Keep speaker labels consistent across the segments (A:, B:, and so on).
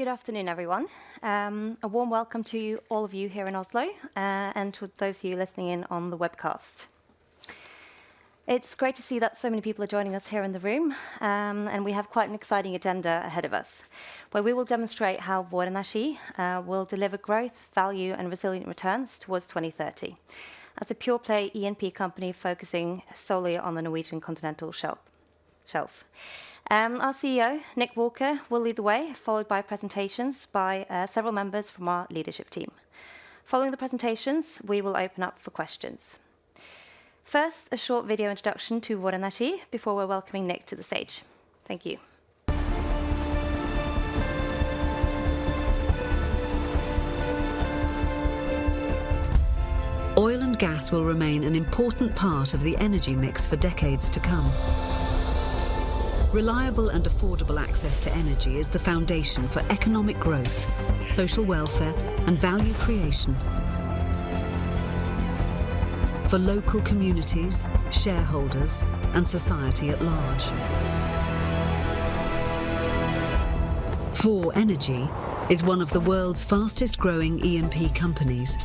A: Good afternoon, everyone. A warm welcome to you all of you here in Oslo, and to those of you listening in on the webcast. It's great to see that so many people are joining us here in the room, and we have quite an exciting agenda ahead of us, where we will demonstrate how Vår Energi will deliver growth, value, and resilient returns towards 2030 as a pure-play E&P company focusing solely on the Norwegian continental shelf. Our CEO, Nick Walker, will lead the way, followed by presentations by several members from our leadership team. Following the presentations, we will open up for questions. First, a short video introduction to Vår Energi before we're welcoming Nick to the stage. Thank you.
B: Oil and gas will remain an important part of the energy mix for decades to come. Reliable and affordable access to energy is the foundation for economic growth, social welfare, and value creation for local communities, shareholders, and society at large. Vår Energi is one of the world's fastest-growing E&P companies.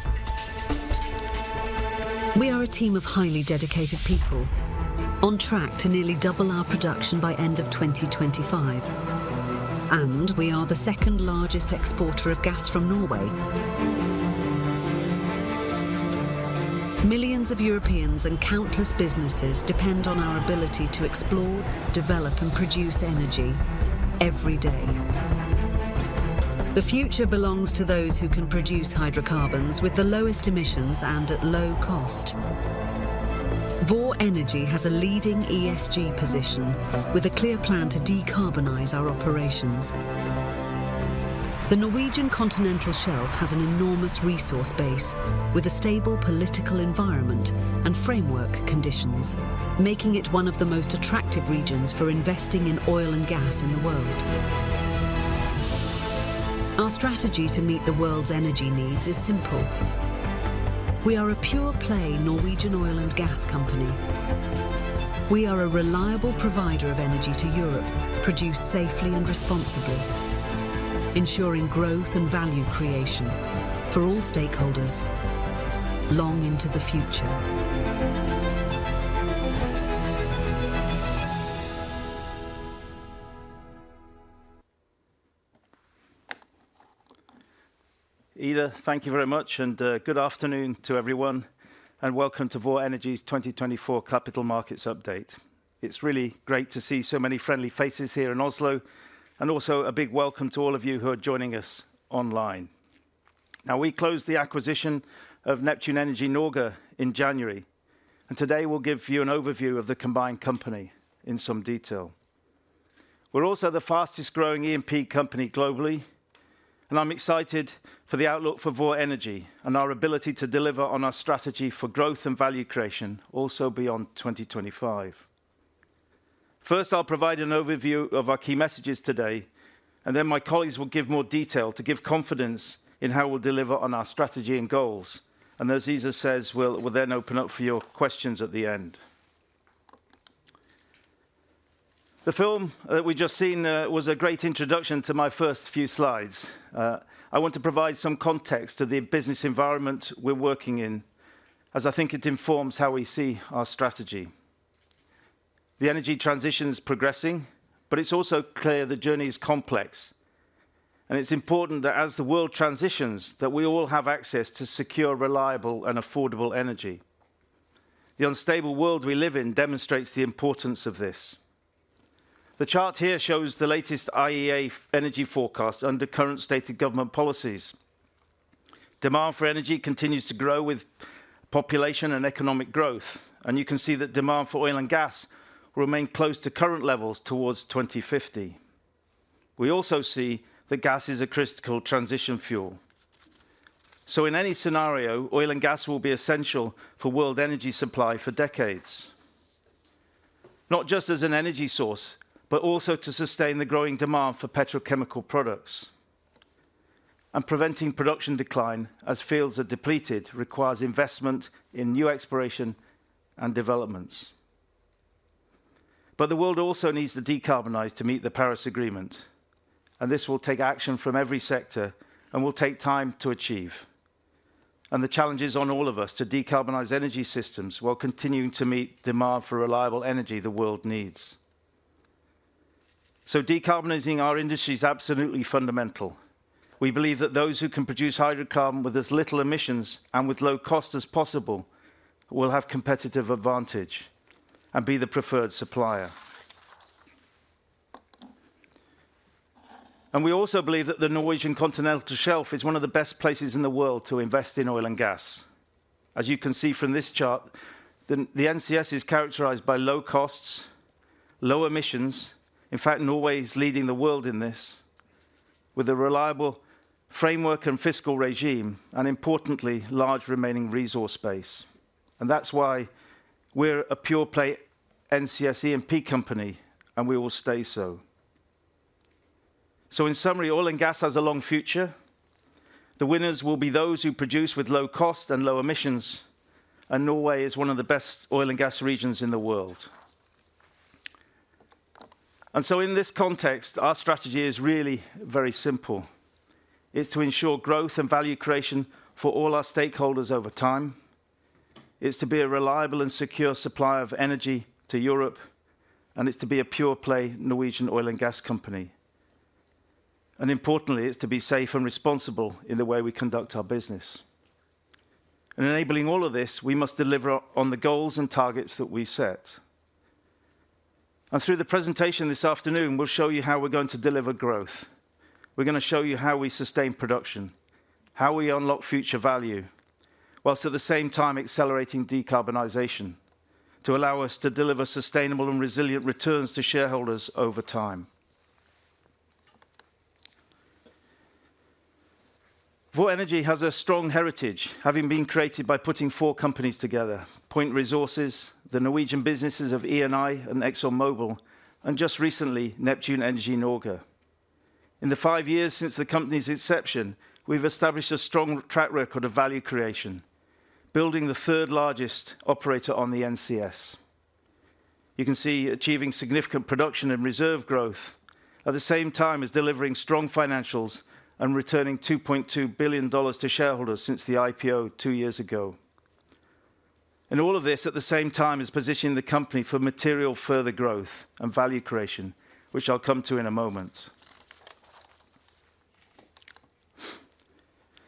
B: We are a team of highly dedicated people, on track to nearly double our production by end of 2025, and we are the second-largest exporter of gas from Norway. Millions of Europeans and countless businesses depend on our ability to explore, develop, and produce energy every day. The future belongs to those who can produce hydrocarbons with the lowest emissions and at low cost. Vår Energi has a leading ESG position with a clear plan to decarbonize our operations. The Norwegian continental shelf has an enormous resource base with a stable political environment and framework conditions, making it one of the most attractive regions for investing in oil and gas in the world. Our strategy to meet the world's energy needs is simple: we are a pure-play Norwegian oil and gas company. We are a reliable provider of energy to Europe, produced safely and responsibly, ensuring growth and value creation for all stakeholders long into the future. Ida, thank you very much, and good afternoon to everyone, and welcome to Vår Energi's 2024 capital markets update. It's really great to see so many friendly faces here in Oslo, and also a big welcome to all of you who are joining us online. Now, we closed the acquisition of Neptune Energy Norge in January, and today we'll give you an overview of the combined company in some detail. We're also the fastest-growing E&P company globally, and I'm excited for the outlook for Vår Energi and our ability to deliver on our strategy for growth and value creation also beyond 2025. First, I'll provide an overview of our key messages today, and then my colleagues will give more detail to give confidence in how we'll deliver on our strategy and goals, and as Ida says, we'll then open up for your questions at the end.
C: The film that we've just seen was a great introduction to my first few slides. I want to provide some context to the business environment we're working in, as I think it informs how we see our strategy. The energy transition's progressing, but it's also clear the journey's complex, and it's important that as the world transitions, that we all have access to secure, reliable, and affordable energy. The unstable world we live in demonstrates the importance of this. The chart here shows the latest IEA energy forecast under current-stated government policies. Demand for energy continues to grow with population and economic growth, and you can see that demand for oil and gas will remain close to current levels towards 2050. We also see that gas is a critical transition fuel. So in any scenario, oil and gas will be essential for world energy supply for decades, not just as an energy source, but also to sustain the growing demand for petrochemical products. Preventing production decline as fields are depleted requires investment in new exploration and developments. But the world also needs to decarbonize to meet the Paris Agreement, and this will take action from every sector and will take time to achieve. The challenge is on all of us to decarbonize energy systems while continuing to meet demand for reliable energy the world needs. Decarbonizing our industry is absolutely fundamental. We believe that those who can produce hydrocarbon with as little emissions and with low cost as possible will have competitive advantage and be the preferred supplier. We also believe that the Norwegian continental shelf is one of the best places in the world to invest in oil and gas. As you can see from this chart, the NCS is characterized by low costs, low emissions, in fact, Norway is leading the world in this, with a reliable framework and fiscal regime, and importantly, large remaining resource base. That's why we're a pure-play NCS E&P company, and we will stay so. In summary, oil and gas has a long future. The winners will be those who produce with low cost and low emissions, and Norway is one of the best oil and gas regions in the world. So in this context, our strategy is really very simple. It's to ensure growth and value creation for all our stakeholders over time. It's to be a reliable and secure supplier of energy to Europe, and it's to be a pure-play Norwegian oil and gas company. Importantly, it's to be safe and responsible in the way we conduct our business. Enabling all of this, we must deliver on the goals and targets that we set. Through the presentation this afternoon, we'll show you how we're going to deliver growth. We're going to show you how we sustain production, how we unlock future value, while at the same time accelerating decarbonization to allow us to deliver sustainable and resilient returns to shareholders over time. Vår Energi has a strong heritage, having been created by putting four companies together: Point Resources, the Norwegian businesses of E&I and ExxonMobil, and just recently, Neptune Energy Norge. In the five years since the company's inception, we've established a strong track record of value creation, building the third-largest operator on the NCS. You can see achieving significant production and reserve growth at the same time as delivering strong financials and returning $2.2 billion to shareholders since the IPO two years ago. And all of this at the same time as positioning the company for material further growth and value creation, which I'll come to in a moment.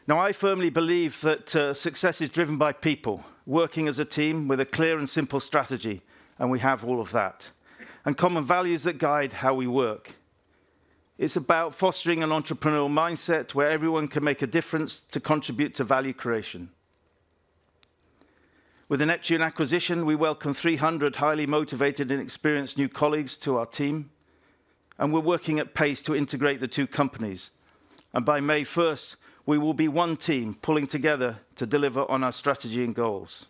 C: Now, I firmly believe that success is driven by people working as a team with a clear and simple strategy, and we have all of that, and common values that guide how we work. It's about fostering an entrepreneurial mindset where everyone can make a difference to contribute to value creation. With the Neptune acquisition, we welcome 300 highly motivated and experienced new colleagues to our team, and we're working at pace to integrate the two companies. By May 1st, we will be one team pulling together to deliver on our strategy and goals.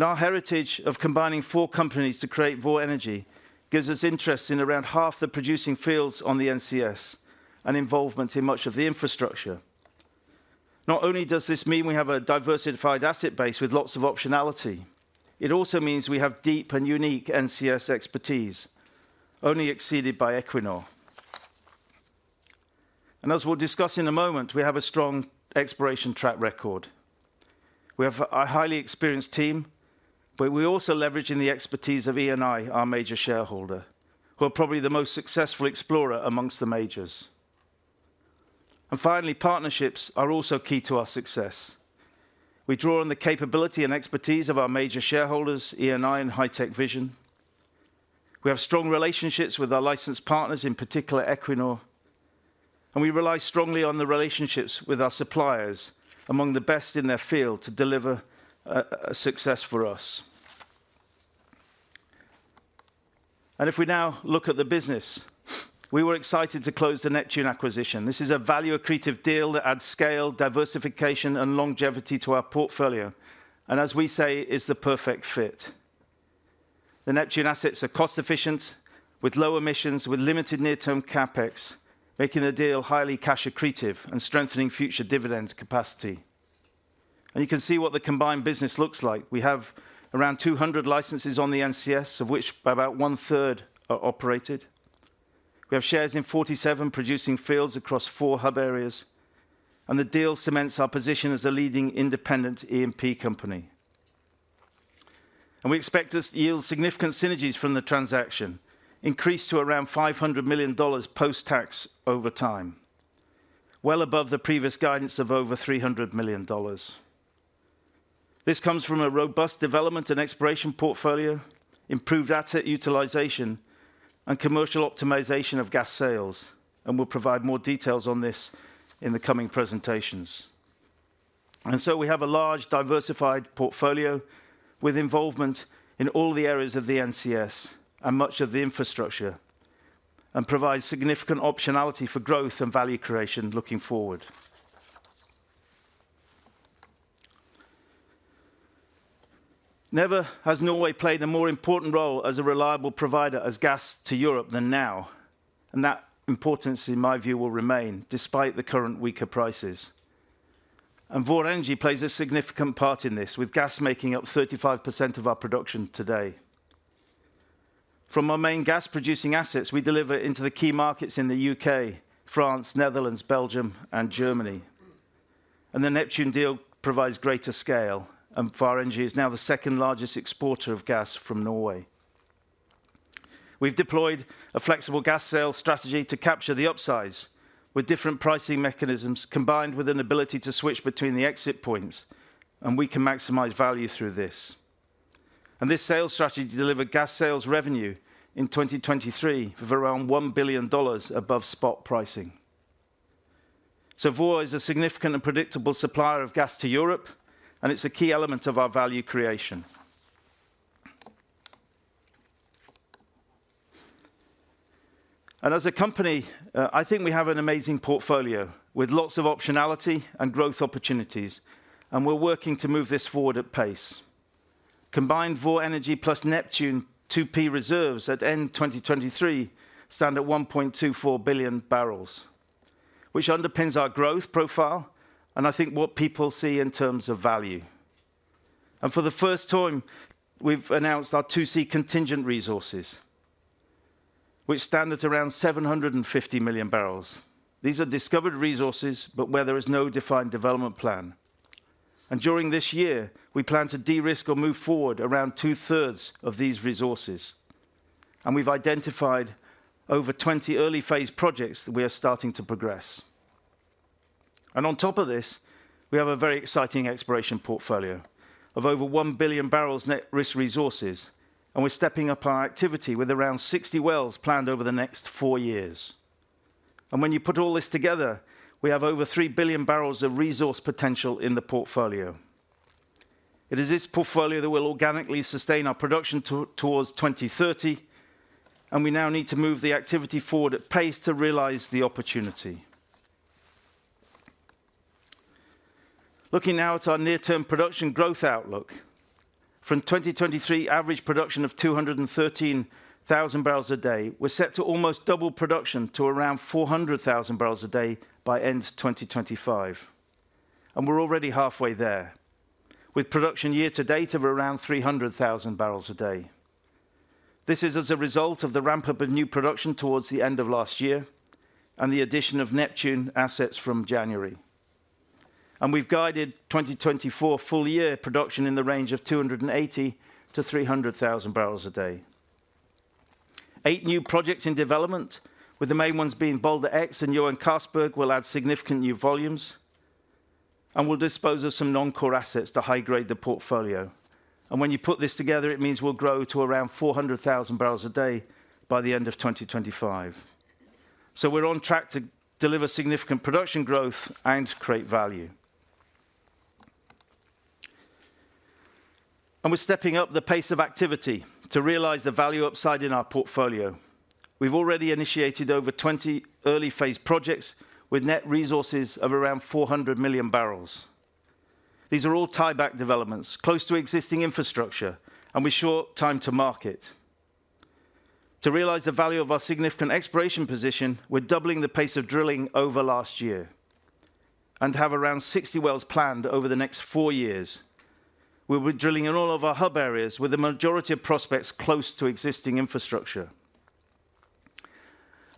C: Our heritage of combining 4 companies to create Vår Energi gives us interest in around half the producing fields on the NCS and involvement in much of the infrastructure. Not only does this mean we have a diversified asset base with lots of optionality, it also means we have deep and unique NCS expertise, only exceeded by Equinor. As we'll discuss in a moment, we have a strong exploration track record. We have a highly experienced team, but we're also leveraging the expertise of E&I, our major shareholder, who are probably the most successful explorer amongst the majors. And finally, partnerships are also key to our success. We draw on the capability and expertise of our major shareholders, E&I, and HitecVision. We have strong relationships with our licensed partners, in particular Equinor, and we rely strongly on the relationships with our suppliers, among the best in their field, to deliver a success for us. And if we now look at the business, we were excited to close the Neptune acquisition. This is a value accretive deal that adds scale, diversification, and longevity to our portfolio, and as we say, is the perfect fit. The Neptune assets are cost-efficient, with low emissions, with limited near-term CapEx, making the deal highly cash-accretive and strengthening future dividend capacity. And you can see what the combined business looks like. We have around 200 licenses on the NCS, of which about one-third are operated. We have shares in 47 producing fields across four hub areas, and the deal cements our position as a leading independent E&P company. We expect to yield significant synergies from the transaction, increased to around $500 million post-tax over time, well above the previous guidance of over $300 million. This comes from a robust development and exploration portfolio, improved asset utilization, and commercial optimization of gas sales, and we'll provide more details on this in the coming presentations. So we have a large, diversified portfolio with involvement in all the areas of the NCS and much of the infrastructure, and provide significant optionality for growth and value creation looking forward. Never has Norway played a more important role as a reliable provider of gas to Europe than now, and that importance, in my view, will remain despite the current weaker prices. Vår Energi plays a significant part in this, with gas making up 35% of our production today. From our main gas-producing assets, we deliver into the key markets in the UK, France, Netherlands, Belgium, and Germany. The Neptune deal provides greater scale, and Vår Energi is now the second-largest exporter of gas from Norway. We've deployed a flexible gas sales strategy to capture the upside, with different pricing mechanisms combined with an ability to switch between the exit points, and we can maximize value through this. This sales strategy delivered gas sales revenue in 2023 of around $1 billion above spot pricing. So Vår is a significant and predictable supplier of gas to Europe, and it's a key element of our value creation. As a company, I think we have an amazing portfolio with lots of optionality and growth opportunities, and we're working to move this forward at pace. Combined Vår Energi plus Neptune 2P reserves at end 2023 stand at 1.24 billion barrels, which underpins our growth profile and I think what people see in terms of value. For the first time, we've announced our 2C contingent resources, which stand at around 750 million barrels. These are discovered resources, but where there is no defined development plan. During this year, we plan to de-risk or move forward around two-thirds of these resources, and we've identified over 20 early-phase projects that we are starting to progress. On top of this, we have a very exciting exploration portfolio of over 1 billion barrels net risked resources, and we're stepping up our activity with around 60 wells planned over the next four years. When you put all this together, we have over 3 billion barrels of resource potential in the portfolio. It is this portfolio that will organically sustain our production towards 2030, and we now need to move the activity forward at pace to realize the opportunity. Looking now at our near-term production growth outlook, from 2023 average production of 213,000 barrels a day, we're set to almost double production to around 400,000 barrels a day by end 2025. We're already halfway there, with production year-to-date of around 300,000 barrels a day. This is as a result of the ramp-up of new production towards the end of last year and the addition of Neptune assets from January. We've guided 2024 full-year production in the range of 280,000-300,000 barrels a day. Eight new projects in development, with the main ones being Balder X and Johan Castberg, will add significant new volumes and will dispose of some non-core assets to high-grade the portfolio. When you put this together, it means we'll grow to around 400,000 barrels a day by the end of 2025. We're on track to deliver significant production growth and create value. We're stepping up the pace of activity to realize the value upside in our portfolio. We've already initiated over 20 early-phase projects with net resources of around 400 million barrels. These are all tie-back developments, close to existing infrastructure, and with short time to market. To realize the value of our significant exploration position, we're doubling the pace of drilling over last year and have around 60 wells planned over the next four years. We'll be drilling in all of our hub areas with the majority of prospects close to existing infrastructure.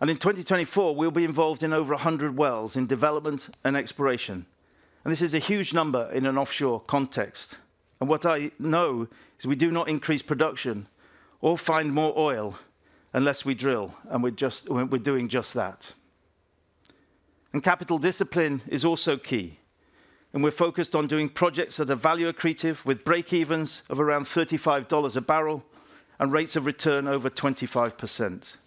C: In 2024, we'll be involved in over 100 wells in development and exploration. This is a huge number in an offshore context. What I know is we do not increase production or find more oil unless we drill, and we're doing just that. Capital discipline is also key. We're focused on doing projects that are value accretive with break-evens of around $35 a barrel and rates of return over 25%.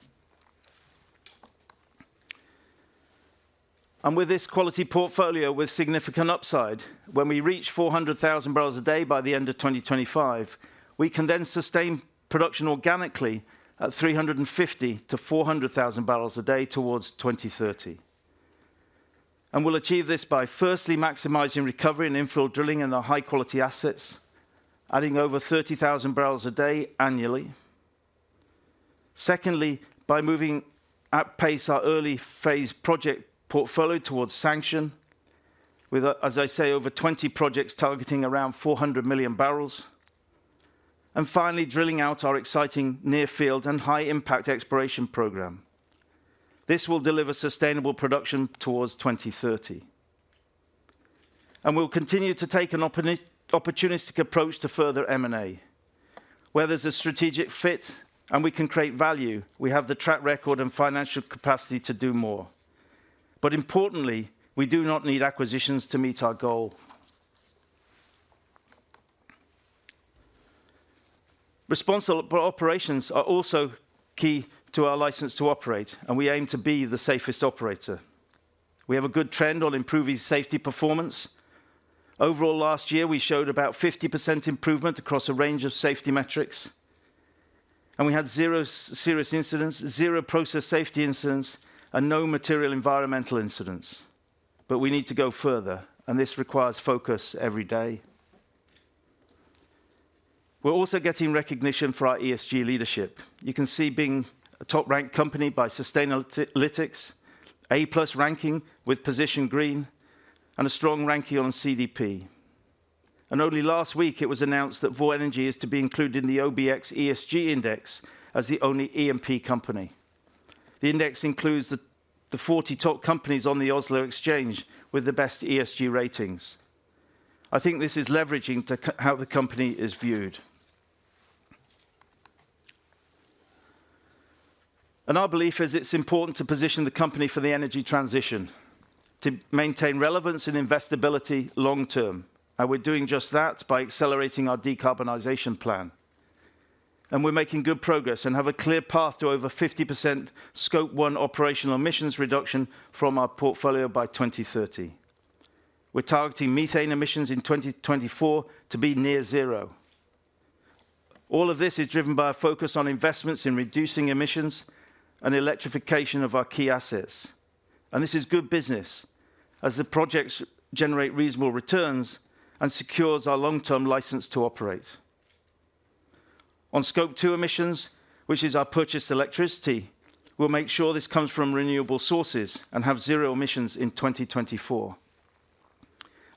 C: With this quality portfolio with significant upside, when we reach 400,000 barrels a day by the end of 2025, we can then sustain production organically at 350,000 to 400,000 barrels a day towards 2030. We'll achieve this by firstly maximizing recovery and infill drilling in our high-quality assets, adding over 30,000 barrels a day annually. Secondly, by moving at pace our early-phase project portfolio towards sanction, with, as I say, over 20 projects targeting around 400 million barrels. Finally, drilling out our exciting near-field and high-impact exploration program. This will deliver sustainable production towards 2030. We'll continue to take an opportunistic approach to further M&A. Where there's a strategic fit and we can create value, we have the track record and financial capacity to do more. Importantly, we do not need acquisitions to meet our goal. Responsible operations are also key to our license to operate, and we aim to be the safest operator. We have a good trend on improving safety performance. Overall, last year, we showed about 50% improvement across a range of safety metrics. And we had zero serious incidents, zero process safety incidents, and no material environmental incidents. But we need to go further, and this requires focus every day. We're also getting recognition for our ESG leadership. You can see being a top-ranked company by Sustainalytics, A-plus ranking with Position Green, and a strong ranking on CDP. And only last week, it was announced that Vår Energi is to be included in the OBX ESG Index as the only E&P company. The index includes the 40 top companies on the Oslo Exchange with the best ESG ratings. I think this is leveraging how the company is viewed. Our belief is it's important to position the company for the energy transition, to maintain relevance and investability long-term. We're doing just that by accelerating our decarbonization plan. We're making good progress and have a clear path to over 50% Scope 1 operational emissions reduction from our portfolio by 2030. We're targeting methane emissions in 2024 to be near zero. All of this is driven by a focus on investments in reducing emissions and electrification of our key assets. This is good business, as the projects generate reasonable returns and secure our long-term license to operate. On Scope 2 emissions, which is our purchased electricity, we'll make sure this comes from renewable sources and have zero emissions in 2024.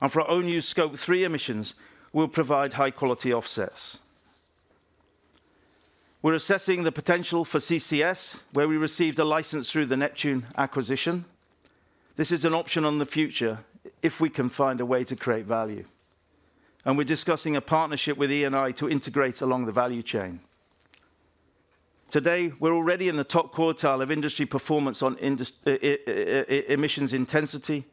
C: For our own use Scope 3 emissions, we'll provide high-quality offsets. We're assessing the potential for CCS, where we received a license through the Neptune acquisition. This is an option on the future if we can find a way to create value. We're discussing a partnership with E&I to integrate along the value chain. Today, we're already in the top quartile of industry performance on emissions intensity,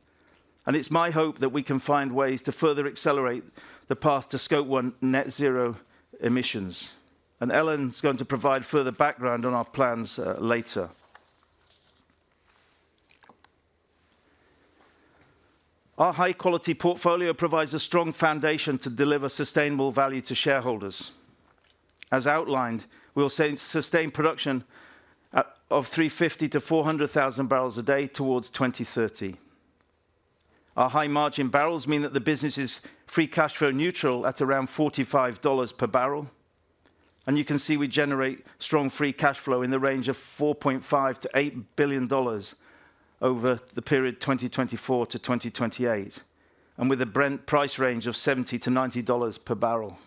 C: and it's my hope that we can find ways to further accelerate the path to Scope 1 net zero emissions. Ellen's going to provide further background on our plans later. Our high-quality portfolio provides a strong foundation to deliver sustainable value to shareholders. As outlined, we'll sustain production of 350,000-400,000 barrels a day towards 2030. Our high margin barrels mean that the business is free cash flow neutral at around $45 per barrel. You can see we generate strong free cash flow in the range of $4.5 billion to $8 billion over the period 2024 to 2028, and with a price range of $70 to $90 per barrel.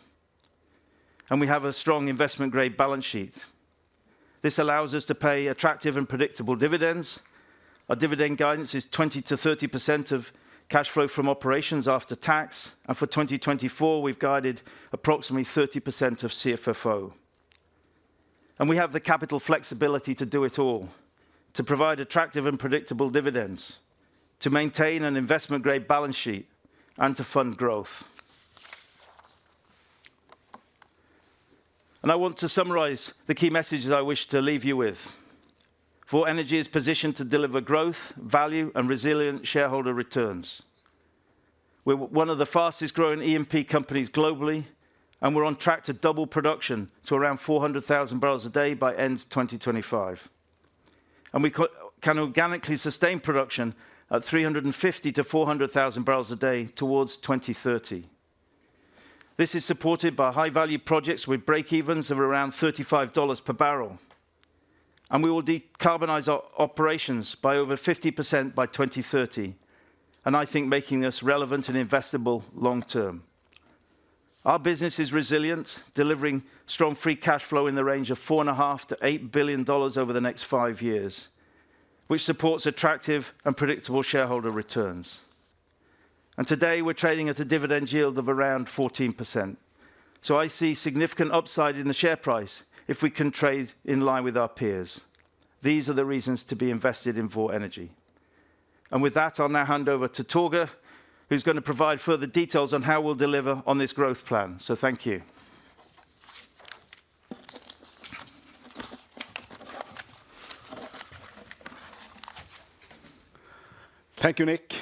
C: We have a strong investment-grade balance sheet. This allows us to pay attractive and predictable dividends. Our dividend guidance is 20%-30% of cash flow from operations after tax, and for 2024, we've guided approximately 30% of CFFO. We have the capital flexibility to do it all, to provide attractive and predictable dividends, to maintain an investment-grade balance sheet, and to fund growth. I want to summarize the key messages I wish to leave you with. Vår Energi is positioned to deliver growth, value, and resilient shareholder returns. We're one of the fastest-growing E&P companies globally, and we're on track to double production to around 400,000 barrels a day by end 2025. We can organically sustain production at 350,000 to 400,000 barrels a day towards 2030. This is supported by high-value projects with break-evens of around $35 per barrel. We will decarbonize our operations by over 50% by 2030, and I think making this relevant and investable long-term. Our business is resilient, delivering strong free cash flow in the range of $4.5 to $8 billion over the next five years, which supports attractive and predictable shareholder returns. Today, we're trading at a dividend yield of around 14%. So I see significant upside in the share price if we can trade in line with our peers. These are the reasons to be invested in Vår Energi. And with that, I'll now hand over to Torger, who's going to provide further details on how we'll deliver on this growth plan. So thank you. Thank you.
D: Nick.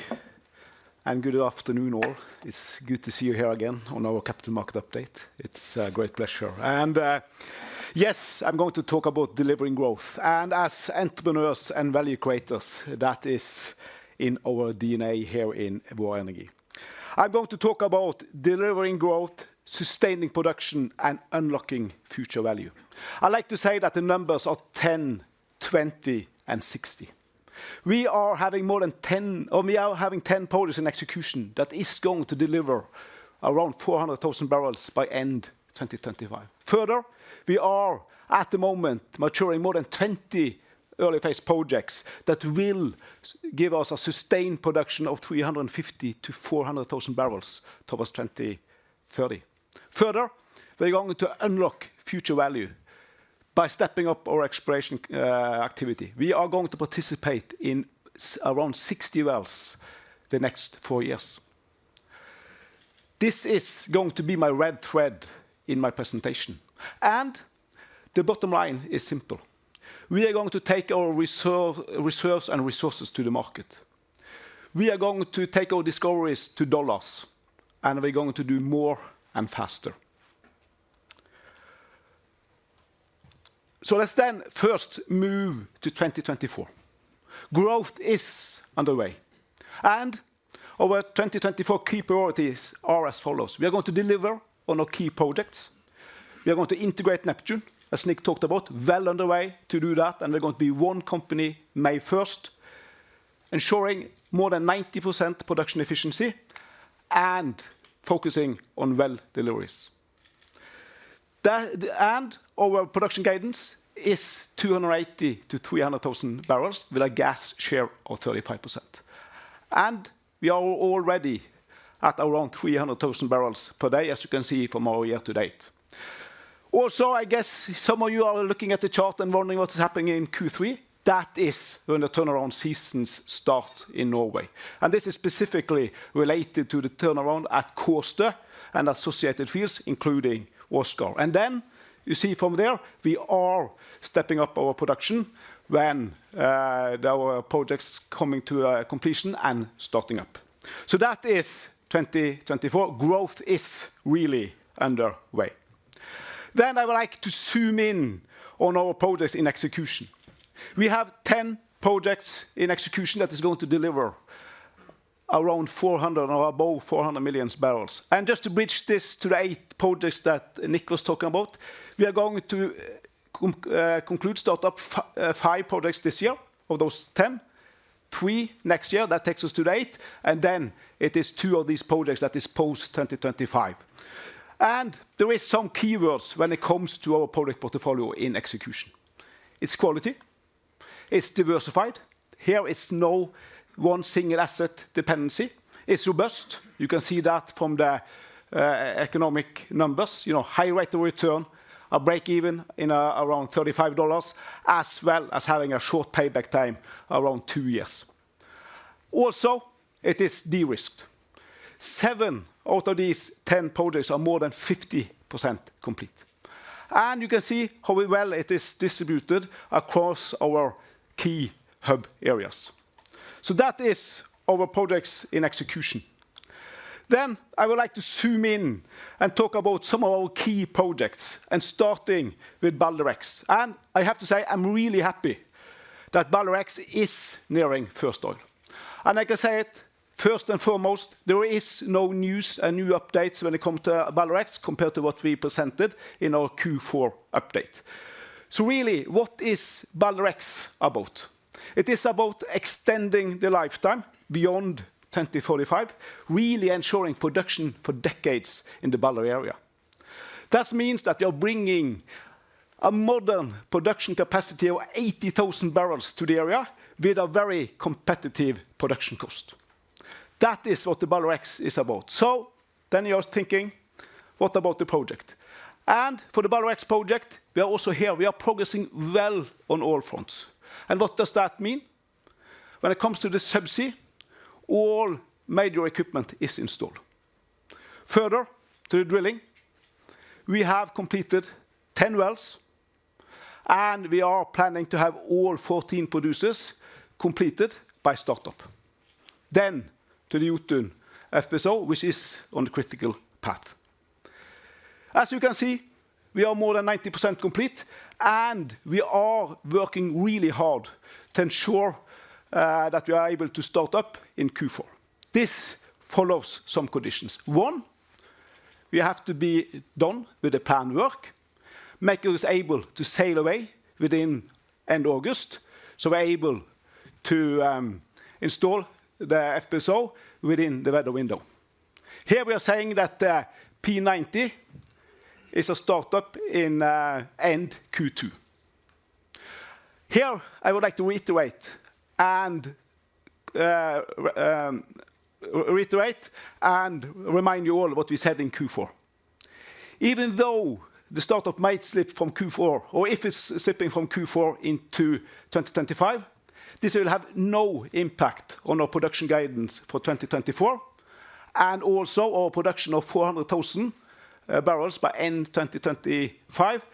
D: And good afternoon, all. It's good to see you here again on our capital market update. It's a great pleasure. And, yes, I'm going to talk about delivering growth. And as entrepreneurs and value creators, that is in our DNA here in Vår Energi. I'm going to talk about delivering growth, sustaining production, and unlocking future value. I like to say that the numbers are 10, 20, and 60. We are having more than 10, or we are having 10 projects in execution that are going to deliver around 400,000 barrels by end 2025. Further, we are at the moment maturing more than 20 early-phase projects that will give us a sustained production of 350,000-400,000 barrels towards 2030. Further, we're going to unlock future value by stepping up our exploration activity. We are going to participate in around 60 wells the next four years. This is going to be my red thread in my presentation. The bottom line is simple. We are going to take our reserves and resources to the market. We are going to take our discoveries to dollars, and we're going to do more and faster. Let's then first move to 2024. Growth is underway. Our 2024 key priorities are as follows. We are going to deliver on our key projects. We are going to integrate Neptune, as Nick talked about, well underway to do that, and we're going to be one company May 1st, ensuring more than 90% production efficiency and focusing on well deliveries. Our production guidance is 280,000 to 300,000 barrels with a gas share of 35%. We are already at around 300,000 barrels per day, as you can see from our year-to-date. Also, I guess some of you are looking at the chart and wondering what's happening in Q3. That is when the turnaround season starts in Norway. And this is specifically related to the turnaround at Kårstø and associated fields, including Åsgard. And then you see from there, we are stepping up our production when our projects are coming to completion and starting up. So that is 2024. Growth is really underway. Then I would like to zoom in on our projects in execution. We have 10 projects in execution that are going to deliver around 400,000 or above 400 million barrels. And just to bridge this to the eight projects that Nick was talking about, we are going to conclude, start up five projects this year of those 10, three next year. That takes us to the 8. And then it is 2 of these projects that are post-2025. And there are some keywords when it comes to our product portfolio in execution. It's quality. It's diversified. Here, it's no one single asset dependency. It's robust. You can see that from the economic numbers. You know, high rate of return, a break-even in around $35, as well as having a short payback time around 2 years. Also, it is de-risked. 7 out of these 10 projects are more than 50% complete. And you can see how well it is distributed across our key hub areas. So that is our projects in execution. Then I would like to zoom in and talk about some of our key projects, starting with Balder X. And I have to say, I'm really happy that Balder X is nearing first oil. I can say it first and foremost, there is no news and new updates when it comes to Balder X compared to what we presented in our Q4 update. So really, what is Balder X about? It is about extending the lifetime beyond 2045, really ensuring production for decades in the Balder area. That means that you're bringing a modern production capacity of 80,000 barrels to the area with a very competitive production cost. That is what the Balder X is about. So then you're thinking, what about the project? And for the Balder X project, we are also here. We are progressing well on all fronts. And what does that mean? When it comes to the subsea, all major equipment is installed. Further, to the drilling, we have completed 10 wells, and we are planning to have all 14 producers completed by startup. Then to the Jotun FSO, which is on the critical path. As you can see, we are more than 90% complete, and we are working really hard to ensure that we are able to start up in Q4. This follows some conditions. One, we have to be done with the planned work, make us able to sail away within end August so we're able to, install the FSO within the weather window. Here, we are saying that the P90 is a startup in end Q2. Here, I would like to reiterate and remind you all what we said in Q4. Even though the startup might slip from Q4, or if it's slipping from Q4 into 2025, this will have no impact on our production guidance for 2024. And also, our production of 400,000 barrels by end 2025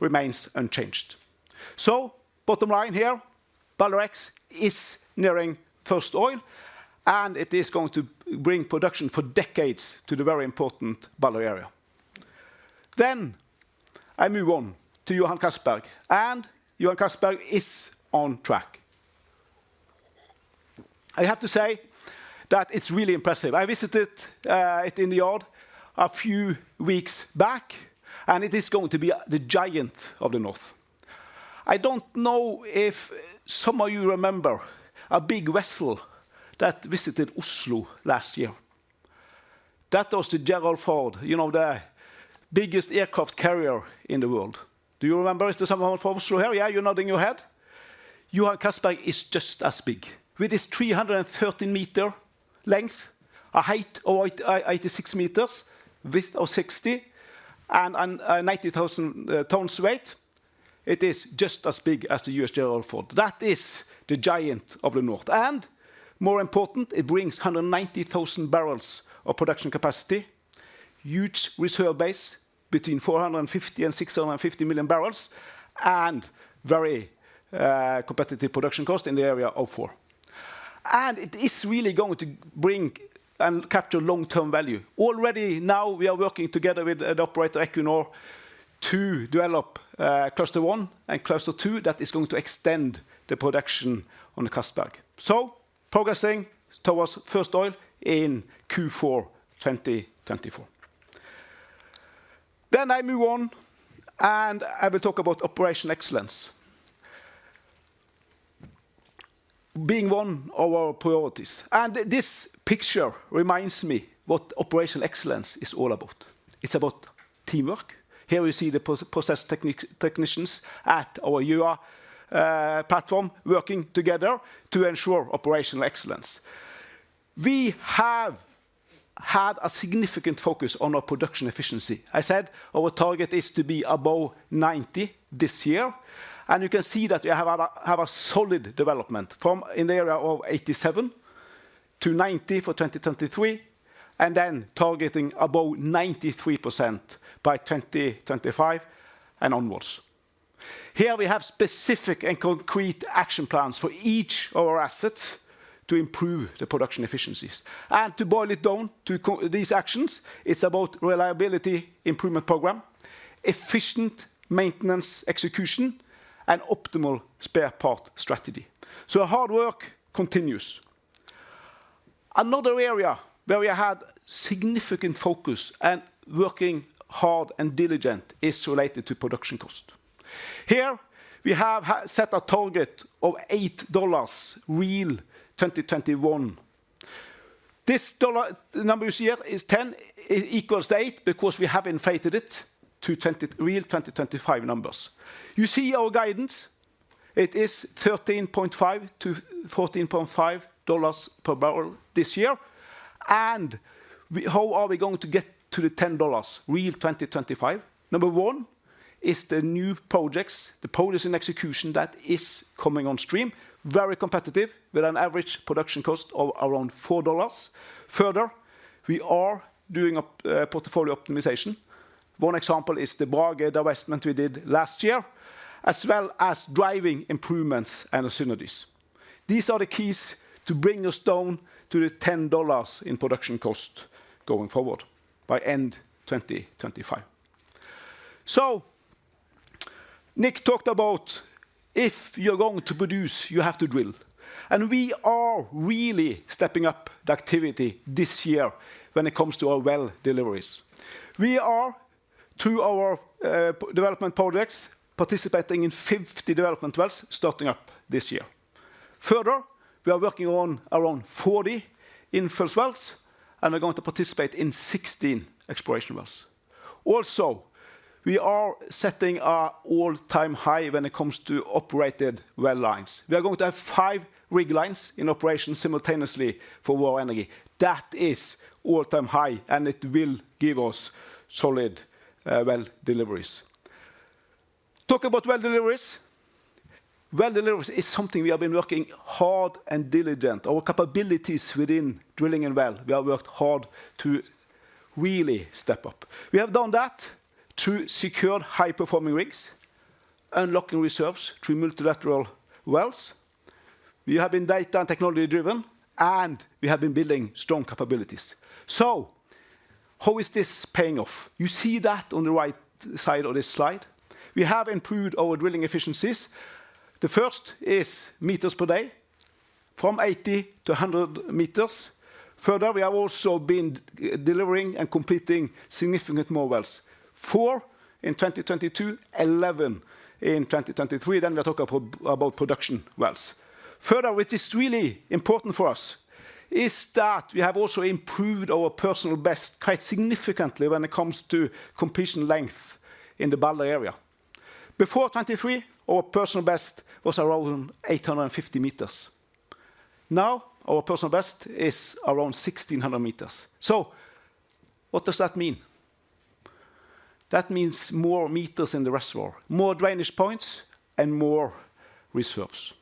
D: remains unchanged. So bottom line here, Balder X is nearing first oil, and it is going to bring production for decades to the very important Balder area. Then I move on to Johan Castberg, and Johan Castberg is on track. I have to say that it's really impressive. I visited it in the yard a few weeks back, and it is going to be the giant of the north. I don't know if some of you remember a big vessel that visited Oslo last year. That was the Gerald Ford, you know, the biggest aircraft carrier in the world. Do you remember? Is there someone from Oslo here? Yeah? You're nodding your head. Johan Castberg is just as big, with its 313 meters length, a height of 86 meters, width of 60, and a 90,000 tons weight. It is just as big as the U.S. Gerald Ford. That is the giant of the north. More important, it brings 190,000 barrels of production capacity, a huge reserve base between 450-650 million barrels, and very competitive production costs in the area of $4. And it is really going to bring and capture long-term value. Already now, we are working together with the operator Equinor to develop Cluster One and Cluster Two that are going to extend the production on the Castberg. Progressing towards first oil in Q4 2024. I move on, and I will talk about operational excellence, being one of our priorities. This picture reminds me what operational excellence is all about. It's about teamwork. Here you see the process technicians at our Gjøa platform working together to ensure operational excellence. We have had a significant focus on our production efficiency. I said our target is to be above 90% this year. You can see that we have a solid development from in the area of 87% to 90% for 2023, and then targeting above 93% by 2025 and onwards. Here we have specific and concrete action plans for each of our assets to improve the production efficiencies. To boil it down to these actions, it's about reliability improvement program, efficient maintenance execution, and optimal spare part strategy. Hard work continues. Another area where we had significant focus and working hard and diligent is related to production cost. Here, we have set a target of $8 real 2021. This number you see here is 10, equals to 8 because we have inflated it to real 2025 numbers. You see our guidance. It is $13.5 to $14.5 per barrel this year. How are we going to get to the $10 real 2025? Number one is the new projects, the projects in execution that are coming on stream, very competitive with an average production cost of around $4. Further, we are doing a portfolio optimization. One example is the Brage investment we did last year, as well as driving improvements and synergies. These are the keys to bring us down to the $10 in production cost going forward by end 2025. So Nick talked about if you're going to produce, you have to drill. And we are really stepping up the activity this year when it comes to our well deliveries. We are, through our development projects, participating in 50 development wells starting up this year. Further, we are working on around 40 infills wells, and we're going to participate in 16 exploration wells. Also, we are setting an all-time high when it comes to operated well lines. We are going to have 5 rig lines in operation simultaneously for Vår Energi. That is an all-time high, and it will give us solid well deliveries. Talking about well deliveries, well deliveries is something we have been working hard and diligently on. Our capabilities within drilling and well, we have worked hard to really step up. We have done that through secured high-performing rigs, unlocking reserves through multilateral wells. We have been data and technology-driven, and we have been building strong capabilities. So how is this paying off? You see that on the right side of this slide. We have improved our drilling efficiencies. The first is meters per day, from 80-100 meters. Further, we have also been delivering and completing significant more wells. 4 in 2022, 11 in 2023. Then we are talking about production wells. Further, what is really important for us is that we have also improved our personal best quite significantly when it comes to completion length in the Balder area. Before 2023, our personal best was around 850 meters. Now, our personal best is around 1,600 meters. So what does that mean? That means more meters in the reservoir, more drainage points, and more reserves.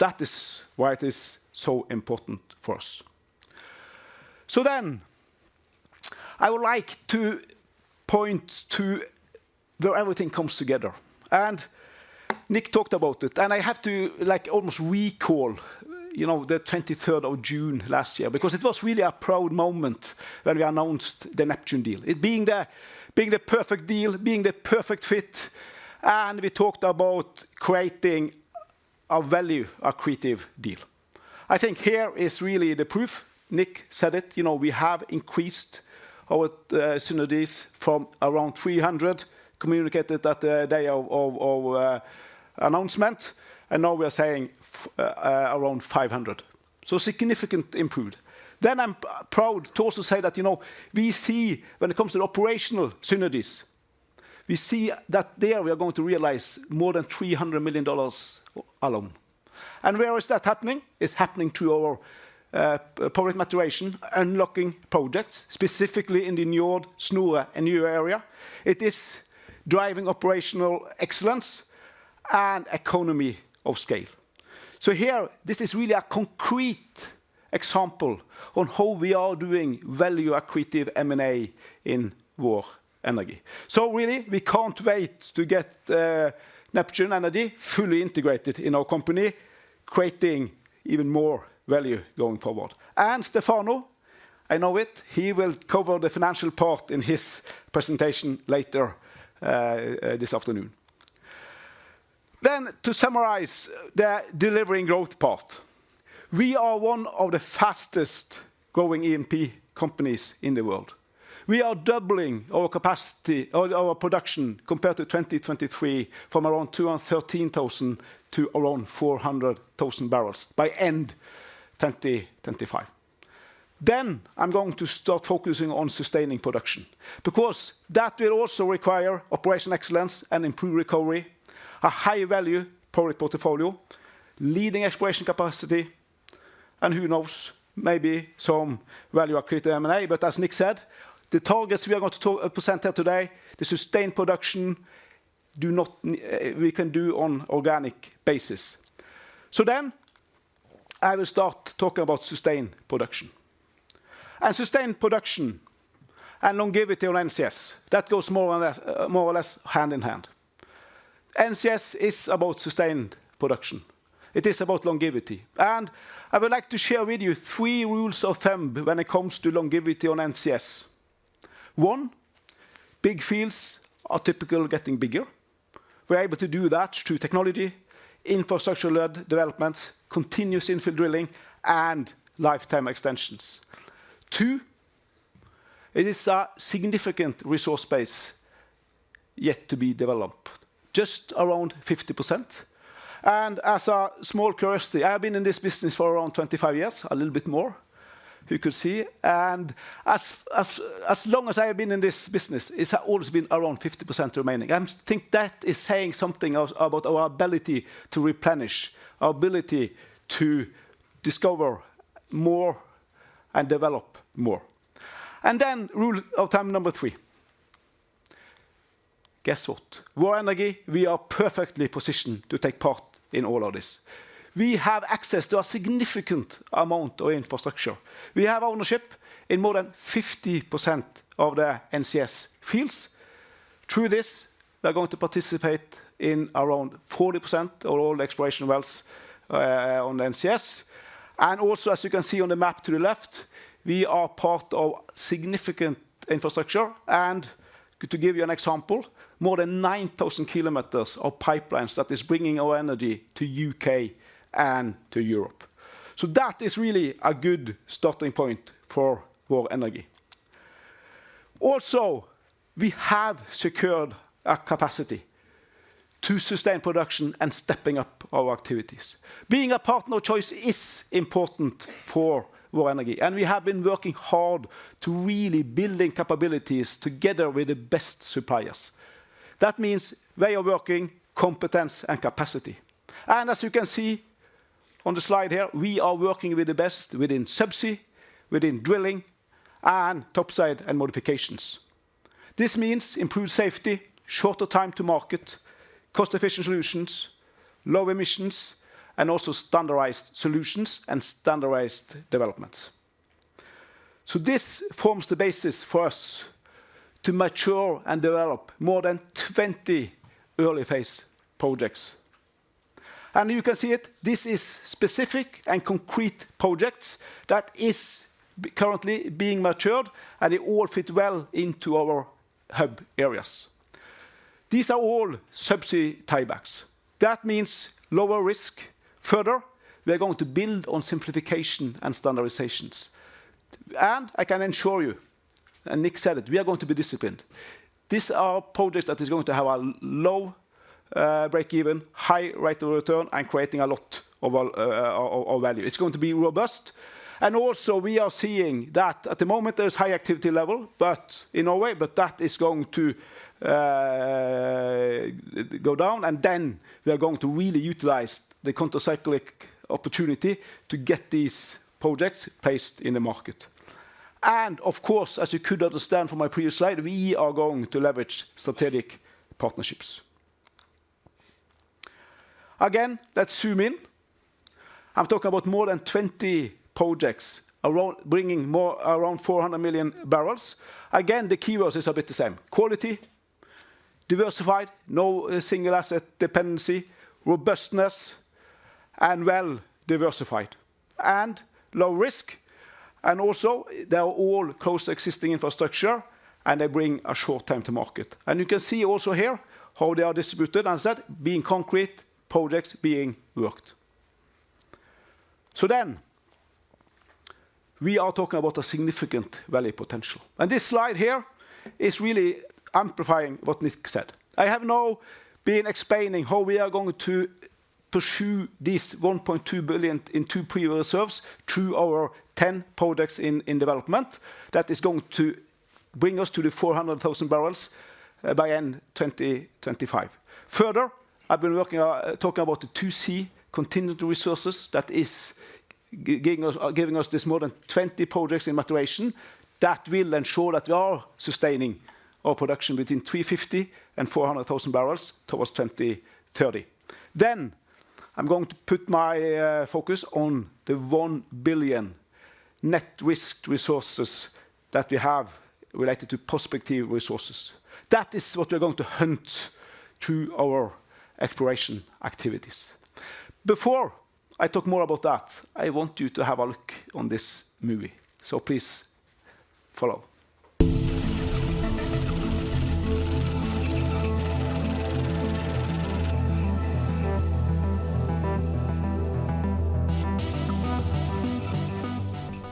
D: That is why it is so important for us. So then I would like to point to where everything comes together. And Nick talked about it. And I have to like almost recall, you know, the 23rd of June last year because it was really a proud moment when we announced the Neptune deal. It being the perfect deal, being the perfect fit. And we talked about creating a value, a creative deal. I think here is really the proof. Nick said it. You know, we have increased our synergies from around 300, communicated at the day of our announcement. And now we are saying, around 500. So significant improvement. Then I'm proud to also say that, you know, we see when it comes to the operational synergies, we see that there we are going to realize more than $300 million alone. And where is that happening? It's happening through our project maturation, unlocking projects, specifically in the Njord, Snorre, and Njord area. It is driving operational excellence and economy of scale. So here, this is really a concrete example on how we are doing value-accretive M&A in Vår Energi. So really, we can't wait to get Neptune Energy fully integrated in our company, creating even more value going forward. And Stefano, I know it, he will cover the financial part in his presentation later, this afternoon. Then, to summarize the delivering growth part, we are one of the fastest-growing E&P companies in the world. We are doubling our capacity, our production, compared to 2023 from around 213,000 to around 400,000 barrels by end 2025. Then I'm going to start focusing on sustaining production because that will also require operational excellence and improved recovery, a high-value project portfolio, leading exploration capacity, and who knows, maybe some value-accretive M&A. But as Nick said, the targets we are going to present here today, the sustained production, do not, we can do on an organic basis. So then I will start talking about sustained production. And sustained production and longevity on NCS, that goes more or less hand in hand. NCS is about sustained production. It is about longevity. And I would like to share with you three rules of thumb when it comes to longevity on NCS. 1, big fields are typically getting bigger. We're able to do that through technology, infrastructure-led developments, continuous infill drilling, and lifetime extensions. 2, it is a significant resource base yet to be developed, just around 50%. And as a small curiosity, I have been in this business for around 25 years, a little bit more, you could see. And as long as I have been in this business, it's always been around 50% remaining. I think that is saying something about our ability to replenish, our ability to discover more and develop more. And then rule of thumb number 3. Guess what? Vår Energi, we are perfectly positioned to take part in all of this. We have access to a significant amount of infrastructure. We have ownership in more than 50% of the NCS fields. Through this, we are going to participate in around 40% of all the exploration wells on the NCS. And also, as you can see on the map to the left, we are part of significant infrastructure. And to give you an example, more than 9,000 kilometers of pipelines that are bringing our energy to the UK and to Europe. So that is really a good starting point for Vår Energi. Also, we have secured a capacity to sustain production and stepping up our activities. Being a partner of choice is important for Vår Energi. And we have been working hard to really build capabilities together with the best suppliers. That means way of working, competence, and capacity. And as you can see on the slide here, we are working with the best within subsea, within drilling, and topside and modifications. This means improved safety, shorter time to market, cost-efficient solutions, low emissions, and also standardized solutions and standardized developments. So this forms the basis for us to mature and develop more than 20 early-phase projects. And you can see it. This is specific and concrete projects that are currently being matured, and they all fit well into our hub areas. These are all subsea tie-backs. That means lower risk. Further, we are going to build on simplification and standardizations. And I can ensure you, and Nick said it, we are going to be disciplined. This is a project that is going to have a low break-even, high rate of return, and creating a lot of value. It's going to be robust. And also, we are seeing that at the moment, there is a high activity level in Norway, but that is going to go down. Then we are going to really utilize the counter-cyclical opportunity to get these projects placed in the market. Of course, as you could understand from my previous slide, we are going to leverage strategic partnerships. Again, let's zoom in. I'm talking about more than 20 projects around bringing more around 400 million barrels. Again, the keywords are a bit the same: quality, diversified, no single asset dependency, robustness, and well-diversified, and low risk. Also, they are all close to existing infrastructure, and they bring a short time to market. You can see also here how they are distributed. As I said, being concrete, projects being worked. Then we are talking about a significant value potential. This slide here is really amplifying what Nick said.
C: I have now been explaining how we are going to pursue these 1.2 billion 2P reserves through our 10 projects in development that are going to bring us to the 400,000 barrels by end 2025. Further, I've been talking about the 2C contingent resources that are giving us these more than 20 projects in maturation that will ensure that we are sustaining our production between 350,000-400,000 barrels toward 2030. Then I'm going to put my focus on the 1 billion net risked resources that we have related to prospective resources. That is what we are going to hunt through our exploration activities. Before I talk more about that, I want you to have a look on this movie. So please follow.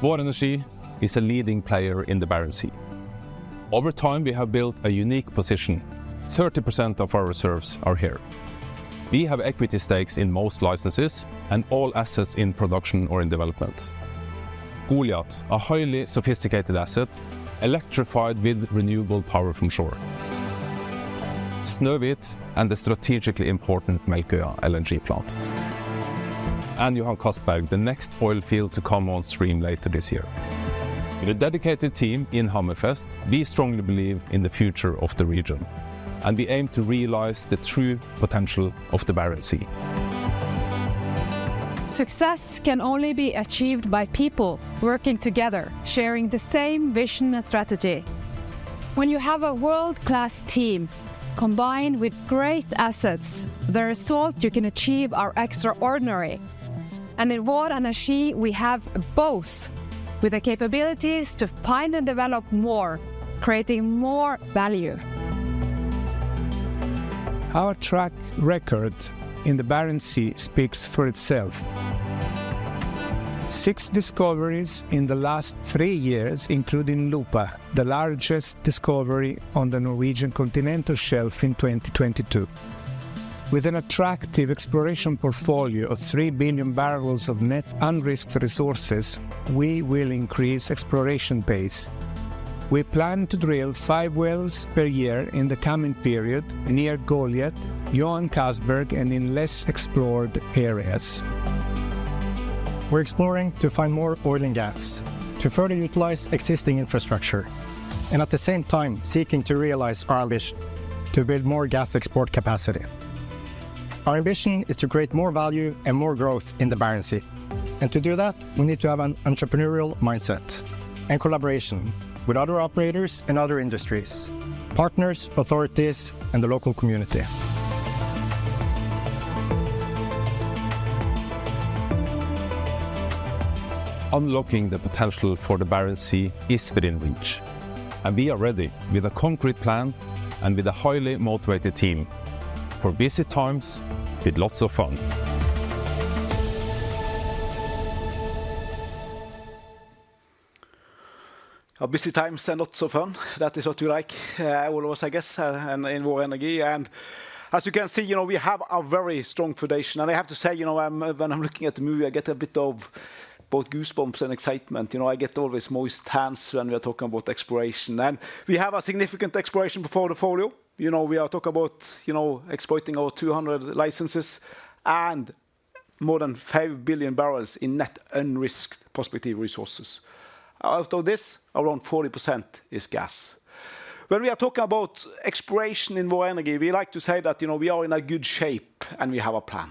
B: Vår Energi is a leading player in the Barents Sea. Over time, we have built a unique position. 30% of our reserves are here. We have equity stakes in most licenses and all assets in production or in development. Goliat, a highly sophisticated asset, electrified with renewable power from shore. Snøhvit and the strategically important Melkøya LNG plant. Johan Castberg, the next oil field to come on stream later this year. With a dedicated team in Hammerfest, we strongly believe in the future of the region. We aim to realize the true potential of the Barents Sea. Success can only be achieved by people working together, sharing the same vision and strategy. When you have a world-class team combined with great assets, the result you can achieve is extraordinary. In Vår Energi, we have both, with the capabilities to find and develop more, creating more value. Our track record in the Barents Sea speaks for itself. 6 discoveries in the last 3 years, including Lupa, the largest discovery on the Norwegian continental shelf in 2022. With an attractive exploration portfolio of 3 billion barrels of net unrisked resources, we will increase the exploration pace. We plan to drill 5 wells per year in the coming period near Goliat, Johan Castberg, and in less explored areas. We're exploring to find more oil and gas, to further utilize existing infrastructure, and at the same time, seeking to realize our ambition to build more gas export capacity. Our ambition is to create more value and more growth in the Barents Sea. And to do that, we need to have an entrepreneurial mindset and collaboration with other operators and other industries, partners, authorities, and the local community. Unlocking the potential for the Barents Sea is within reach. We are ready with a concrete plan and with a highly motivated team for busy times with lots of fun.
D: Busy times and lots of fun. That is what you like, all of us, I guess, in Vår Energi. As you can see, we have a very strong foundation. I have to say, when I'm looking at the movie, I get a bit of both goosebumps and excitement. I get always moist hands when we are talking about exploration. We have a significant exploration portfolio. We are talking about exploiting our 200 licenses and more than 5 billion barrels in net unrisked prospective resources. Out of this, around 40% is gas. When we are talking about exploration in Vår Energi, we like to say that we are in good shape and we have a plan.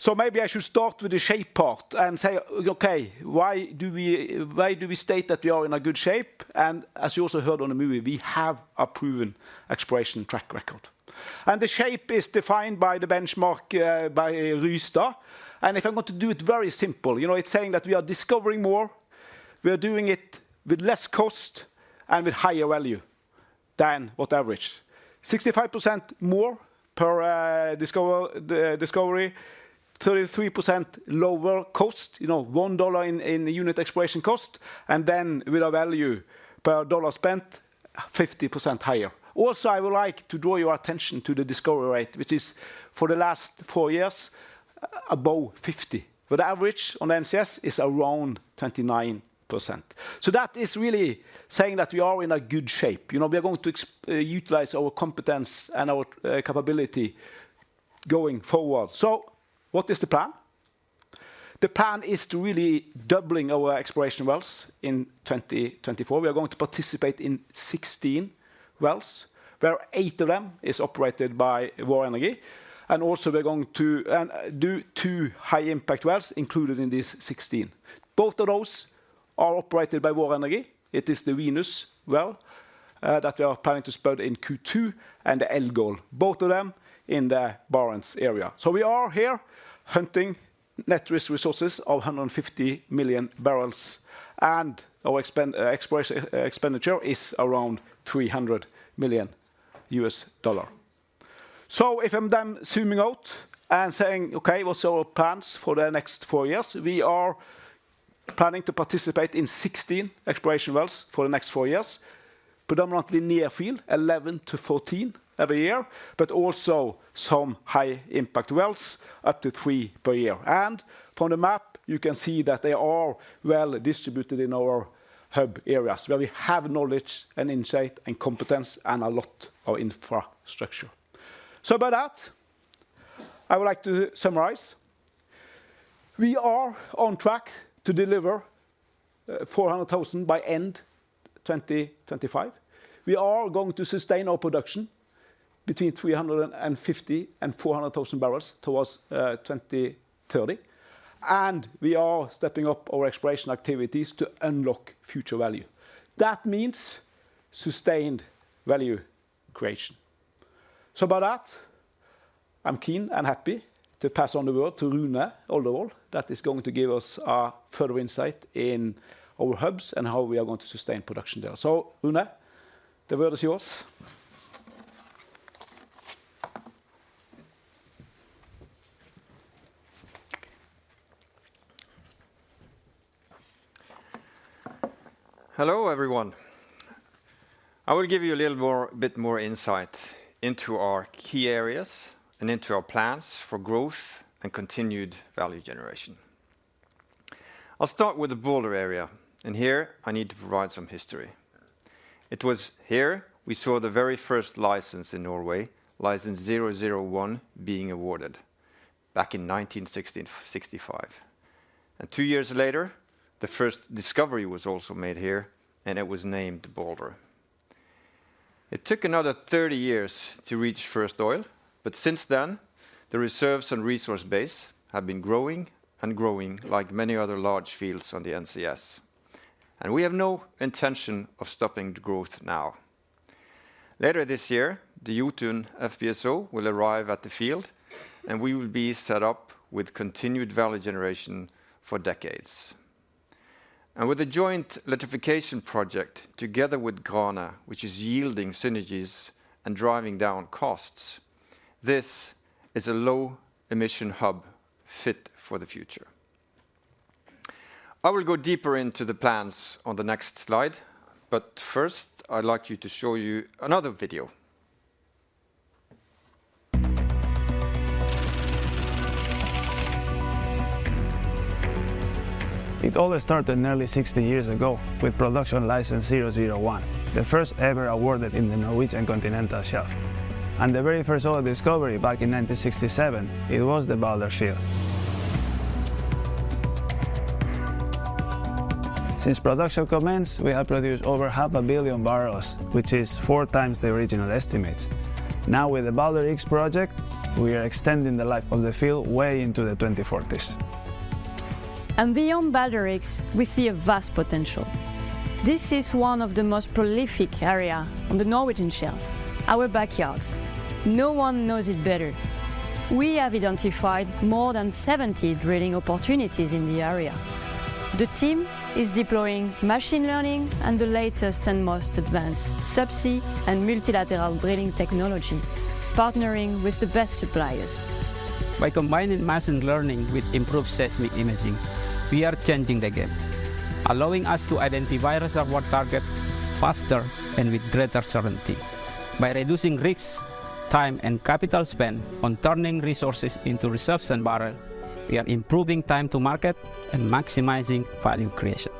D: So maybe I should start with the shape part and say, OK, why do we why do we state that we are in good shape? And as you also heard on the movie, we have a proven exploration track record. And the shape is defined by the benchmark by Rysta. And if I'm going to do it very simple, it's saying that we are discovering more. We are doing it with less cost and with higher value than what average. 65% more per discovery, 33% lower cost, $1 in unit exploration cost, and then with a value per dollar spent, 50% higher. Also, I would like to draw your attention to the discovery rate, which is for the last four years, above 50%. But the average on the NCS is around 29%. So that is really saying that we are in good shape. We are going to utilize our competence and our capability going forward. So what is the plan? The plan is to really double our exploration wells in 2024. We are going to participate in 16 wells, where eight of them are operated by Vår Energi. And also, we are going to do two high-impact wells included in these 16. Both of those are operated by Vår Energi. It is the Venus well that we are planning to spud in Q2 and the Elgol, both of them in the Barents area. So we are here hunting net-risked resources of 150 million barrels. And our exploration expenditure is around $300 million. So if I'm then zooming out and saying, OK, what's our plans for the next four years? We are planning to participate in 16 exploration wells for the next 4 years, predominantly near field, 11-14 every year, but also some high-impact wells, up to 3 per year. From the map, you can see that they are well distributed in our hub areas where we have knowledge and insight and competence and a lot of infrastructure. By that, I would like to summarize. We are on track to deliver 400,000 by end 2025. We are going to sustain our production between 350,000 and 400,000 barrels towards 2030. We are stepping up our exploration activities to unlock future value. That means sustained value creation. By that, I'm keen and happy to pass on the word to Rune Oldervoll that is going to give us further insight in our hubs and how we are going to sustain production there. So, Rune, the word is yours.
E: Hello, everyone. I will give you a little bit more insight into our key areas and into our plans for growth and continued value generation. I'll start with the Balder area. Here, I need to provide some history. It was here we saw the very first license in Norway, license 001, being awarded back in 1965. Two years later, the first discovery was also made here, and it was named Balder. It took another 30 years to reach first oil. Since then, the reserves and resource base have been growing and growing like many other large fields on the NCS. We have no intention of stopping the growth now. Later this year, the Jotun FPSO will arrive at the field, and we will be set up with continued value generation for decades.
C: With the joint electrification project together with Grane, which is yielding synergies and driving down costs, this is a low-emission hub fit for the future. I will go deeper into the plans on the next slide. But first, I'd like you to show you another video.
B: It all started nearly 60 years ago with production license 001, the first ever awarded in the Norwegian continental shelf. The very first oil discovery back in 1967, it was the Balder field. Since production commenced, we have produced over 500 million barrels, which is four times the original estimates. Now, with the Balder X project, we are extending the life of the field way into the 2040s. Beyond Balder X, we see a vast potential. This is one of the most prolific areas on the Norwegian shelf, our backyard. No one knows it better. We have identified more than 70 drilling opportunities in the area. The team is deploying machine learning and the latest and most advanced subsea and multilateral drilling technology, partnering with the best suppliers. By combining machine learning with improved seismic imaging, we are changing the game, allowing us to identify reservoir targets faster and with greater certainty. By reducing risks, time, and capital spend on turning resources into reserves and barrels, we are improving time to market and maximizing value creation.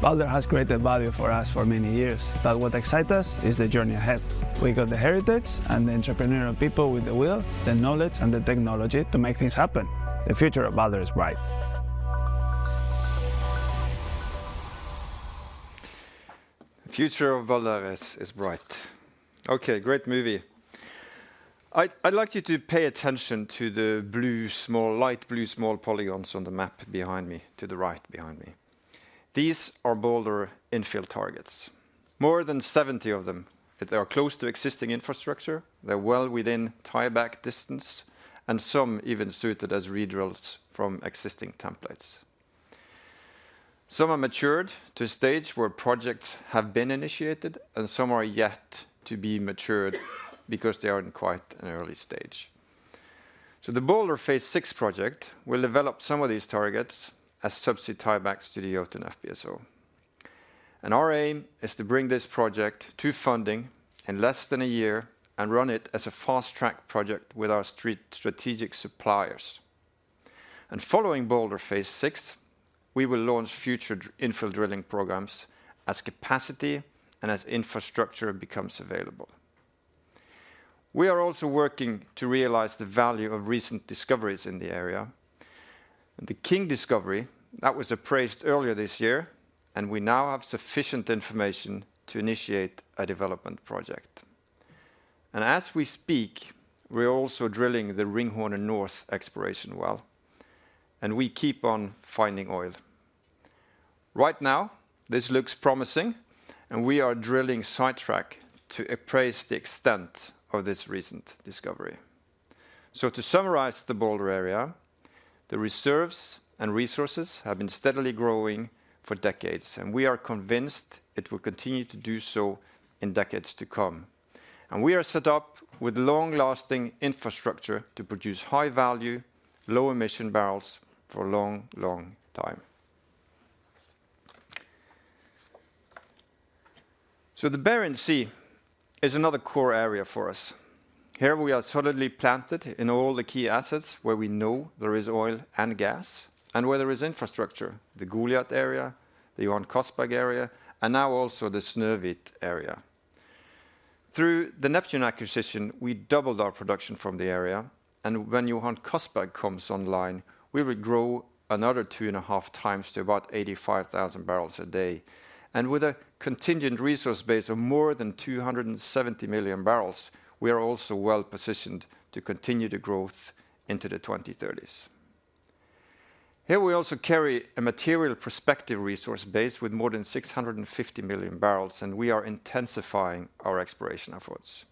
B: Balder has created value for us for many years. But what excites us is the journey ahead. We got the heritage and the entrepreneurial people with the will, the knowledge, and the technology to make things happen. The future of Balder is bright. The future of Balder is bright. OK, great movie.
E: I'd like you to pay attention to the blue small light blue small polygons on the map behind me, to the right behind me. These are Balder infield targets. More than 70 of them. They are close to existing infrastructure. They're well within tie-back distance, and some even suited as redrills from existing templates. Some are matured to a stage where projects have been initiated, and some are yet to be matured because they are in quite an early stage. So the Balder Phase VI project will develop some of these targets as subsea tie-backs to the Jotun FPSO. And our aim is to bring this project to funding in less than a year and run it as a fast-track project with our strategic suppliers. And following Balder Phase VI, we will launch future infield drilling programs as capacity and as infrastructure becomes available. We are also working to realize the value of recent discoveries in the area. The King discovery, that was appraised earlier this year, and we now have sufficient information to initiate a development project. As we speak, we're also drilling the Ringhornen North exploration well. And we keep on finding oil. Right now, this looks promising, and we are drilling sidetrack to appraise the extent of this recent discovery. To summarize the Balder area, the reserves and resources have been steadily growing for decades. And we are convinced it will continue to do so in decades to come. And we are set up with long-lasting infrastructure to produce high-value, low-emission barrels for a long, long time. The Barents Sea is another core area for us. Here, we are solidly planted in all the key assets where we know there is oil and gas and where there is infrastructure, the Goliath area, the Johan Castberg area, and now also the Snøhvit area. Through the Neptune acquisition, we doubled our production from the area. When Johan Castberg comes online, we will grow another 2.5 times to about 85,000 barrels a day. With a contingent resource base of more than 270 million barrels, we are also well positioned to continue the growth into the 2030s. Here, we also carry a material prospective resource base with more than 650 million barrels, and we are intensifying our exploration efforts.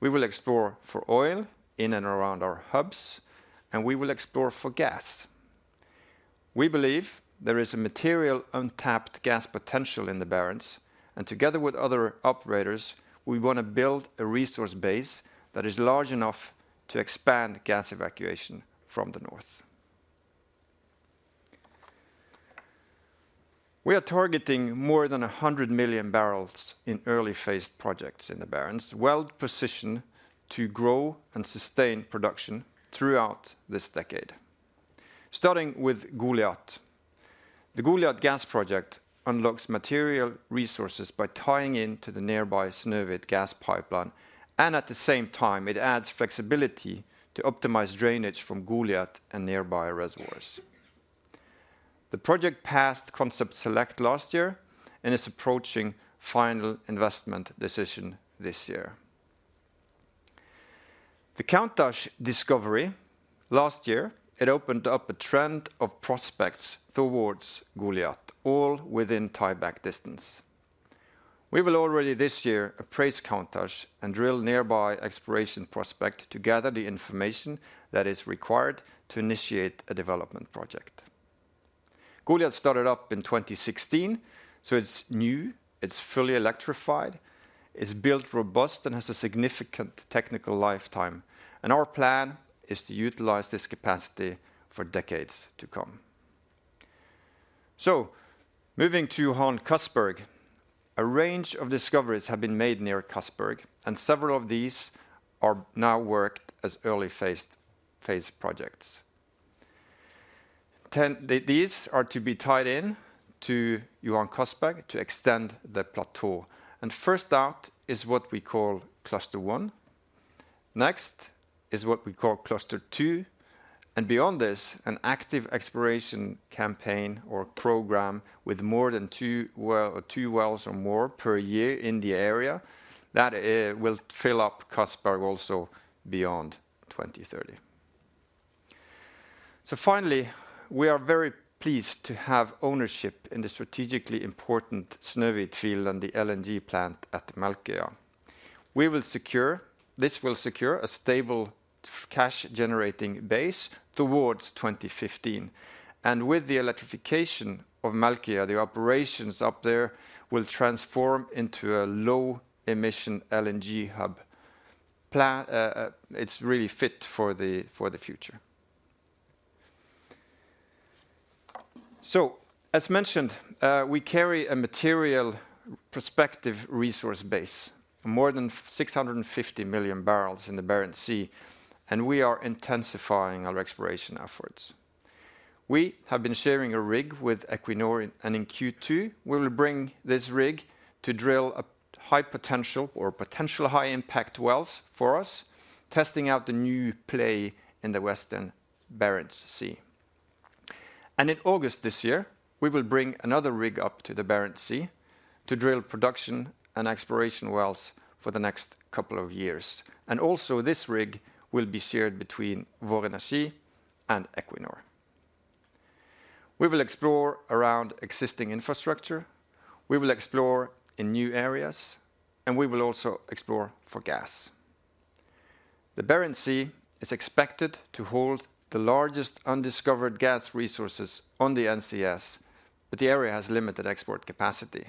E: We will explore for oil in and around our hubs, and we will explore for gas. We believe there is a material untapped gas potential in the Barents. Together with other operators, we want to build a resource base that is large enough to expand gas evacuation from the north. We are targeting more than 100 million barrels in early-phased projects in the Barents, well positioned to grow and sustain production throughout this decade, starting with Goliath. The Goliath gas project unlocks material resources by tying into the nearby Snøhvit gas pipeline. And at the same time, it adds flexibility to optimize drainage from Goliath and nearby reservoirs. The project passed concept select last year and is approaching final investment decision this year. The Countach discovery, last year, it opened up a trend of prospects towards Goliath, all within tie-back distance. We will already this year appraise Countach and drill nearby exploration prospect to gather the information that is required to initiate a development project. Goliath started up in 2016, so it's new. It's fully electrified. It's built robust and has a significant technical lifetime. Our plan is to utilize this capacity for decades to come. Moving to Johan Castberg, a range of discoveries have been made near Castberg, and several of these are now worked as early-phased projects. These are to be tied in to Johan Castberg to extend the plateau. First out is what we call Cluster One. Next is what we call Cluster Two. Beyond this, an active exploration campaign or program with more than two wells or more per year in the area that will fill up Castberg also beyond 2030. Finally, we are very pleased to have ownership in the strategically important Snøhvit field and the LNG plant at Melkøya. This will secure a stable cash-generating base towards 2015. With the electrification of Melkøya, the operations up there will transform into a low-emission LNG hub. It's really fit for the future. So as mentioned, we carry a material prospective resource base, more than 650 million barrels in the Barents Sea. And we are intensifying our exploration efforts. We have been sharing a rig with Equinor and in Q2, we will bring this rig to drill high-potential or potential high-impact wells for us, testing out the new play in the Western Barents Sea. And in August this year, we will bring another rig up to the Barents Sea to drill production and exploration wells for the next couple of years. And also, this rig will be shared between Vår Energi and Equinor. We will explore around existing infrastructure. We will explore in new areas. And we will also explore for gas. The Barents Sea is expected to hold the largest undiscovered gas resources on the NCS, but the area has limited export capacity.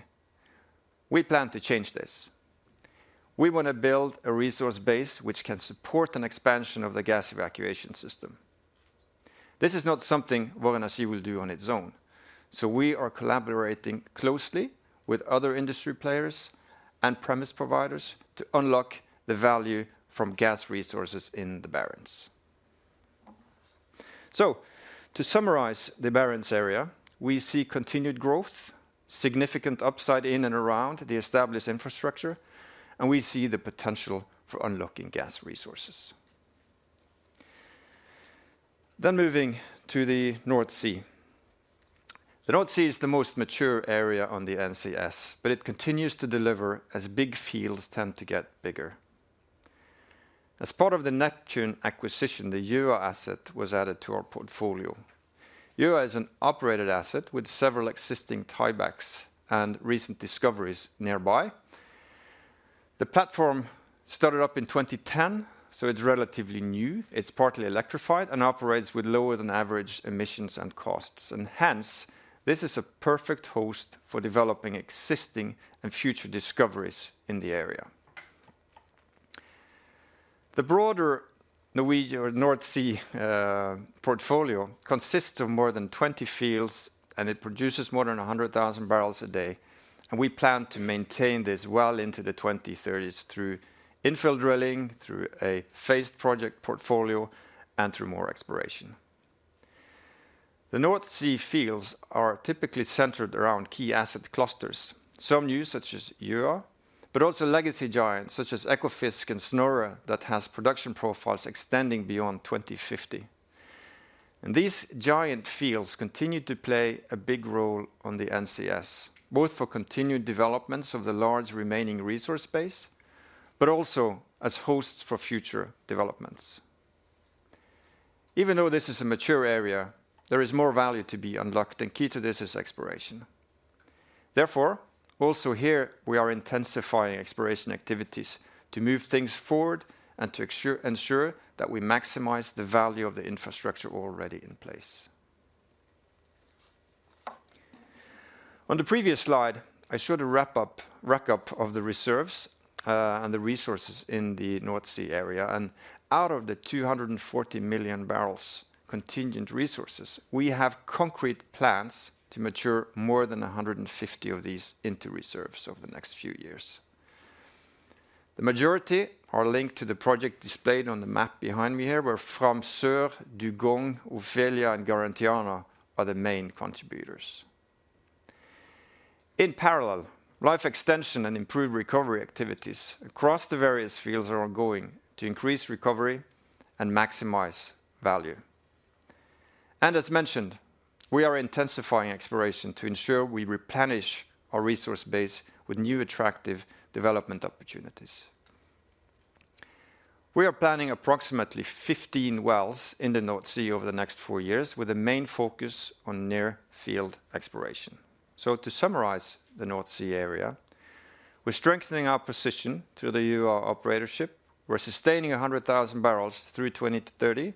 E: We plan to change this. We want to build a resource base which can support an expansion of the gas evacuation system. This is not something Vår Energi will do on its own. So we are collaborating closely with other industry players and premise providers to unlock the value from gas resources in the Barents. So to summarize the Barents area, we see continued growth, significant upside in and around the established infrastructure. And we see the potential for unlocking gas resources. Then moving to the North Sea. The North Sea is the most mature area on the NCS, but it continues to deliver as big fields tend to get bigger. As part of the Neptune acquisition, the Gjøa asset was added to our portfolio. Gjøa is an operated asset with several existing tie-backs and recent discoveries nearby. The platform started up in 2010, so it's relatively new. It's partly electrified and operates with lower-than-average emissions and costs. And hence, this is a perfect host for developing existing and future discoveries in the area. The broader Norwegian or North Sea portfolio consists of more than 20 fields, and it produces more than 100,000 barrels a day. And we plan to maintain this well into the 2030s through infield drilling, through a phased project portfolio, and through more exploration. The North Sea fields are typically centered around key asset clusters, some new such as Gjøa, but also legacy giants such as Ekofisk and Snorre that has production profiles extending beyond 2050. And these giant fields continue to play a big role on the NCS, both for continued developments of the large remaining resource base, but also as hosts for future developments. Even though this is a mature area, there is more value to be unlocked, and key to this is exploration. Therefore, also here, we are intensifying exploration activities to move things forward and to ensure that we maximize the value of the infrastructure already in place. On the previous slide, I showed a wrap-up of the reserves and the resources in the North Sea area. Out of the 240 million barrels contingent resources, we have concrete plans to mature more than 150 of these into reserves over the next few years. The majority are linked to the project displayed on the map behind me here, where Fram Sør, Dugong, Ofelia and Garentiana are the main contributors. In parallel, life extension and improved recovery activities across the various fields are ongoing to increase recovery and maximize value. As mentioned, we are intensifying exploration to ensure we replenish our resource base with new attractive development opportunities. We are planning approximately 15 wells in the North Sea over the next four years with a main focus on near-field exploration. To summarize the North Sea area, we're strengthening our position through the EURA operatorship. We're sustaining 100,000 barrels through 2030.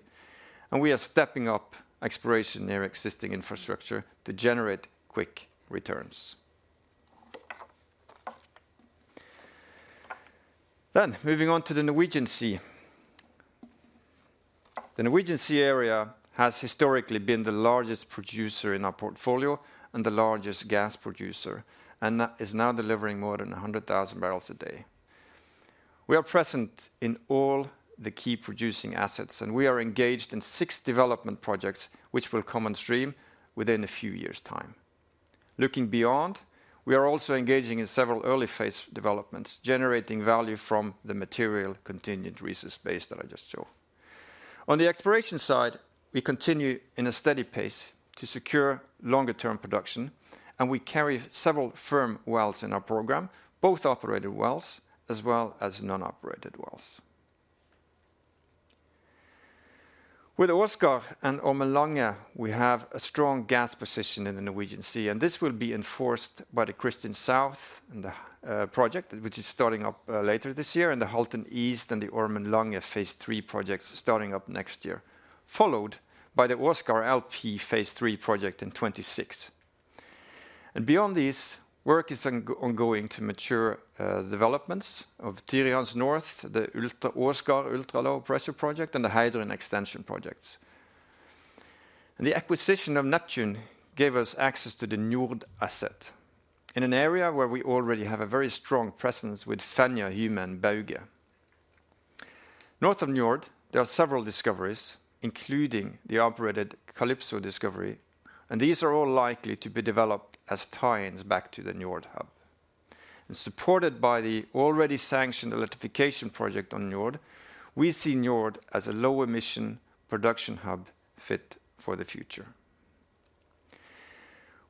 E: And we are stepping up exploration near existing infrastructure to generate quick returns. Moving on to the Norwegian Sea. The Norwegian Sea area has historically been the largest producer in our portfolio and the largest gas producer and is now delivering more than 100,000 barrels a day. We are present in all the key producing assets, and we are engaged in 6 development projects which will come on stream within a few years' time. Looking beyond, we are also engaging in several early-phase developments, generating value from the material contingent resource base that I just showed. On the exploration side, we continue in a steady pace to secure longer-term production. We carry several firm wells in our program, both operated wells as well as non-operated wells. With Åsgard and Ormen Lange, we have a strong gas position in the Norwegian Sea. This will be enforced by the Kristin South project, which is starting up later this year, and the Halten East and the Ormen Lange Phase III projects starting up next year, followed by the Åsgard LP Phase III project in 2026. Beyond these, work is ongoing to mature developments of Tyrihans North, the Åsgard Ultra Low Pressure, and the Hyme Extension Projects. The acquisition of Neptune gave us access to the Njord asset in an area where we already have a very strong presence with Fenja, Hyme, and Bauge. North of Njord, there are several discoveries, including the operated Calypso discovery. These are all likely to be developed as tie-backs to the Njord hub. Supported by the already sanctioned electrification project on Njord, we see Njord as a low-emission production hub fit for the future.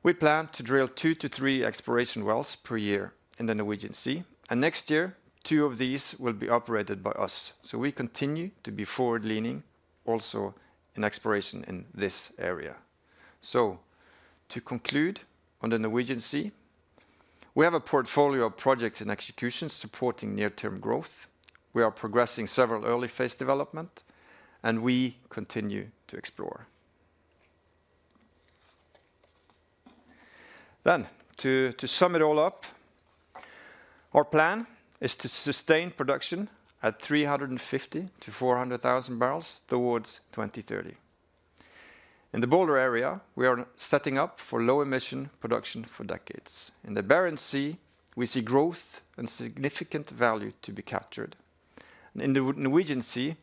E: We plan to drill 2-3 exploration wells per year in the Norwegian Sea. Next year, 2 of these will be operated by us. So we continue to be forward-leaning also in exploration in this area. So to conclude on the Norwegian Sea, we have a portfolio of projects in execution supporting near-term growth. We are progressing several early-phase developments, and we continue to explore.
C: Then to sum it all up, our plan is to sustain production at 350,000-400,000 barrels towards 2030. In the Balder area, we are setting up for low-emission production for decades. In the Barents Sea, we see growth and significant value to be captured. And in the Norwegian Sea,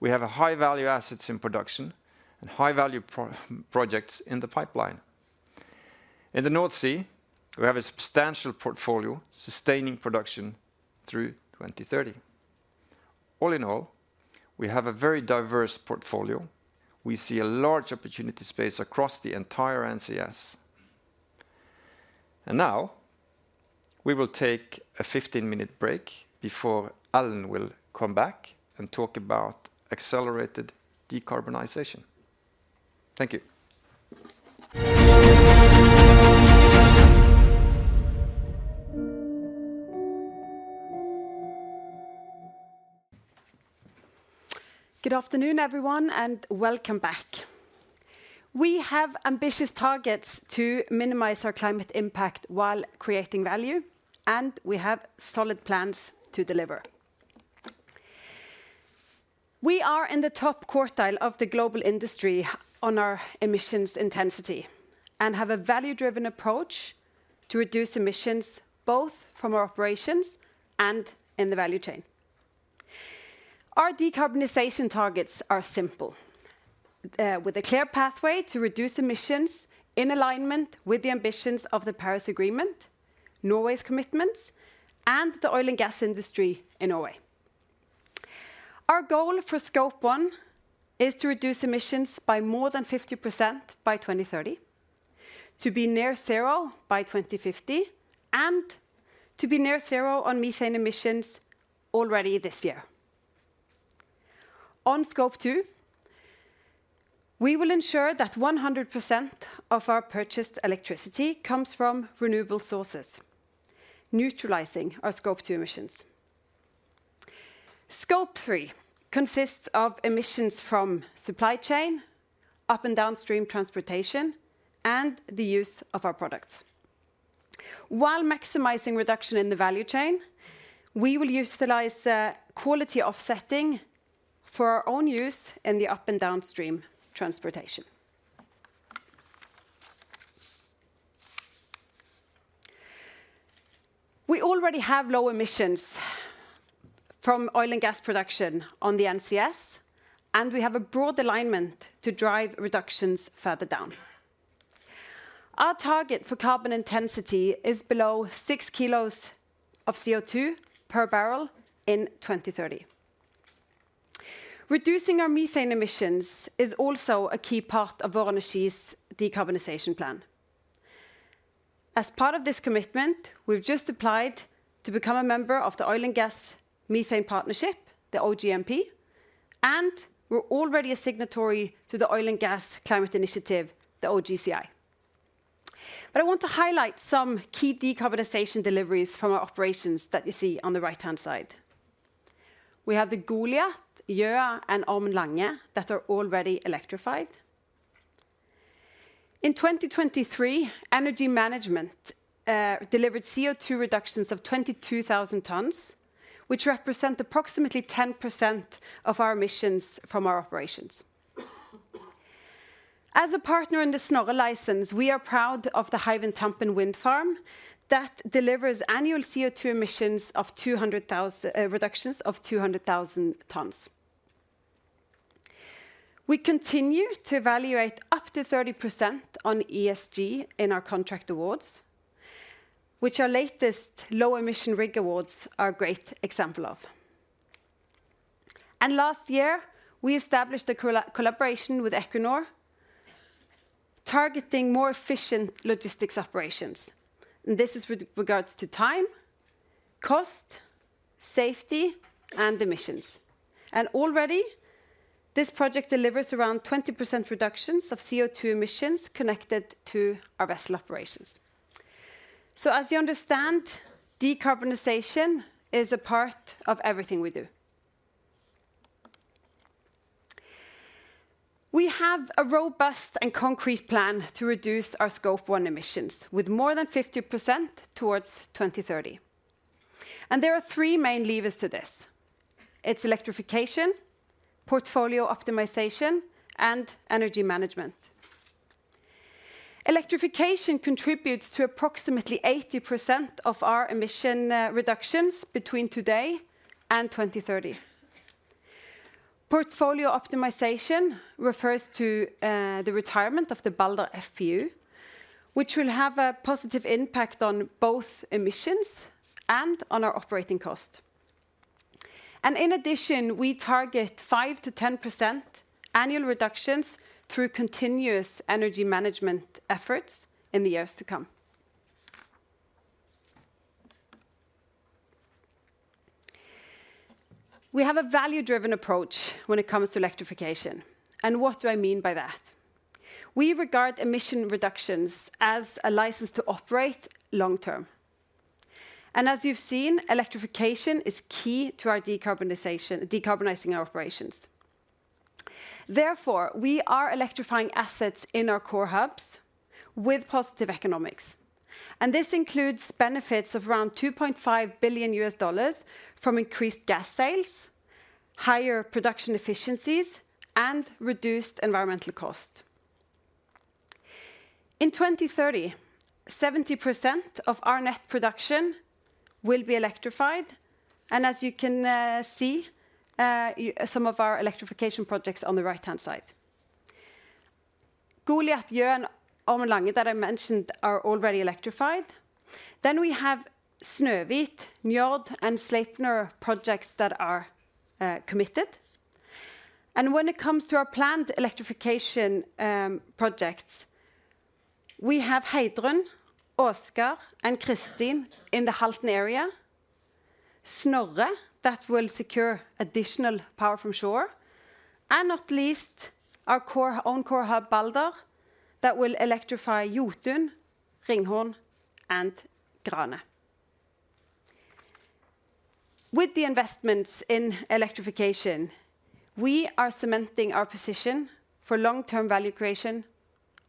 C: we have high-value assets in production and high-value projects in the pipeline. In the North Sea, we have a substantial portfolio sustaining production through 2030. All in all, we have a very diverse portfolio. We see a large opportunity space across the entire NCS. And now, we will take a 15-minute break before Ellen will come back and talk about accelerated decarbonization. Thank you.
A: Good afternoon, everyone, and welcome back. We have ambitious targets to minimize our climate impact while creating value, and we have solid plans to deliver. We are in the top quartile of the global industry on our emissions intensity and have a value-driven approach to reduce emissions both from our operations and in the value chain. Our decarbonization targets are simple, with a clear pathway to reduce emissions in alignment with the ambitions of the Paris Agreement, Norway's commitments, and the oil and gas industry in Norway. Our goal for Scope 1 is to reduce emissions by more than 50% by 2030, to be near zero by 2050, and to be near zero on methane emissions already this year. On Scope 2, we will ensure that 100% of our purchased electricity comes from renewable sources, neutralizing our Scope 2 emissions. Scope 3 consists of emissions from supply chain, upstream and downstream transportation, and the use of our products. While maximizing reduction in the value chain, we will utilize quality offsetting for our own use in the upstream and downstream transportation. We already have low emissions from oil and gas production on the NCS, and we have a broad alignment to drive reductions further down. Our target for carbon intensity is below 6 kg of CO2 per barrel in 2030. Reducing our methane emissions is also a key part of Vår Energi's decarbonization plan. As part of this commitment, we've just applied to become a member of the Oil and Gas Methane Partnership, the OGMP, and we're already a signatory to the Oil and Gas Climate Initiative, the OGCI. But I want to highlight some key decarbonization deliveries from our operations that you see on the right-hand side. We have the Goliath, EURA, and Ormen Lange that are already electrified. In 2023, energy management delivered CO2 reductions of 22,000 tons, which represent approximately 10% of our emissions from our operations. As a partner in the Snorre license, we are proud of the Hywind Tampen Wind Farm that delivers annual CO2 reductions of 200,000 tons. We continue to evaluate up to 30% on ESG in our contract awards, which our latest low-emission rig awards are a great example of. And last year, we established a collaboration with Equinor targeting more efficient logistics operations. And this is with regards to time, cost, safety, and emissions. And already, this project delivers around 20% reductions of CO2 emissions connected to our vessel operations. So as you understand, decarbonization is a part of everything we do. We have a robust and concrete plan to reduce our Scope 1 emissions with more than 50% towards 2030. There are three main levers to this: it's electrification, portfolio optimization, and energy management. Electrification contributes to approximately 80% of our emission reductions between today and 2030. Portfolio optimization refers to the retirement of the Balder FPU, which will have a positive impact on both emissions and on our operating costs. In addition, we target 5%-10% annual reductions through continuous energy management efforts in the years to come. We have a value-driven approach when it comes to electrification. What do I mean by that? We regard emission reductions as a license to operate long-term. As you've seen, electrification is key to decarbonizing our operations. Therefore, we are electrifying assets in our core hubs with positive economics. This includes benefits of around $2.5 billion from increased gas sales, higher production efficiencies, and reduced environmental costs. In 2030, 70% of our net production will be electrified. As you can see, some of our electrification projects on the right-hand side. Goliath, Johan, Ormen Lange that I mentioned are already electrified. Then we have Snøhvit, Njord, and Sleipner projects that are committed. When it comes to our planned electrification projects, we have Heidrun, Åsgard, and Kristin in the Halten area, Snorre that will secure additional power from shore, and not least our own core hub, Balder, that will electrify Jotun, Ringhorn, and Grane. With the investments in electrification, we are cementing our position for long-term value creation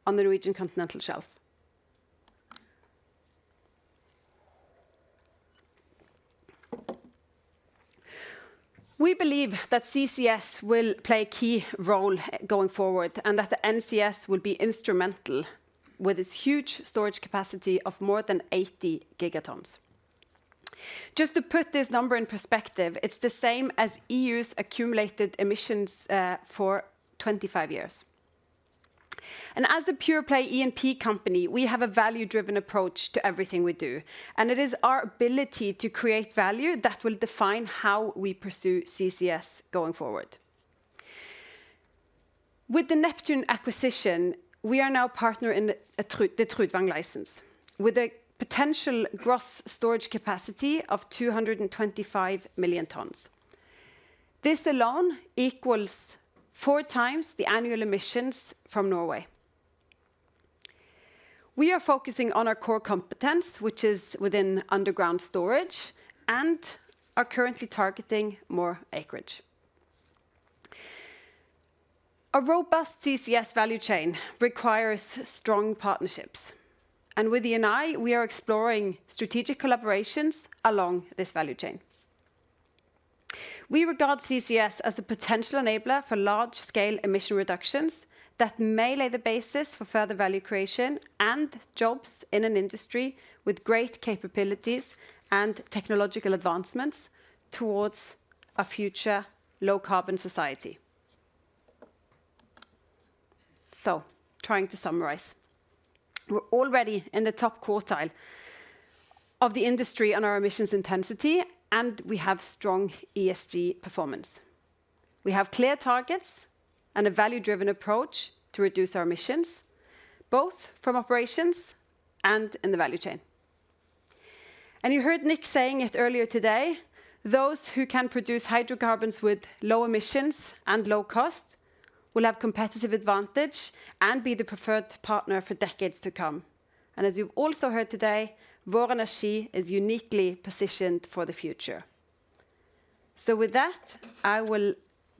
A: on the Norwegian continental shelf. We believe that CCS will play a key role going forward and that the NCS will be instrumental with its huge storage capacity of more than 80 gigatons. Just to put this number in perspective, it's the same as EU's accumulated emissions for 25 years. As a pure-play E&P company, we have a value-driven approach to everything we do. It is our ability to create value that will define how we pursue CCS going forward. With the Neptune acquisition, we are now a partner in the TrTrudvang license with a potential gross storage capacity of 225 million tons. This alone equals four times the annual emissions from Norway. We are focusing on our core competence, which is within underground storage, and are currently targeting more acreage. A robust CCS value chain requires strong partnerships. With E&I, we are exploring strategic collaborations along this value chain. We regard CCS as a potential enabler for large-scale emission reductions that may lay the basis for further value creation and jobs in an industry with great capabilities and technological advancements towards a future low-carbon society. So trying to summarize, we're already in the top quartile of the industry on our emissions intensity, and we have strong ESG performance. We have clear targets and a value-driven approach to reduce our emissions, both from operations and in the value chain. And you heard Nick saying it earlier today, those who can produce hydrocarbons with low emissions and low cost will have competitive advantage and be the preferred partner for decades to come. And as you've also heard today, Vår Energi is uniquely positioned for the future. So with that, I will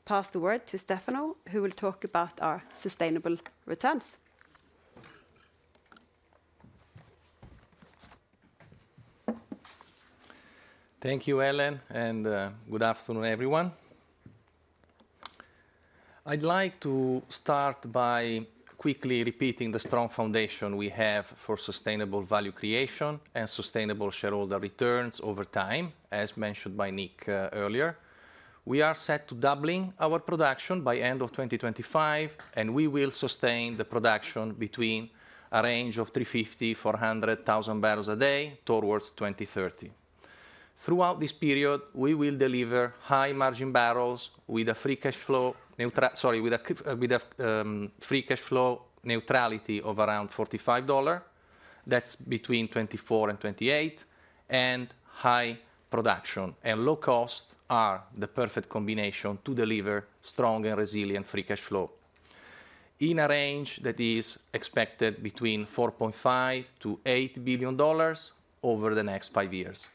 A: pass the word to Stefano, who will talk about our sustainable returns.
F: Thank you, Ellen, and good afternoon, everyone. I'd like to start by quickly repeating the strong foundation we have for sustainable value creation and sustainable shareholder returns over time, as mentioned by Nick earlier. We are set to doubling our production by the end of 2025, and we will sustain the production between a range of 350,000-400,000 barrels a day towards 2030. Throughout this period, we will deliver high-margin barrels with a free cash flow neutrality of around $45, that's between $24 to $28, and high production. And low cost are the perfect combination to deliver strong and resilient free cash flow in a range that is expected between $4.5 billion to $8 billion over the next five years.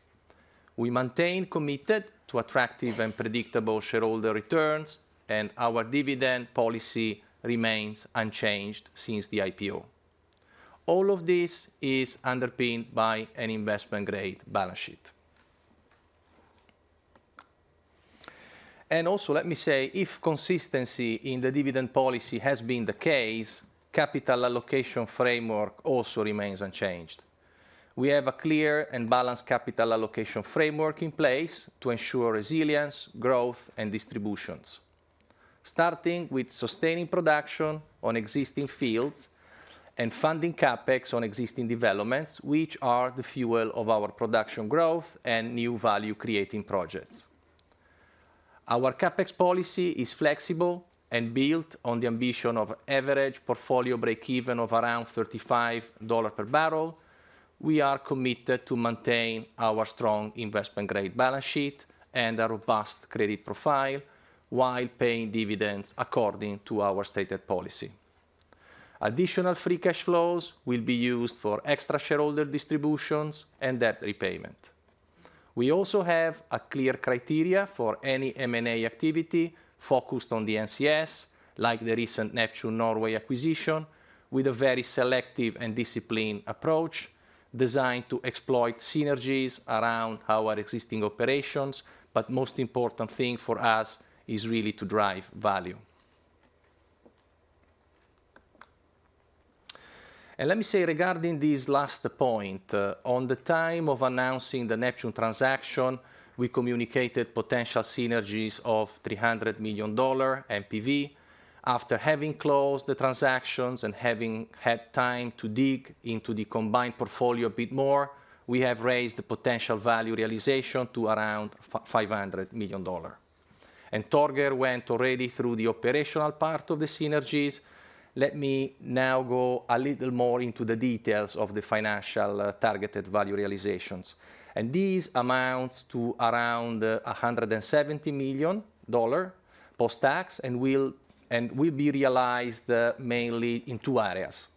F: We maintain committed to attractive and predictable shareholder returns, and our dividend policy remains unchanged since the IPO. All of this is underpinned by an investment-grade balance sheet. Also, let me say, if consistency in the dividend policy has been the case, capital allocation framework also remains unchanged. We have a clear and balanced capital allocation framework in place to ensure resilience, growth, and distributions, starting with sustaining production on existing fields and funding CapEx on existing developments, which are the fuel of our production growth and new value-creating projects. Our CapEx policy is flexible and built on the ambition of average portfolio break-even of around $35 per barrel. We are committed to maintain our strong investment-grade balance sheet and a robust credit profile while paying dividends according to our stated policy. Additional free cash flows will be used for extra shareholder distributions and debt repayment. We also have a clear criteria for any M&A activity focused on the NCS, like the recent Neptune Norway acquisition, with a very selective and disciplined approach designed to exploit synergies around our existing operations. But the most important thing for us is really to drive value. Let me say regarding this last point, on the time of announcing the Neptune transaction, we communicated potential synergies of $300 million NPV. After having closed the transactions and having had time to dig into the combined portfolio a bit more, we have raised the potential value realization to around $500 million. And Torger Widvey went already through the operational part of the synergies. Let me now go a little more into the details of the financial targeted value realizations. And these amounts to around $170 million post-tax and will be realized mainly in two areas.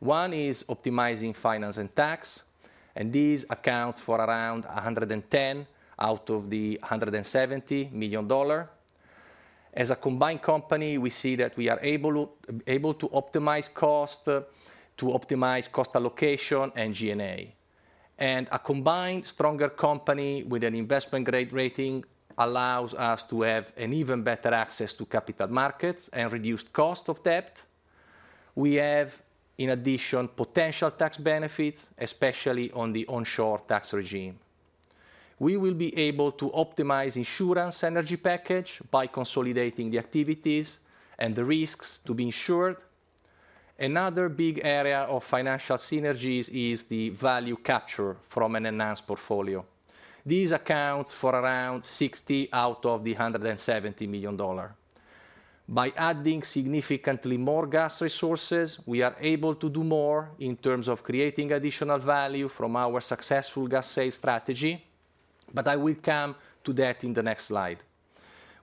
F: One is optimizing finance and tax, and this accounts for around $110 million out of the $170 million. As a combined company, we see that we are able to optimize cost, to optimize cost allocation, and G&A. A combined, stronger company with an investment-grade rating allows us to have an even better access to capital markets and reduced cost of debt. We have, in addition, potential tax benefits, especially on the onshore tax regime. We will be able to optimize the insurance energy package by consolidating the activities and the risks to be insured. Another big area of financial synergies is the value capture from an enhanced portfolio. This accounts for around $60 million out of the $170 million. By adding significantly more gas resources, we are able to do more in terms of creating additional value from our successful gas sales strategy. I will come to that in the next slide.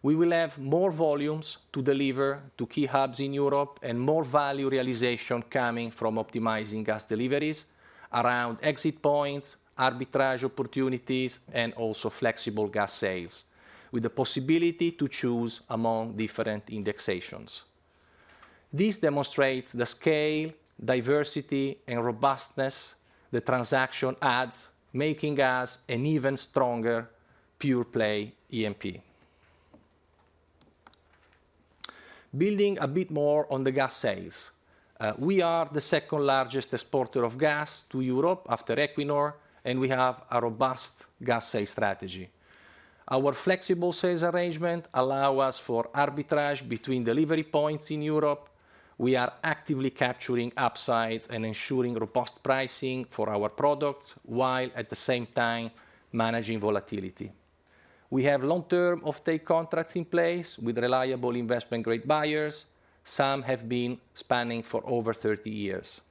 F: We will have more volumes to deliver to key hubs in Europe and more value realization coming from optimizing gas deliveries around exit points, arbitrage opportunities, and also flexible gas sales with the possibility to choose among different indexations. This demonstrates the scale, diversity, and robustness the transaction adds, making us an even stronger pure-play E&P. Building a bit more on the gas sales, we are the second-largest exporter of gas to Europe after Equinor, and we have a robust gas sales strategy. Our flexible sales arrangement allows us for arbitrage between delivery points in Europe. We are actively capturing upsides and ensuring robust pricing for our products while, at the same time, managing volatility. We have long-term off-take contracts in place with reliable investment-grade buyers. Some have been spanning for over 30 years.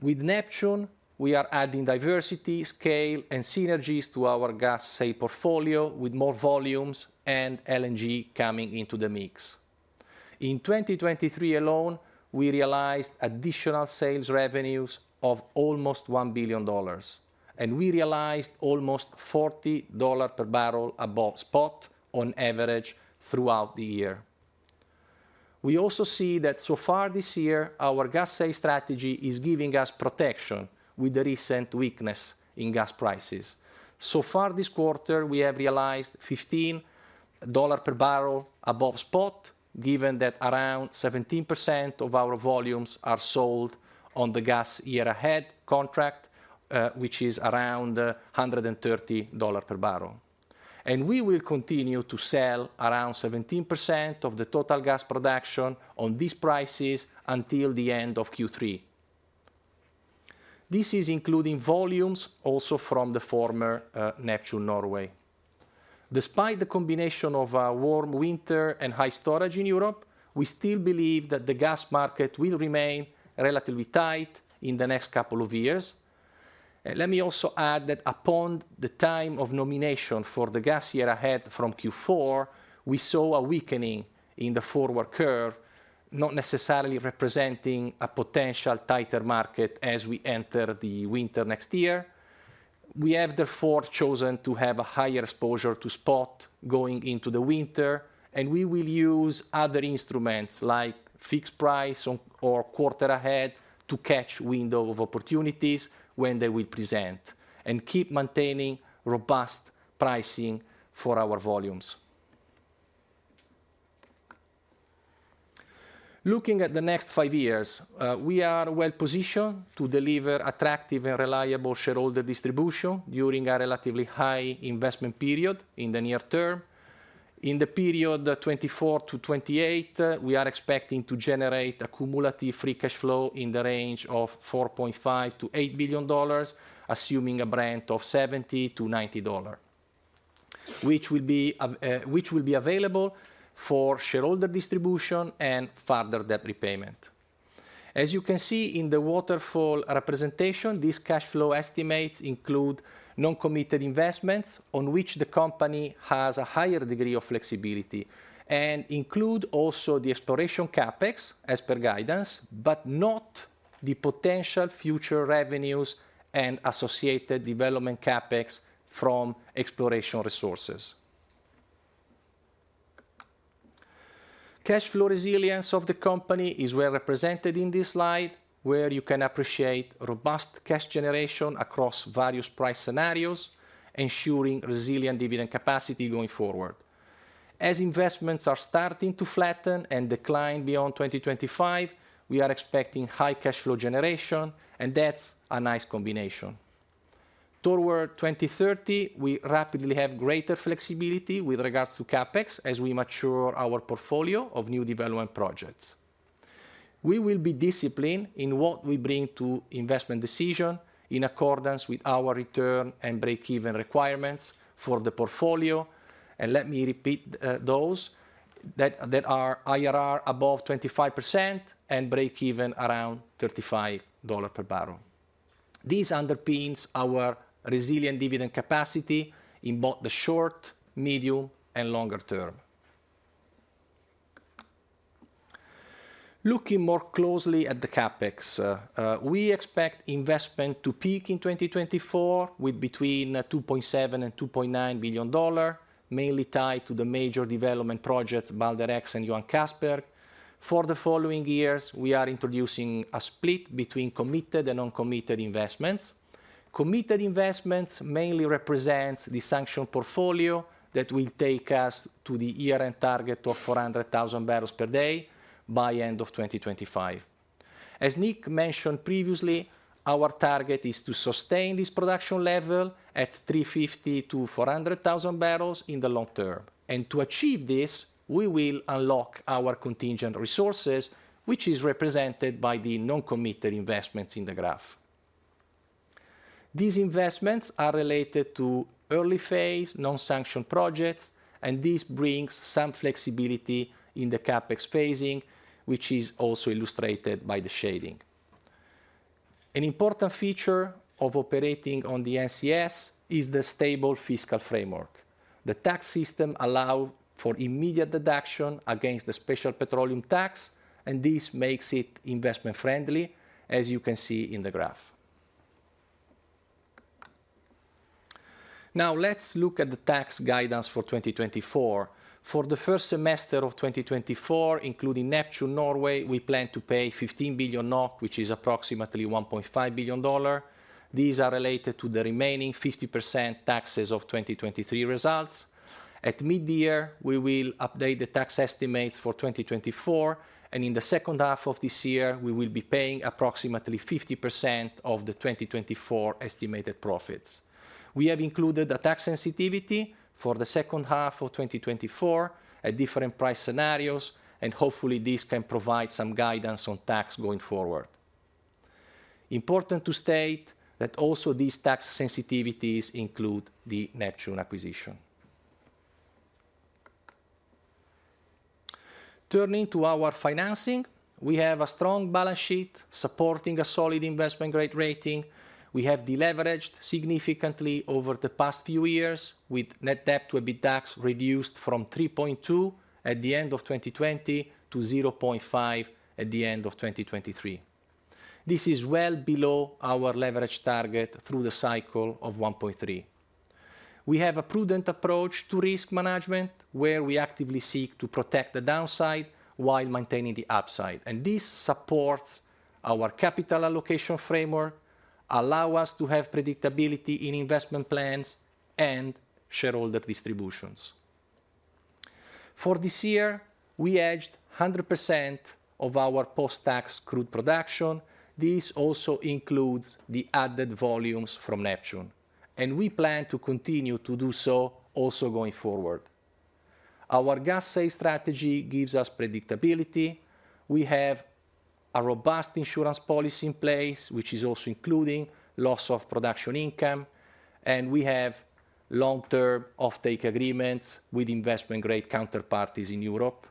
F: With Neptune, we are adding diversity, scale, and synergies to our gas sale portfolio with more volumes and LNG coming into the mix. In 2023 alone, we realized additional sales revenues of almost $1 billion, and we realized almost $40 per barrel above spot on average throughout the year. We also see that so far this year, our gas sale strategy is giving us protection with the recent weakness in gas prices. So far this quarter, we have realized $15 per barrel above spot, given that around 17% of our volumes are sold on the gas year-ahead contract, which is around $130 per barrel. And we will continue to sell around 17% of the total gas production on these prices until the end of Q3. This is including volumes also from the former Neptune Norway. Despite the combination of a warm winter and high storage in Europe, we still believe that the gas market will remain relatively tight in the next couple of years. Let me also add that upon the time of nomination for the gas year-ahead from Q4, we saw a weakening in the forward curve, not necessarily representing a potential tighter market as we enter the winter next year. We have, therefore, chosen to have a higher exposure to spot going into the winter, and we will use other instruments like fixed price or quarter-ahead to catch windows of opportunities when they will present and keep maintaining robust pricing for our volumes. Looking at the next five years, we are well positioned to deliver attractive and reliable shareholder distribution during a relatively high investment period in the near term. In the period 2024-2028, we are expecting to generate accumulative free cash flow in the range of $4.5 billion to $8 billion, assuming a Brent of $70 to $90, which will be available for shareholder distribution and further debt repayment. As you can see in the waterfall representation, these cash flow estimates include non-committed investments on which the company has a higher degree of flexibility and include also the exploration CapEx as per guidance, but not the potential future revenues and associated development CapEx from exploration resources. Cash flow resilience of the company is well represented in this slide, where you can appreciate robust cash generation across various price scenarios, ensuring resilient dividend capacity going forward. As investments are starting to flatten and decline beyond 2025, we are expecting high cash flow generation, and that's a nice combination. Toward 2030, we rapidly have greater flexibility with regards to CapEx as we mature our portfolio of new development projects. We will be disciplined in what we bring to investment decision in accordance with our return and break-even requirements for the portfolio. Let me repeat those that are IRR above 25% and break-even around $35 per barrel. This underpins our resilient dividend capacity in both the short, medium, and longer term. Looking more closely at the CapEx, we expect investment to peak in 2024 with between $2.7 billion to $2.9 billion, mainly tied to the major development projects Balder X and Johan Castberg. For the following years, we are introducing a split between committed and non-committed investments. Committed investments mainly represent the sanctioned portfolio that will take us to the year-end target of 400,000 barrels per day by the end of 2025. As Nick mentioned previously, our target is to sustain this production level at 350,000-400,000 barrels in the long term. To achieve this, we will unlock our contingent resources, which is represented by the non-committed investments in the graph. These investments are related to early-phase non-sanctioned projects, and this brings some flexibility in the CapEx phasing, which is also illustrated by the shading. An important feature of operating on the NCS is the stable fiscal framework. The tax system allows for immediate deduction against the special petroleum tax, and this makes it investment-friendly, as you can see in the graph. Now, let's look at the tax guidance for 2024. For the first semester of 2024, including Neptune Energy Norge, we plan to pay 15 billion NOK, which is approximately $1.5 billion. These are related to the remaining 50% taxes of 2023 results. At mid-year, we will update the tax estimates for 2024, and in the second half of this year, we will be paying approximately 50% of the 2024 estimated profits. We have included a tax sensitivity for the second half of 2024 at different price scenarios, and hopefully, this can provide some guidance on tax going forward. Important to state that also these tax sensitivities include the Neptune acquisition. Turning to our financing, we have a strong balance sheet supporting a solid investment-grade rating. We have deleveraged significantly over the past few years with net debt to EBITDA reduced from 3.2 at the end of 2020 to 0.5 at the end of 2023. This is well below our leverage target through the cycle of 1.3. We have a prudent approach to risk management, where we actively seek to protect the downside while maintaining the upside. This supports our capital allocation framework, allows us to have predictability in investment plans and shareholder distributions. For this year, we hedged 100% of our post-tax crude production. This also includes the added volumes from Neptune, and we plan to continue to do so also going forward. Our gas sale strategy gives us predictability. We have a robust insurance policy in place, which is also including loss of production income, and we have long-term off-take agreements with investment-grade counterparties in Europe.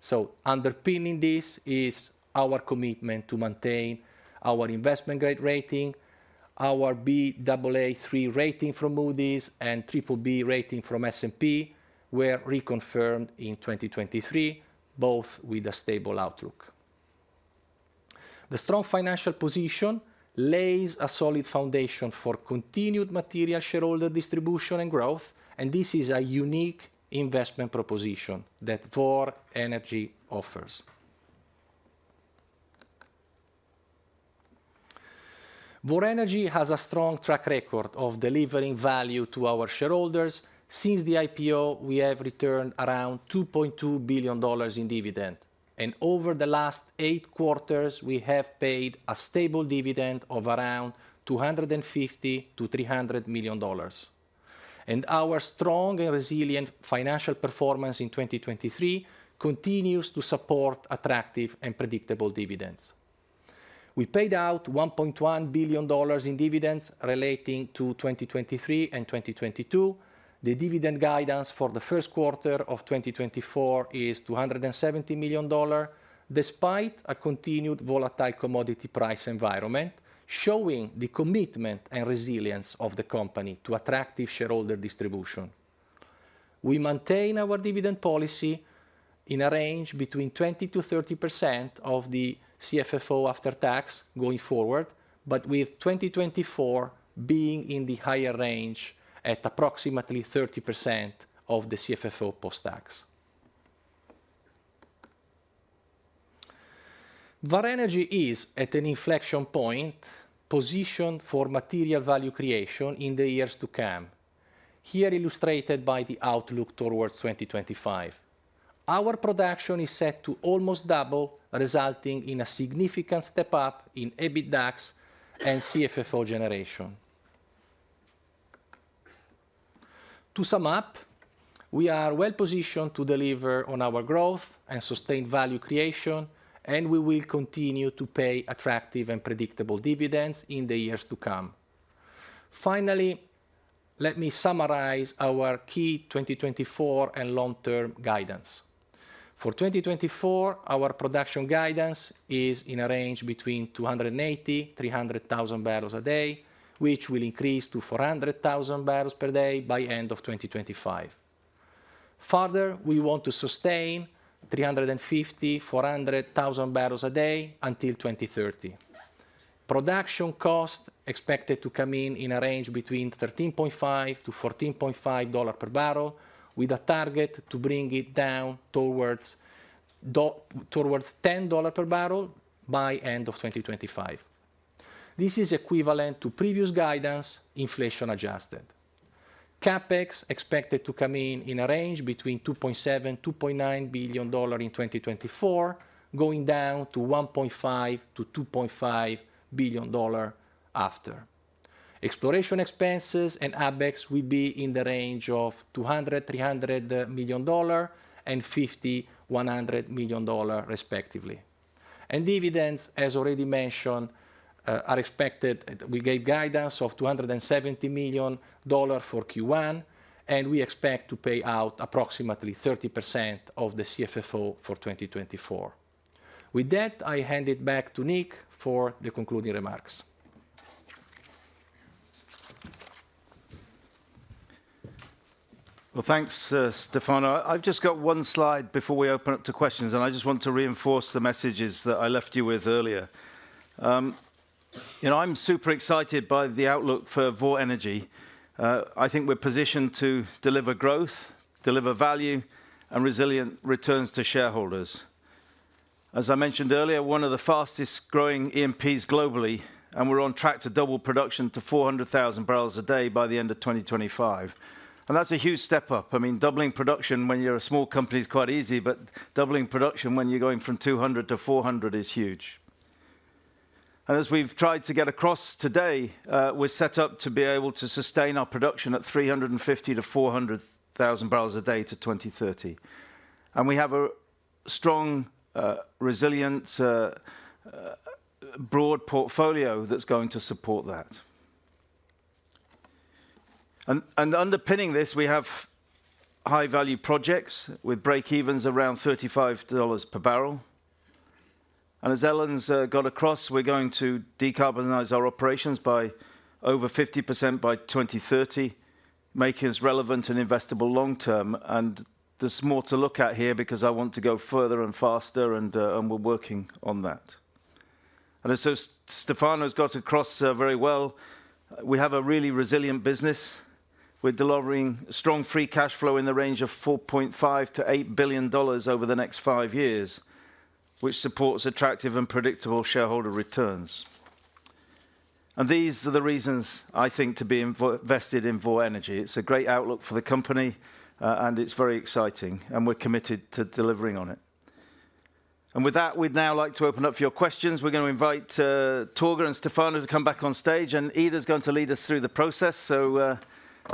F: So underpinning this is our commitment to maintain our investment-grade rating. Our Baa3 rating from Moody's and BBB rating from S&P were reconfirmed in 2023, both with a stable outlook. The strong financial position lays a solid foundation for continued material shareholder distribution and growth, and this is a unique investment proposition that Vår Energi offers. Vår Energi has a strong track record of delivering value to our shareholders. Since the IPO, we have returned around $2.2 billion in dividend, and over the last eight quarters, we have paid a stable dividend of around $250-$300 million. Our strong and resilient financial performance in 2023 continues to support attractive and predictable dividends. We paid out $1.1 billion in dividends relating to 2023 and 2022. The dividend guidance for the first quarter of 2024 is $270 million, despite a continued volatile commodity price environment showing the commitment and resilience of the company to attractive shareholder distribution. We maintain our dividend policy in a range between 20% to 30% of the CFFO after tax going forward, but with 2024 being in the higher range at approximately 30% of the CFFO post-tax. Vår Energi is at an inflection point positioned for material value creation in the years to come, here illustrated by the outlook towards 2025. Our production is set to almost double, resulting in a significant step up in EBITDA and CFFO generation. To sum up, we are well positioned to deliver on our growth and sustained value creation, and we will continue to pay attractive and predictable dividends in the years to come. Finally, let me summarize our key 2024 and long-term guidance. For 2024, our production guidance is in a range between 280,000-300,000 barrels a day, which will increase to 400,000 barrels per day by the end of 2025. Further, we want to sustain 350,000-400,000 barrels a day until 2030. Production costs are expected to come in in a range between $13.5 to $14.5 per barrel, with a target to bring it down towards $10 per barrel by the end of 2025. This is equivalent to previous guidance inflation-adjusted. CapEx is expected to come in in a range between $2.7 billion to $2.9 billion in 2024, going down to $1.5 billion to $2.5 billion after. Exploration expenses and ABEX will be in the range of $200 million-$300 million and $50 million-$100 million, respectively. And dividends, as already mentioned, are expected. We gave guidance of $270 million for Q1, and we expect to pay out approximately 30% of the CFFO for 2024. With that, I hand it back to Nick for the concluding remarks.
C: Well, thanks, Stefano. I've just got one slide before we open up to questions, and I just want to reinforce the messages that I left you with earlier. I'm super excited by the outlook for Vår Energi. I think we're positioned to deliver growth, deliver value, and resilient returns to shareholders. As I mentioned earlier, one of the fastest-growing E&Ps globally, and we're on track to double production to 400,000 barrels a day by the end of 2025. And that's a huge step up. I mean, doubling production when you're a small company is quite easy, but doubling production when you're going from 200-400 is huge. And as we've tried to get across today, we're set up to be able to sustain our production at 350,000-400,000 barrels a day to 2030. And we have a strong, resilient, broad portfolio that's going to support that. And underpinning this, we have high-value projects with break-evens around $35 per barrel. And as Ellen's got across, we're going to decarbonize our operations by over 50% by 2030, making us relevant and investable long term. And there's more to look at here because I want to go further and faster, and we're working on that. And as Stefano's got across very well, we have a really resilient business. We're delivering strong free cash flow in the range of $4.5 billion to $8 billion over the next five years, which supports attractive and predictable shareholder returns. And these are the reasons, I think, to be invested in Vår Energi. It's a great outlook for the company, and it's very exciting, and we're committed to delivering on it. And with that, we'd now like to open up for your questions. We're going to invite Torger and Stefano to come back on stage, and Ida's going to lead us through the process. We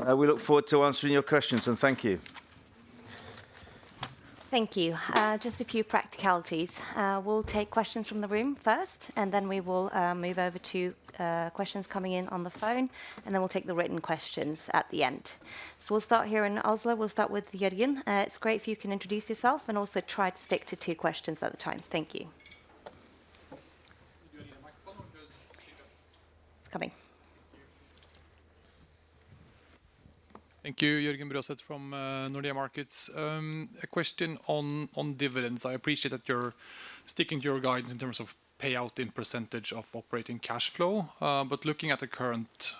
C: look forward to answering your questions, and thank you.
A: Thank you. Just a few practicalities. We'll take questions from the room first, and then we will move over to questions coming in on the phone, and then we'll take the written questions at the end. So we'll start here in Oslo. We'll start with Jørgen. It's great if you can introduce yourself and also try to stick to two questions at a time. Thank you.
G: Thank you, Jørgen. The microphone will just pick up.
C: It's coming.
G: Thank you. Thank you, Jørgen Bråseth from Nordea Markets. A question on dividends. I appreciate that you're sticking to your guidance in terms of payout in percentage of operating cash flow, but looking at the current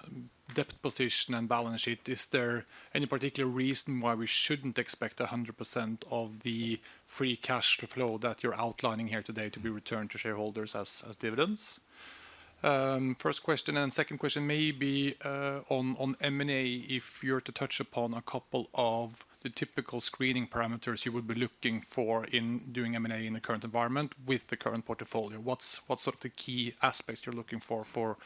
G: debt position and balance sheet, is there any particular reason why we shouldn't expect 100% of the free cash flow that you're outlining here today to be returned to shareholders as dividends? First question, and second question may be on M&A. If you're to touch upon a couple of the typical screening parameters you would be looking for in doing M&A in the current environment with the current portfolio, what's sort of the key aspects you're looking for for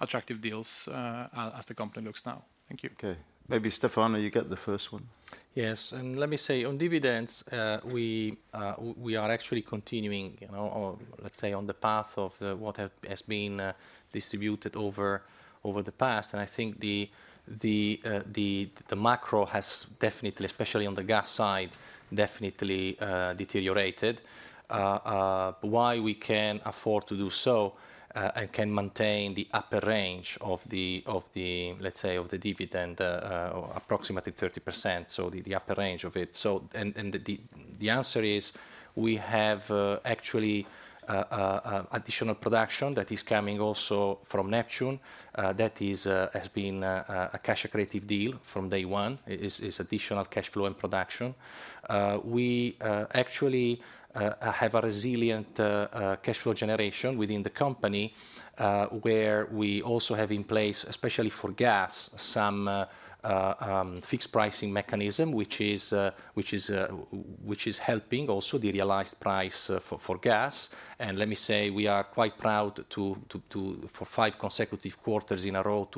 G: attractive deals as the company looks now? Thank you.
C: Okay. Maybe, Stefano, you get the first one.
F: Yes. And let me say, on dividends, we are actually continuing, let's say, on the path of what has been distributed over the past. And I think the macro has definitely, especially on the gas side, definitely deteriorated. Why we can afford to do so and can maintain the upper range of the, let's say, of the dividend, approximately 30%, so the upper range of it. And the answer is we have actually additional production that is coming also from Neptune. That has been a cash accretive deal from day one. It's additional cash flow and production. We actually have a resilient cash flow generation within the company, where we also have in place, especially for gas, some fixed pricing mechanism, which is helping also the realized price for gas. Let me say we are quite proud for five consecutive quarters in a row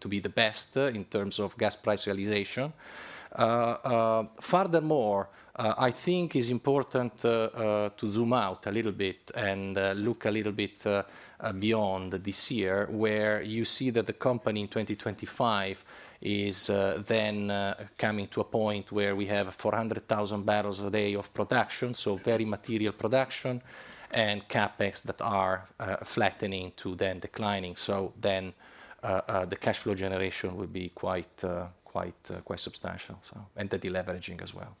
F: to be the best in terms of gas price realization. Furthermore, I think it's important to zoom out a little bit and look a little bit beyond this year, where you see that the company in 2025 is then coming to a point where we have 400,000 barrels a day of production, so very material production, and CapEx that are flattening to then declining. So then the cash flow generation would be quite substantial, and the deleveraging as well.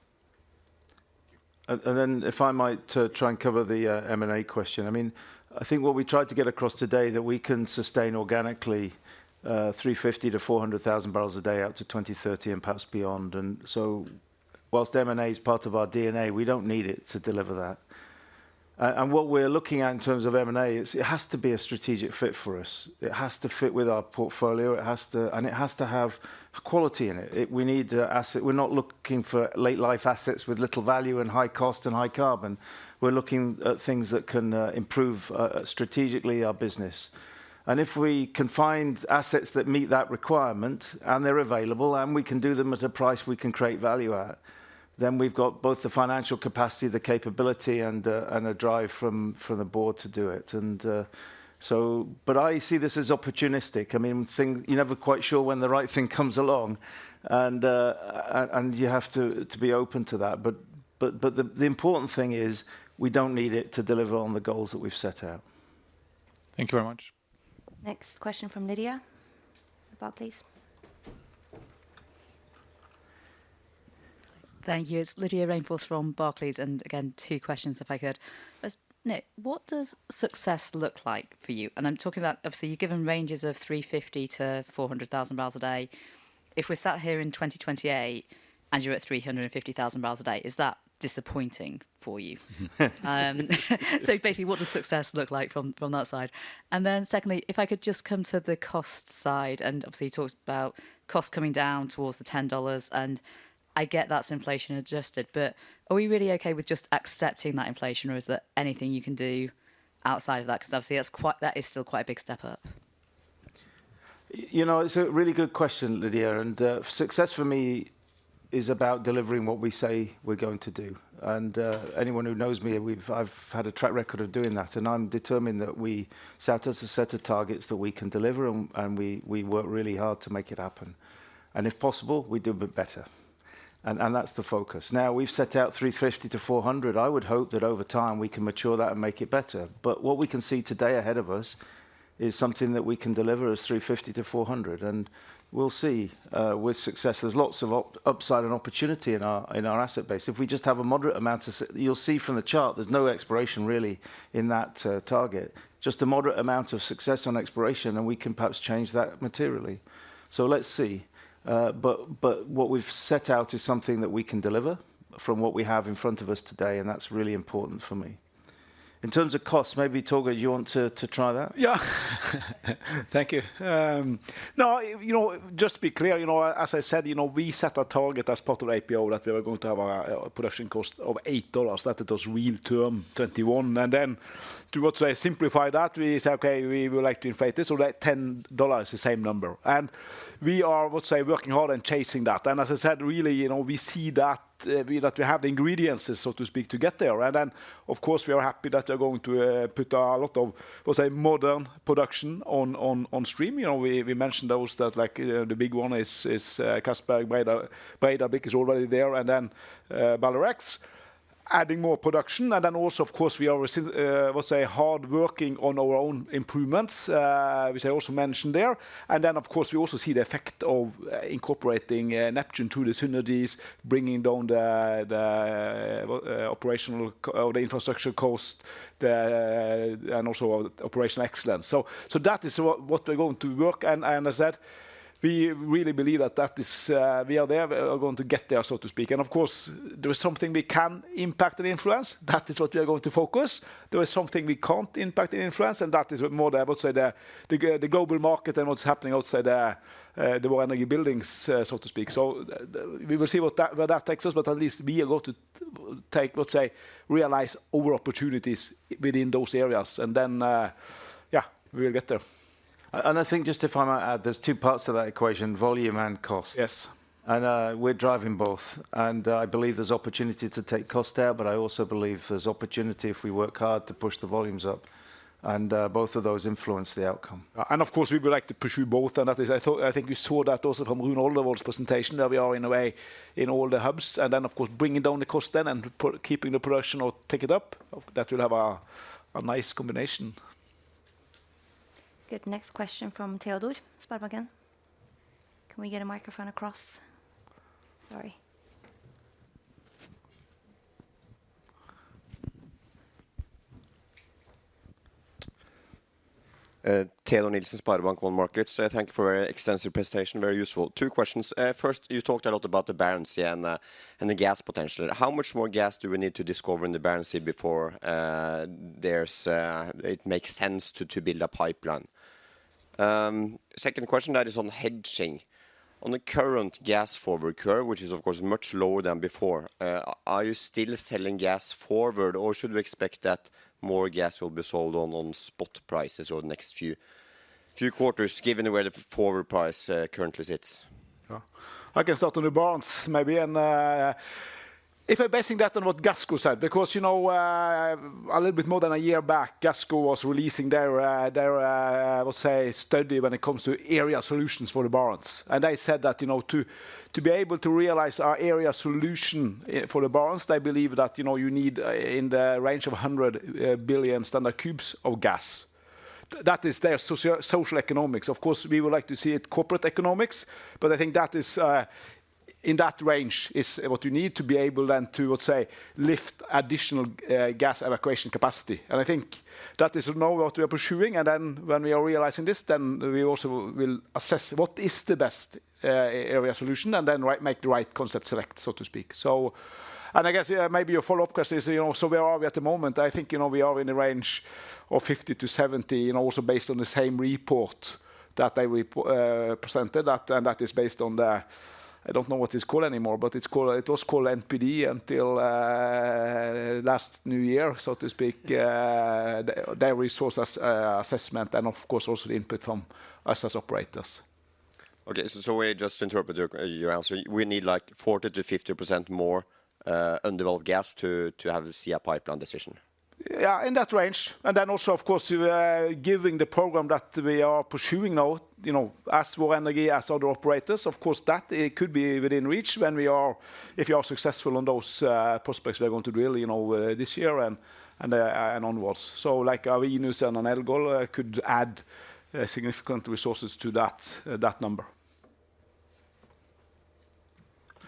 C: Thank you. And then if I might try and cover the M&A question. I mean, I think what we tried to get across today is that we can sustain organically 350,000-400,000 barrels a day out to 2030 and perhaps beyond. And so whilst M&A is part of our DNA, we don't need it to deliver that. And what we're looking at in terms of M&A, it has to be a strategic fit for us. It has to fit with our portfolio, and it has to have quality in it. We need assets. We're not looking for late-life assets with little value and high cost and high carbon. We're looking at things that can improve strategically our business. And if we can find assets that meet that requirement and they're available and we can do them at a price we can create value at, then we've got both the financial capacity, the capability, and a drive from the board to do it. But I see this as opportunistic. I mean, you're never quite sure when the right thing comes along, and you have to be open to that. But the important thing is we don't need it to deliver on the goals that we've set out. Thank you very much.
A: Next question from Lydia, Barclays.
H: Thank you. It's Lydia Sherwood from Barclays. And again, two questions, if I could. Nick, what does success look like for you? And I'm talking about, obviously, you've given ranges of 350,000-400,000 barrels a day. If we sat here in 2028 and you're at 350,000 barrels a day, is that disappointing for you? So basically, what does success look like from that side? And then secondly, if I could just come to the cost side. And obviously, you talked about costs coming down towards the $10, and I get that's inflation-adjusted. But are we really okay with just accepting that inflation, or is there anything you can do outside of that? Because obviously, that is still quite a big step up.
C: It's a really good question, Lydia. And success for me is about delivering what we say we're going to do. And anyone who knows me, I've had a track record of doing that. And I'm determined that we set a set of targets that we can deliver, and we work really hard to make it happen. And if possible, we do a bit better. And that's the focus. Now, we've set out 350,000-400,000. I would hope that over time, we can mature that and make it better. But what we can see today ahead of us is something that we can deliver as 350,000-400,000. And we'll see with success. There's lots of upside and opportunity in our asset base. If we just have a moderate amount of, you'll see from the chart, there's no exploration, really, in that target, just a moderate amount of success on exploration, and we can perhaps change that materially. So let's see. But what we've set out is something that we can deliver from what we have in front of us today, and that's really important for me. In terms of costs, maybe, Thorhild, you want to try that?
D: Yeah. Thank you. No, just to be clear, as I said, we set a target as part of the APO that we were going to have a production cost of $8, that it was real terms, 2021. And then to simplify that, we said, "Okay, we would like to inflate this," so that $10 is the same number. And we are, let's say, working hard and chasing that. And as I said, really, we see that we have the ingredients, so to speak, to get there. And then, of course, we are happy that we're going to put a lot of modern production on stream. We mentioned those that the big one is Castberg, Balder X is already there, and then Balder X, adding more production. And then also, of course, we are, let's say, working hard on our own improvements, which I also mentioned there. And then, of course, we also see the effect of incorporating Neptune to the synergies, bringing down the operational or the infrastructure cost and also operational excellence. So that is what we're going to work. And as I said, we really believe that we are there, we are going to get there, so to speak. And of course, there is something we can impact and influence. That is what we are going to focus. There is something we can't impact and influence, and that is more the global market and what's happening outside the Vår Energi buildings, so to speak. So we will see where that takes us, but at least we are going to take, let's say, realize over-opportunities within those areas. And then, yeah, we will get there.
C: I think, just if I might add, there's two parts to that equation, volume and cost. We're driving both. I believe there's opportunity to take costs out, but I also believe there's opportunity, if we work hard, to push the volumes up. Both of those influence the outcome.
D: Of course, we would like to pursue both. I think you saw that also from Rune Oldervoll's presentation, that we are, in a way, in all the hubs. Then, of course, bringing down the cost then and keeping the production or take it up, that will have a nice combination.
A: Good. Next question from Teodor SpareBank 1. Can we get a microphone across? Sorry.
I: TheTeodor Nielsen, SpareBank 1 Markets. I thank you for a very extensive presentation. Very useful. Two questions. First, you talked a lot about the Barents Sea and the gas potential. How much more gas do we need to discover in the Barents Sea before it makes sense to build a pipeline? Second question, that is on hedging. On the current gas forward curve, which is, of course, much lower than before, are you still selling gas forward, or should we expect that more gas will be sold on spot prices over the next few quarters, given where the forward price currently sits?
D: Yeah. I can start on the Barents. Maybe if I'm basing that on what Gassco said, because a little bit more than a year back, Gassco was releasing their study when it comes to area solutions for the Barents. And they said that to be able to realize our area solution for the Barents, they believe that you need in the range of 100 billion standard cubes of gas. That is their social economics. Of course, we would like to see it corporate economics, but I think that is in that range is what you need to be able then to, let's say, lift additional gas evacuation capacity. And I think that is now what we are pursuing. And then when we are realizing this, then we also will assess what is the best area solution and then make the right concept select, so to speak. I guess maybe your follow-up question is, so where are we at the moment? I think we are in the range of 50-70, also based on the same report that they presented, and that is based on the I don't know what it's called anymore, but it was called NPD until last New Year, so to speak, their resources assessment and, of course, also the input from us as operators.
I: Okay. So we just interpret your answer. We need like 40%-50% more undeveloped gas to have a CA pipeline decision.
D: Yeah, in that range. And then also, of course, given the program that we are pursuing now as Vår Energi, as other operators, of course, that could be within reach when, if we are successful on those prospects we're going to drill this year and onwards. So like Venus and Elgol could add significant resources to that number.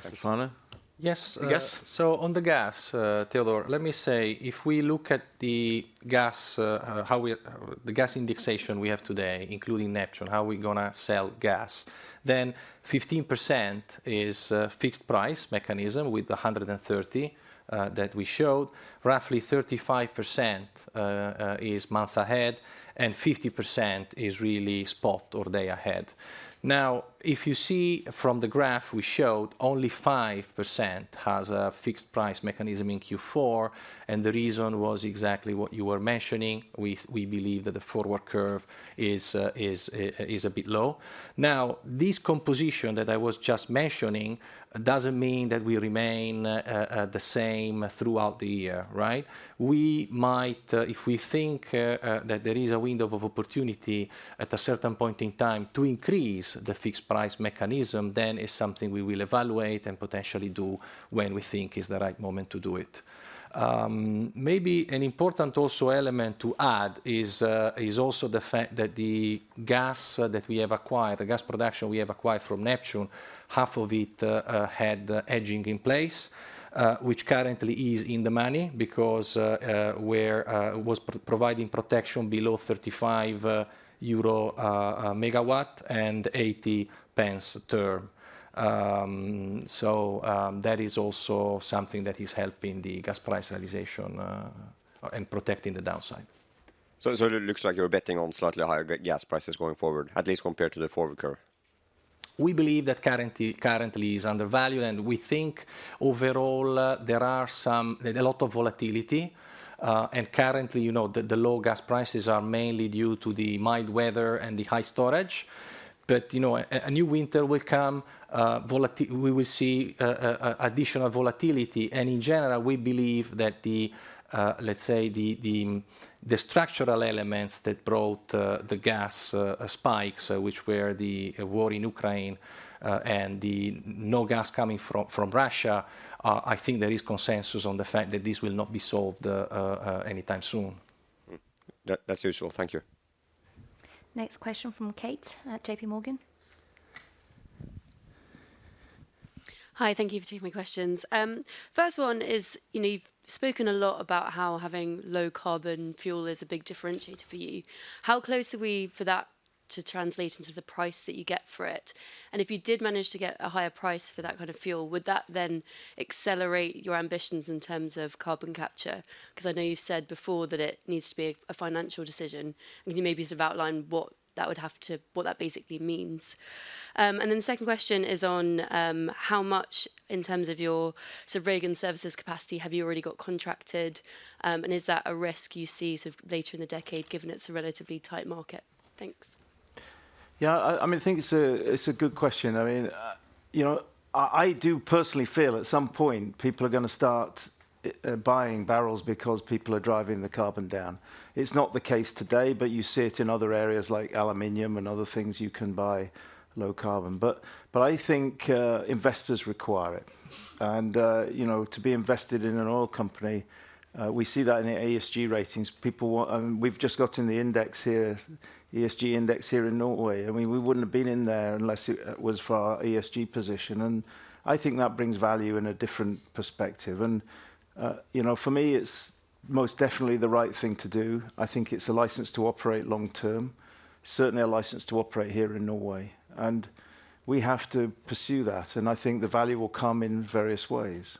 A: Stefano?
F: Yes. Yes? So on the gas, Theodor, let me say, if we look at the gas indexation we have today, including Neptune, how we're going to sell gas, then 15% is fixed price mechanism with the 130 that we showed. Roughly 35% is month ahead, and 50% is really spot or day ahead. Now, if you see from the graph we showed, only 5% has a fixed price mechanism in Q4. And the reason was exactly what you were mentioning. We believe that the forward curve is a bit low. Now, this composition that I was just mentioning doesn't mean that we remain the same throughout the year, right? If we think that there is a window of opportunity at a certain point in time to increase the fixed price mechanism, then it's something we will evaluate and potentially do when we think is the right moment to do it. Maybe an important also element to add is also the fact that the gas that we have acquired, the gas production we have acquired from Neptune, half of it had hedging in place, which currently is in the money because we were providing protection below 35 euro megawatt and 0.80 therm. So that is also something that is helping the gas price realization and protecting the downside. So it looks like you're betting on slightly higher gas prices going forward, at least compared to the forward curve. We believe that currently is undervalued. We think, overall, there are a lot of volatility. Currently, the low gas prices are mainly due to the mild weather and the high storage. But a new winter will come. We will see additional volatility. In general, we believe that, let's say, the structural elements that brought the gas spikes, which were the war in Ukraine and the no gas coming from Russia, I think there is consensus on the fact that this will not be solved anytime soon.
I: That's useful. Thank you.
A: Next question from Kate at JP Morgan.
J: Hi. Thank you for taking my questions. First one is, you've spoken a lot about how having low-carbon fuel is a big differentiator for you. How close are we for that to translate into the price that you get for it? And if you did manage to get a higher price for that kind of fuel, would that then accelerate your ambitions in terms of carbon capture? Because I know you've said before that it needs to be a financial decision. Can you maybe sort of outline what that would have to, what that basically means? And then the second question is on how much, in terms of your rig services capacity, have you already got contracted? And is that a risk you see later in the decade, given it's a relatively tight market? Thanks.
C: Yeah. I mean, I think it's a good question. I mean, I do personally feel at some point, people are going to start buying barrels because people are driving the carbon down. It's not the case today, but you see it in other areas like aluminum and other things you can buy low-carbon. But I think investors require it. And to be invested in an oil company, we see that in the ESG ratings. We've just gotten the ESG index here in Norway. I mean, we wouldn't have been in there unless it was for our ESG position. And I think that brings value in a different perspective. And for me, it's most definitely the right thing to do. I think it's a license to operate long term, certainly a license to operate here in Norway. And we have to pursue that. I think the value will come in various ways.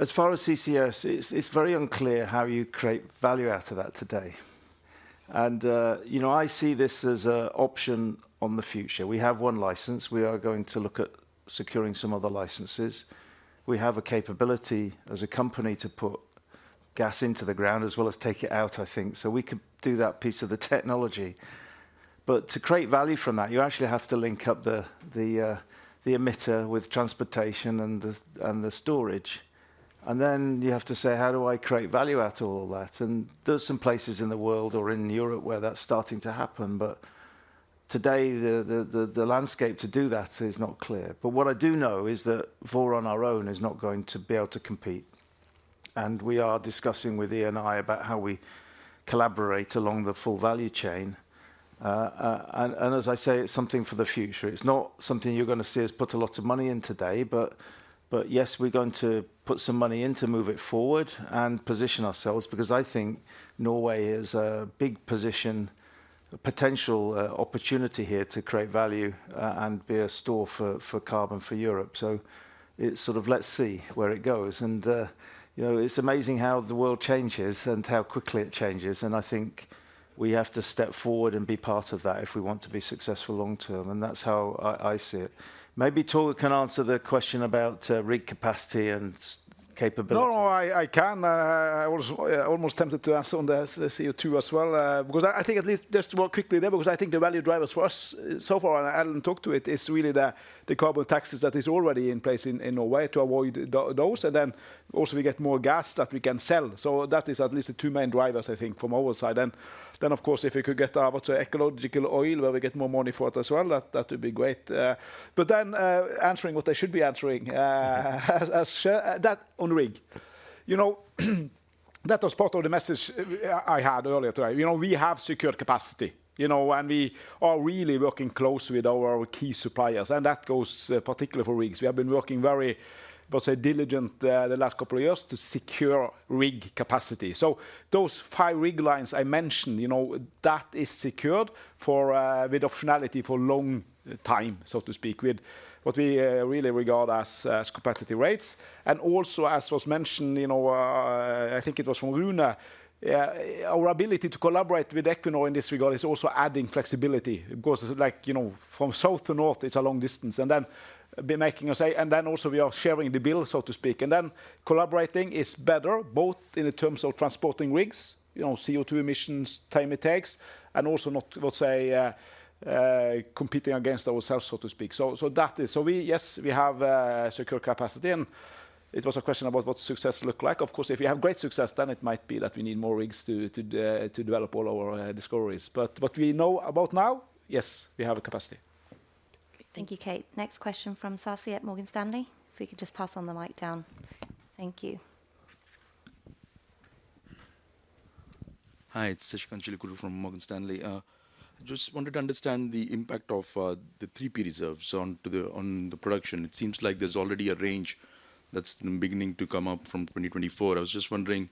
C: As far as CCS, it's very unclear how you create value out of that today. I see this as an option on the future. We have one license. We are going to look at securing some other licenses. We have a capability as a company to put gas into the ground as well as take it out, I think. We could do that piece of the technology. To create value from that, you actually have to link up the emitter with transportation and the storage. Then you have to say, how do I create value out of all that? There's some places in the world or in Europe where that's starting to happen. Today, the landscape to do that is not clear. But what I do know is that Vår on our own is not going to be able to compete. And we are discussing with Eni and I about how we collaborate along the full value chain. And as I say, it's something for the future. It's not something you're going to see us put a lot of money in today. But yes, we're going to put some money in to move it forward and position ourselves because I think Norway is a big position, potential opportunity here to create value and be a store for carbon for Europe. So it's sort of, let's see where it goes. And it's amazing how the world changes and how quickly it changes. And I think we have to step forward and be part of that if we want to be successful long term. And that's how I see it. Maybe Torger can answer the question about rig capacity and capability.
D: No, no, I can. I almost tempted to answer on the CO2 as well because I think at least just real quickly there, because I think the value drivers for us so far, and Alan talked to it, is really the carbon taxes that is already in place in Norway to avoid those. And then also, we get more gas that we can sell. So that is at least the two main drivers, I think, from our side. And then, of course, if we could get our ecological oil, where we get more money for it as well, that would be great. But then answering what they should be answering, that on rig, that was part of the message I had earlier today. We have secured capacity, and we are really working close with our key suppliers. And that goes particularly for rigs. We have been working very, let's say, diligent the last couple of years to secure rig capacity. So those 5 rig lines I mentioned, that is secured with optionality for long time, so to speak, with what we really regard as competitive rates. And also, as was mentioned, I think it was from Rune, our ability to collaborate with Equinor in this regard is also adding flexibility. Of course, from south to north, it's a long distance. And then making us say, and then also, we are sharing the bill, so to speak. And then collaborating is better, both in terms of transporting rigs, CO2 emissions, time it takes, and also not, let's say, competing against ourselves, so to speak. So yes, we have secure capacity. And it was a question about what success looks like. Of course, if we have great success, then it might be that we need more rigs to develop all our discoveries. But what we know about now, yes, we have a capacity.
A: Thank you, Kate. Next question from Sasi at Morgan Stanley, if we could just pass on the mic down. Thank you.
K: Hi. It's Sasikanth Chilukuru from Morgan Stanley. I just wanted to understand the impact of the 3P reserves on the production. It seems like there's already a range that's beginning to come up from 2024. I was just wondering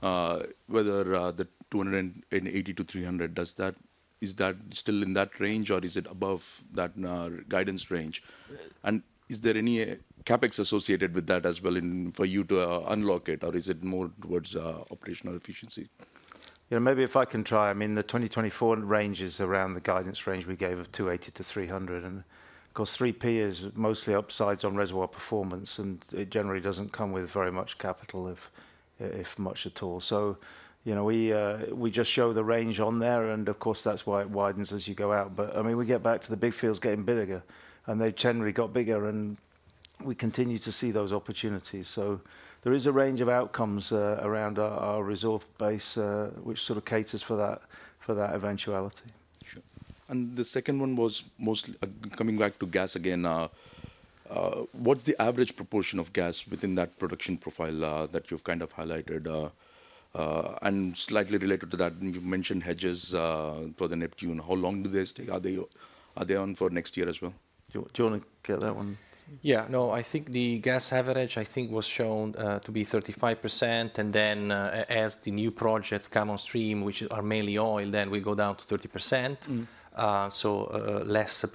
K: whether the 280-300, is that still in that range, or is it above that guidance range? And is there any CapEx associated with that as well for you to unlock it, or is it more towards operational efficiency?
C: Yeah. Maybe if I can try. I mean, the 2024 range is around the guidance range we gave of 280-300. And of course, 3P is mostly upsides on reservoir performance, and it generally doesn't come with very much capital, if much at all. So we just show the range on there. And of course, that's why it widens as you go out. But I mean, we get back to the big fields getting bigger. And they've generally got bigger. And we continue to see those opportunities. So there is a range of outcomes around our resource base, which sort of caters for that eventuality.
J: Sure. The second one was mostly coming back to gas again. What's the average proportion of gas within that production profile that you've kind of highlighted? And slightly related to that, you mentioned hedges for the Neptune. How long do they stay? Are they on for next year as well?
C: Do you want to get that one?
F: Yeah. No, I think the gas average, I think, was shown to be 35%. And then as the new projects come on stream, which are mainly oil, then we go down to 30%, so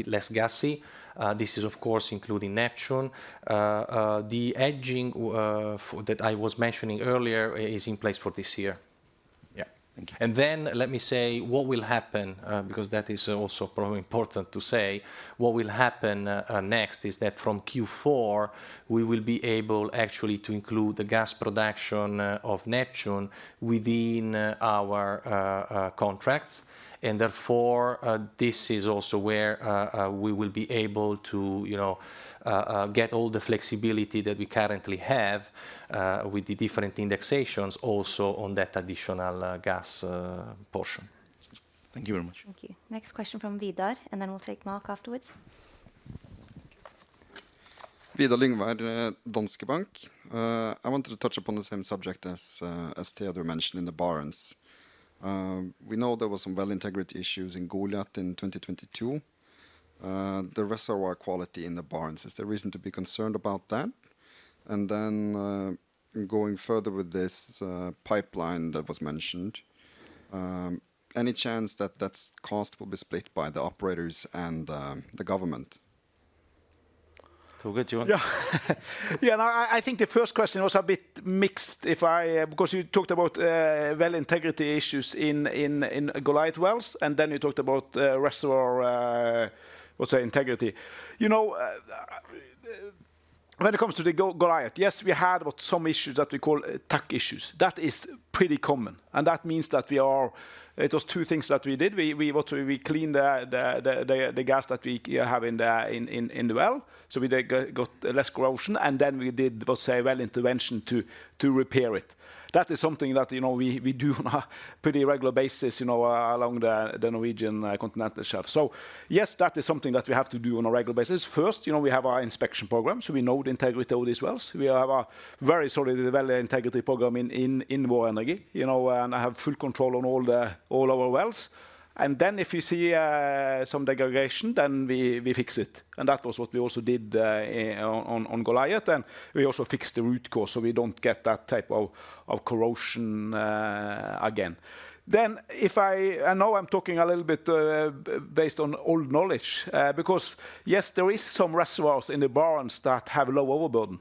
F: less gassy. This is, of course, including Neptune. The hedging that I was mentioning earlier is in place for this year. Yeah. And then let me say what will happen, because that is also probably important to say, what will happen next is that from Q4, we will be able actually to include the gas production of Neptune within our contracts. And therefore, this is also where we will be able to get all the flexibility that we currently have with the different indexations also on that additional gas portion. Thank you very much.
C: Thank you. Next question from Vidar, and then we'll take Mark afterwards. Vidar Lyngvær, Danske Bank. I wanted to touch upon the same subject as Theodor mentioned in the Barents. We know there were some well integrity issues in Goliath in 2022. The reservoir quality in the Barents, is there reason to be concerned about that? And then going further with this pipeline that was mentioned, any chance that that cost will be split by the operators and the government? Torger, do you want to?
D: Yeah. Yeah. And I think the first question was a bit mixed because you talked about well-integrity issues in Goliath wells, and then you talked about reservoir, let's say, integrity. When it comes to the Goliath, yes, we had some issues that we call tubing issues. That is pretty common. And that means that it was two things that we did. We cleaned the gas that we have in the well. So we got less corrosion. And then we did, let's say, well intervention to repair it. That is something that we do on a pretty regular basis along the Norwegian continental shelf. So yes, that is something that we have to do on a regular basis. First, we have our inspection program. So we know the integrity of these wells. We have a very solid, well integrity program in Vår Energi. And I have full control on all our wells. Then if we see some degradation, then we fix it. That was what we also did on Goliath. We also fixed the root cause so we don't get that type of corrosion again. Then I know I'm talking a little bit based on old knowledge because yes, there are some reservoirs in the Barents that have low overburden.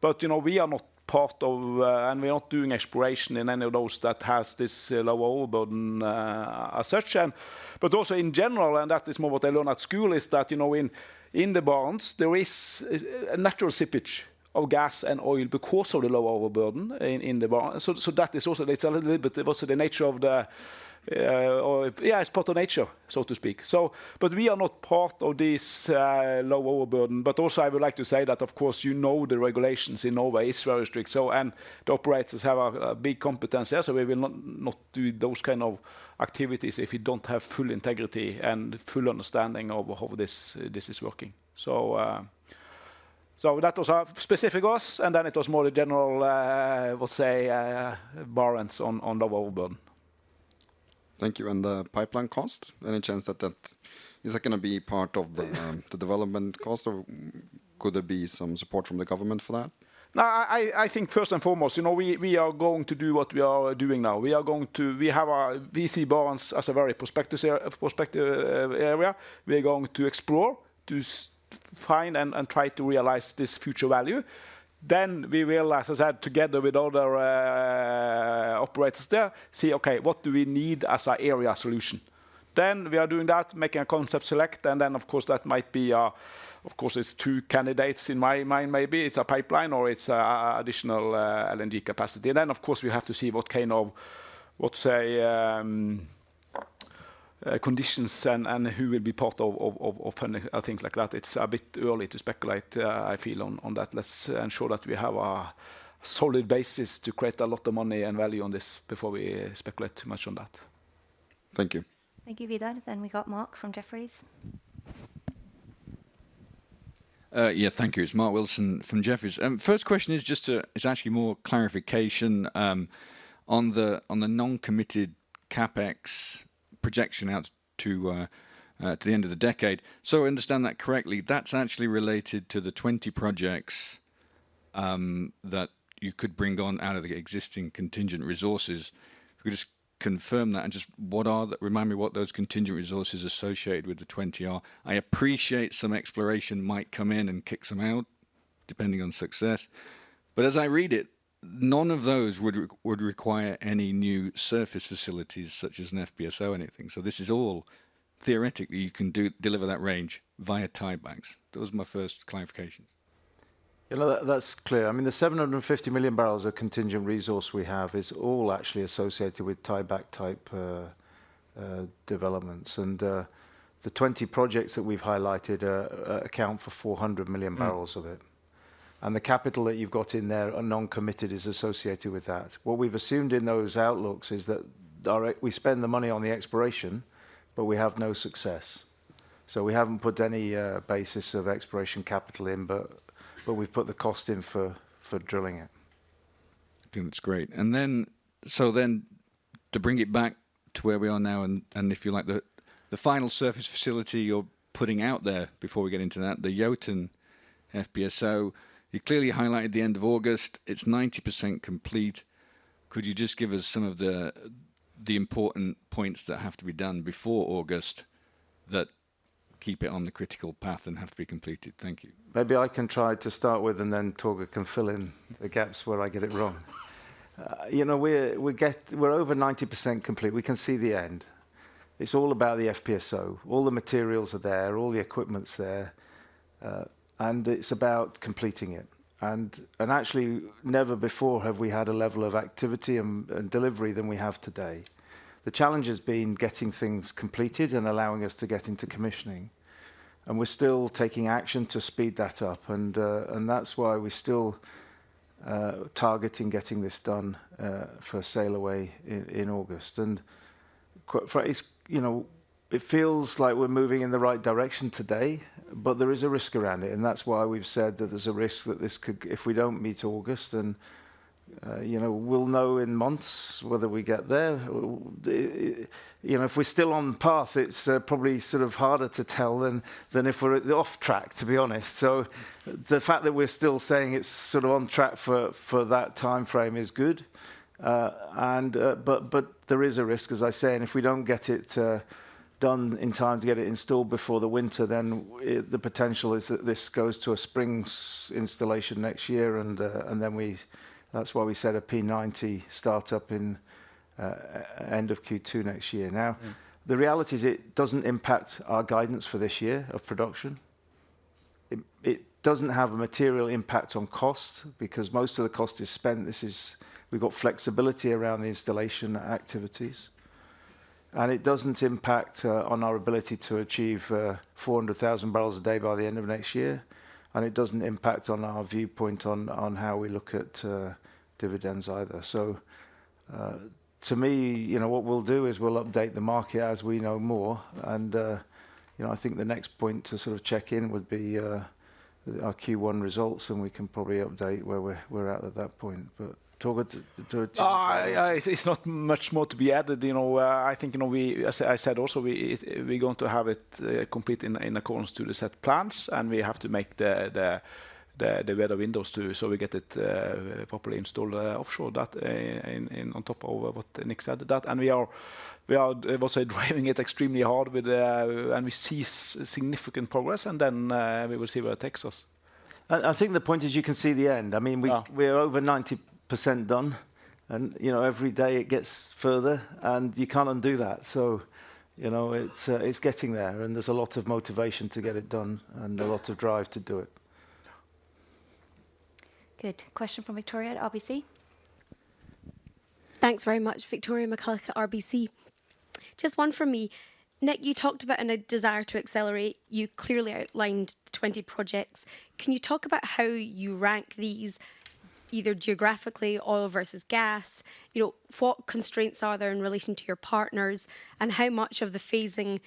D: But we are not part of, and we are not doing exploration in any of those that have this lower overburden as such. But also, in general, and that is more what I learned at school, is that in the Barents, there is a natural seepage of gas and oil because of the lower overburden in the Barents. So that is also a little bit also the nature of the, it's part of nature, so to speak. But we are not part of this low overburden. But also, I would like to say that, of course, you know the regulations in Norway is very strict. And the operators have a big competence there. So we will not do those kinds of activities if we don't have full integrity and full understanding of how this is working. So that was specific to us. And then it was more the general, let's say, barriers on lower overburden.
L: Thank you. And the pipeline cost, any chance that that is going to be part of the development cost, or could there be some support from the government for that? No, I think first and foremost, we are going to do what we are doing now. We have a Barents as a very prospective area. We are going to explore, to find, and try to realize this future value. Then we realize, as I said, together with other operators there, see, okay, what do we need as an area solution? Then we are doing that, making a concept select. And then, of course, that might be, of course, it's two candidates in my mind, maybe. It's a pipeline or it's additional LNG capacity. And then, of course, we have to see what kind of, let's say, conditions and who will be part of funding, things like that. It's a bit early to speculate, I feel, on that. Let's ensure that we have a solid basis to create a lot of money and value on this before we speculate too much on that. Thank you.
A: Thank you, Vidar. Then we got Mark from Jefferies.
M: Yeah. Thank you. It's Mark Wilson from Jefferies. First question is just a it's actually more clarification on the non-committed CapEx projection out to the end of the decade. So I understand that correctly, that's actually related to the 20 projects that you could bring on out of the existing contingent resources. If we could just confirm that and just remind me what those contingent resources associated with the 20 are. I appreciate some exploration might come in and kick some out, depending on success. But as I read it, none of those would require any new surface facilities such as an FPSO or anything. So this is all theoretically you can deliver that range via tie-backs. Those are my first clarifications.
C: Yeah. No, that's clear. I mean, the 750 million barrels of contingent resource we have is all actually associated with tie-back type developments. And the 20 projects that we've highlighted account for 400 million barrels of it. And the capital that you've got in there, non-committed, is associated with that. What we've assumed in those outlooks is that we spend the money on the exploration, but we have no success. So we haven't put any basis of exploration capital in, but we've put the cost in for drilling it.
L: I think that's great. Then to bring it back to where we are now, and if you like, the final surface facility you're putting out there before we get into that, the Jotun FPSO, you clearly highlighted the end of August. It's 90% complete. Could you just give us some of the important points that have to be done before August that keep it on the critical path and have to be completed? Thank you.
G: Maybe I can try to start with and then Torger can fill in the gaps where I get it wrong. We're over 90% complete. We can see the end. It's all about the FPSO. All the materials are there. All the equipment's there. And it's about completing it. And actually, never before have we had a level of activity and delivery than we have today. The challenge has been getting things completed and allowing us to get into commissioning. And we're still taking action to speed that up. And that's why we're still targeting getting this done for Sailaway in August. And it feels like we're moving in the right direction today, but there is a risk around it. And that's why we've said that there's a risk that if we don't meet August, then we'll know in months whether we get there. If we're still on path, it's probably sort of harder to tell than if we're off track, to be honest. So the fact that we're still saying it's sort of on track for that time frame is good. But there is a risk, as I say, and if we don't get it done in time to get it installed before the winter, then the potential is that this goes to a spring installation next year. That's why we set a P90 startup in end of Q2 next year. Now, the reality is it doesn't impact our guidance for this year of production. It doesn't have a material impact on cost because most of the cost is spent. We've got flexibility around the installation activities. It doesn't impact on our ability to achieve 400,000 barrels a day by the end of next year. It doesn't impact on our viewpoint on how we look at dividends either. So to me, what we'll do is we'll update the market as we know more. And I think the next point to sort of check in would be our Q1 results. And we can probably update where we're at at that point. But Thorhild, do you want to?
D: It's not much more to be added. I think, as I said also, we're going to have it complete in accordance to the set plans. And we have to make the weather windows too so we get it properly installed offshore on top of what Nick said. And we are also driving it extremely hard with, and we see significant progress. And then we will see where it takes us.
F: I think the point is you can see the end. I mean, we're over 90% done. Every day, it gets further. You can't undo that. It's getting there. There's a lot of motivation to get it done and a lot of drive to do it.
A: Good. Question from Victoria at RBC.
N: Thanks very much. Victoria McCulloch at RBC. Just one from me. Nick, you talked about a desire to accelerate. You clearly outlined 20 projects. Can you talk about how you rank these, either geographically, oil versus gas? What constraints are there in relation to your partners? And how much of the phasing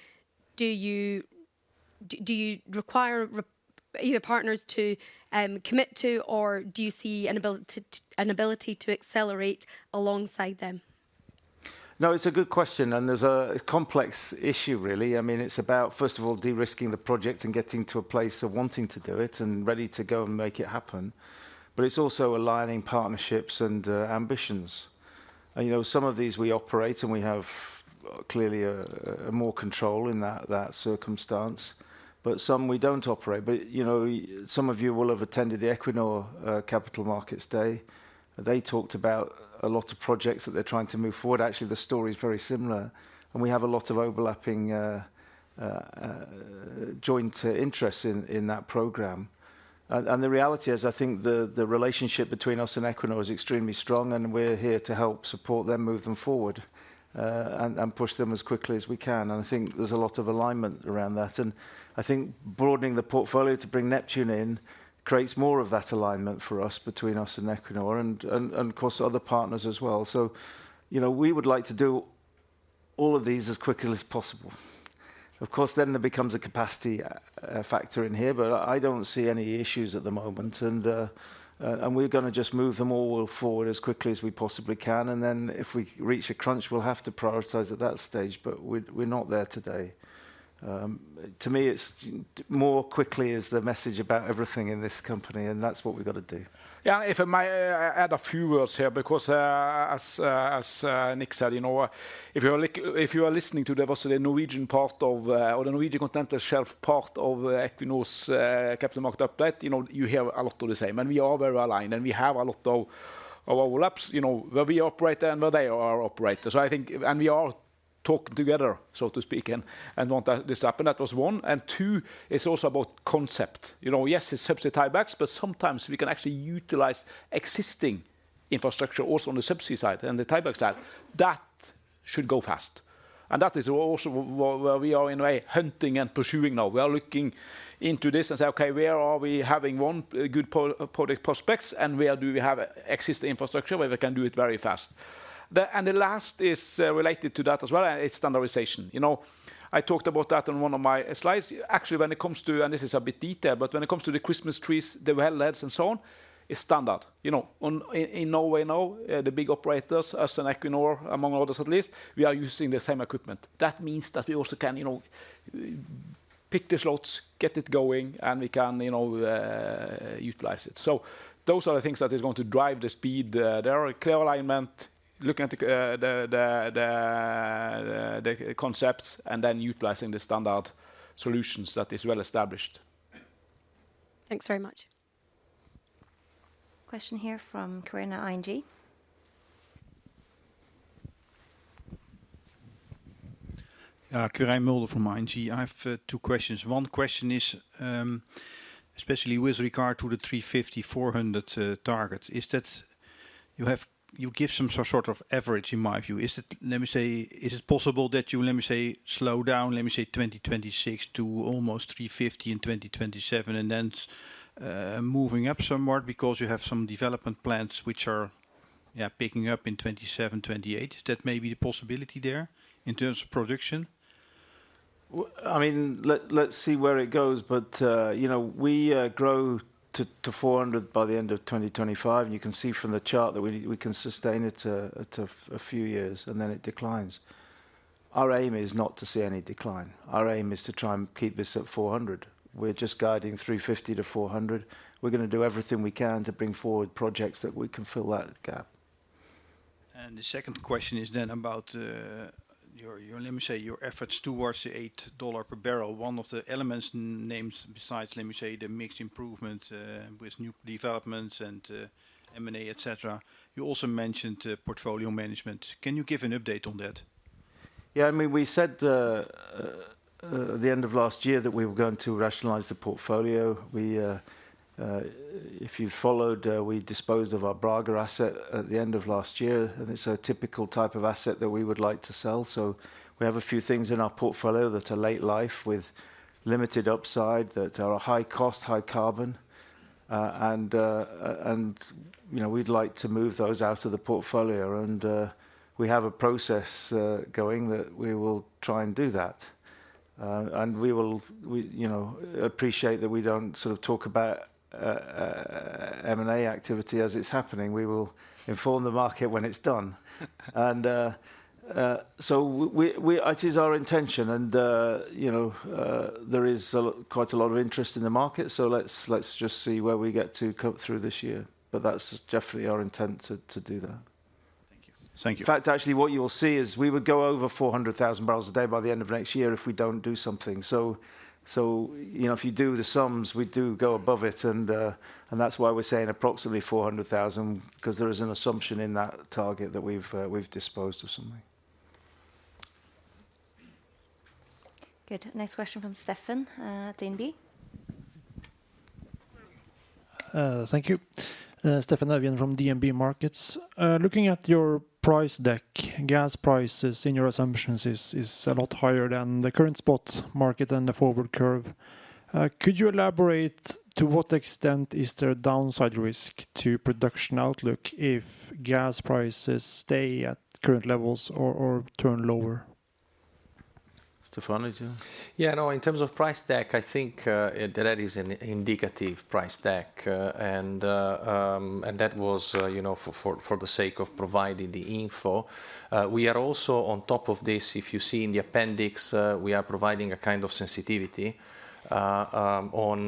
N: do you require either partners to commit to, or do you see an ability to accelerate alongside them?
C: No, it's a good question. There's a complex issue, really. I mean, it's about, first of all, de-risking the project and getting to a place of wanting to do it and ready to go and make it happen. It's also aligning partnerships and ambitions. Some of these, we operate, and we have clearly more control in that circumstance. Some, we don't operate. Some of you will have attended the Equinor Capital Markets Day. They talked about a lot of projects that they're trying to move forward. Actually, the story is very similar. We have a lot of overlapping joint interests in that program. The reality is, I think the relationship between us and Equinor is extremely strong. We're here to help support them, move them forward, and push them as quickly as we can. And I think there's a lot of alignment around that. And I think broadening the portfolio to bring Neptune in creates more of that alignment for us between us and Equinor and, of course, other partners as well. So we would like to do all of these as quickly as possible. Of course, then there becomes a capacity factor in here. But I don't see any issues at the moment. And we're going to just move them all forward as quickly as we possibly can. And then if we reach a crunch, we'll have to prioritize at that stage. But we're not there today. To me, it's more quickly is the message about everything in this company. And that's what we've got to do.
D: Yeah. If I may add a few words here because, as Nick said, if you are listening to the Norwegian part of or the Norwegian continental shelf part of Equinor's Capital Markets Update, you hear a lot of the same. And we are very aligned. And we have a lot of overlaps where we operate and where they are operators. And we are talking together, so to speak, and want this to happen. That was one. And two, it's also about concept. Yes, it's subsea tie-backs. But sometimes we can actually utilize existing infrastructure also on the subsea side and the tie-back side. That should go fast. And that is also where we are, in a way, hunting and pursuing now. We are looking into this and say, okay, where are we having good prospect prospects? And where do we have existing infrastructure where we can do it very fast? The last is related to that as well. It's standardization. I talked about that on one of my slides. Actually, when it comes to and this is a bit detailed, but when it comes to the Christmas trees, the wellheads, and so on, it's standard. In Norway now, the big operators, us and Equinor, among others at least, we are using the same equipment. That means that we also can pick the slots, get it going, and we can utilize it. So those are the things that are going to drive the speed. They are clear alignment, looking at the concepts, and then utilizing the standard solutions that are well established.
A: Thanks very much. Question here from Quirijn ING.
O: Yeah. Quirijn Mulder from ING. I have two questions. One question is especially with regard to the 350-400 target. You give some sort of average, in my view. Let me say, is it possible that you, let me say, slow down, let me say, 2026 to almost 350 in 2027, and then moving up somewhat because you have some development plans which are picking up in 2027, 2028? Is that maybe the possibility there in terms of production?
F: I mean, let's see where it goes. But we grow to 400 by the end of 2025. And you can see from the chart that we can sustain it a few years, and then it declines. Our aim is not to see any decline. Our aim is to try and keep this at 400. We're just guiding 350-400. We're going to do everything we can to bring forward projects that we can fill that gap.
M: The second question is then about, let me say, your efforts towards the $8 per barrel. One of the elements named, besides, let me say, the mixed improvement with new developments and M&A, etc., you also mentioned portfolio management. Can you give an update on that?
O: Yeah. I mean, we said at the end of last year that we were going to rationalize the portfolio. If you've followed, we disposed of our Brage asset at the end of last year. And it's a typical type of asset that we would like to sell. So we have a few things in our portfolio that are late life with limited upside that are high cost, high carbon. And we'd like to move those out of the portfolio. And we have a process going that we will try and do that. And we will appreciate that we don't sort of talk about M&A activity as it's happening. We will inform the market when it's done. And so it is our intention. And there is quite a lot of interest in the market. So let's just see where we get to come through this year. That's definitely our intent to do that.
M: Thank you.
C: In fact, actually, what you will see is we would go over 400,000 barrels a day by the end of next year if we don't do something. So if you do the sums, we do go above it. And that's why we're saying approximately 400,000 because there is an assumption in that target that we've disposed of something. Good. Next question from Stefan at DNB.
P: Thank you. Steffen Evjen from DNB Markets. Looking at your price deck, gas prices in your assumptions are a lot higher than the current spot market and the forward curve. Could you elaborate to what extent is there downside risk to production outlook if gas prices stay at current levels or turn lower?
C: Stefano, would you?
F: Yeah. No, in terms of price deck, I think that is an indicative price deck. That was for the sake of providing the info. We are also on top of this. If you see in the appendix, we are providing a kind of sensitivity on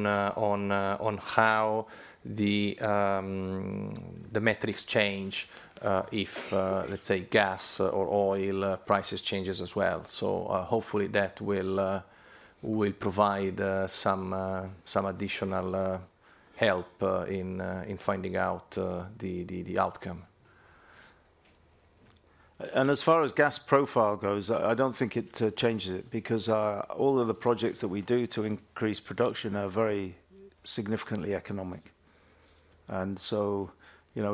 F: how the metrics change if, let's say, gas or oil prices change as well. Hopefully, that will provide some additional help in finding out the outcome.
G: As far as gas profile goes, I don't think it changes it because all of the projects that we do to increase production are very significantly economic. And so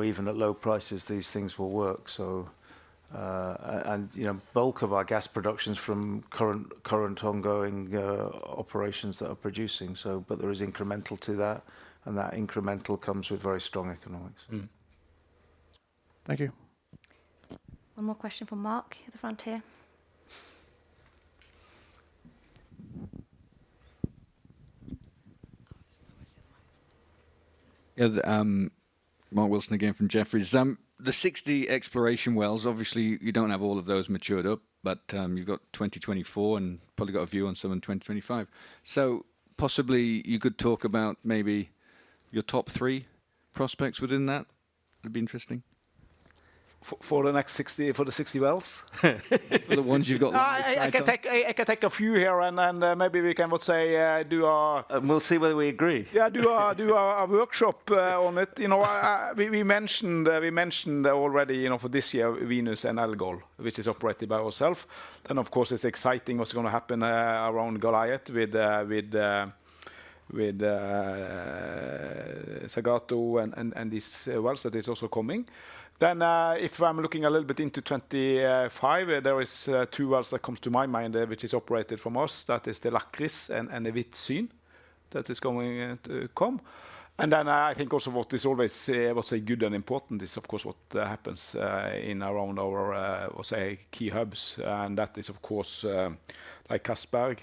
G: even at low prices, these things will work. And bulk of our gas production is from current ongoing operations that are producing. But there is incremental to that. And that incremental comes with very strong economics.
P: Thank you.
A: One more question from Mark at Jefferies.
M: Yeah. Mark Wilson again from Jefferies. The 60 exploration wells, obviously, you don't have all of those matured up. But you've got 2024 and probably got a view on some in 2025. So possibly, you could talk about maybe your top three prospects within that? It'd be interesting.
D: For the next 60 wells? For the ones you've got? I can take a few here. And maybe we can, say, do our. We'll see whether we agree. Yeah. Do our workshop on it. We mentioned already for this year Venus and Elgol, which is operated by ourselves. Then, of course, it's exciting what's going to happen around Goliath with Sagat and these wells that are also coming. Then if I'm looking a little bit into 2025, there are two wells that come to my mind which are operated from us. That is the Lavrans and the Vitsyn that are going to come. And then I think also what is always good and important is, of course, what happens around our key hubs. And that is, of course, like Castberg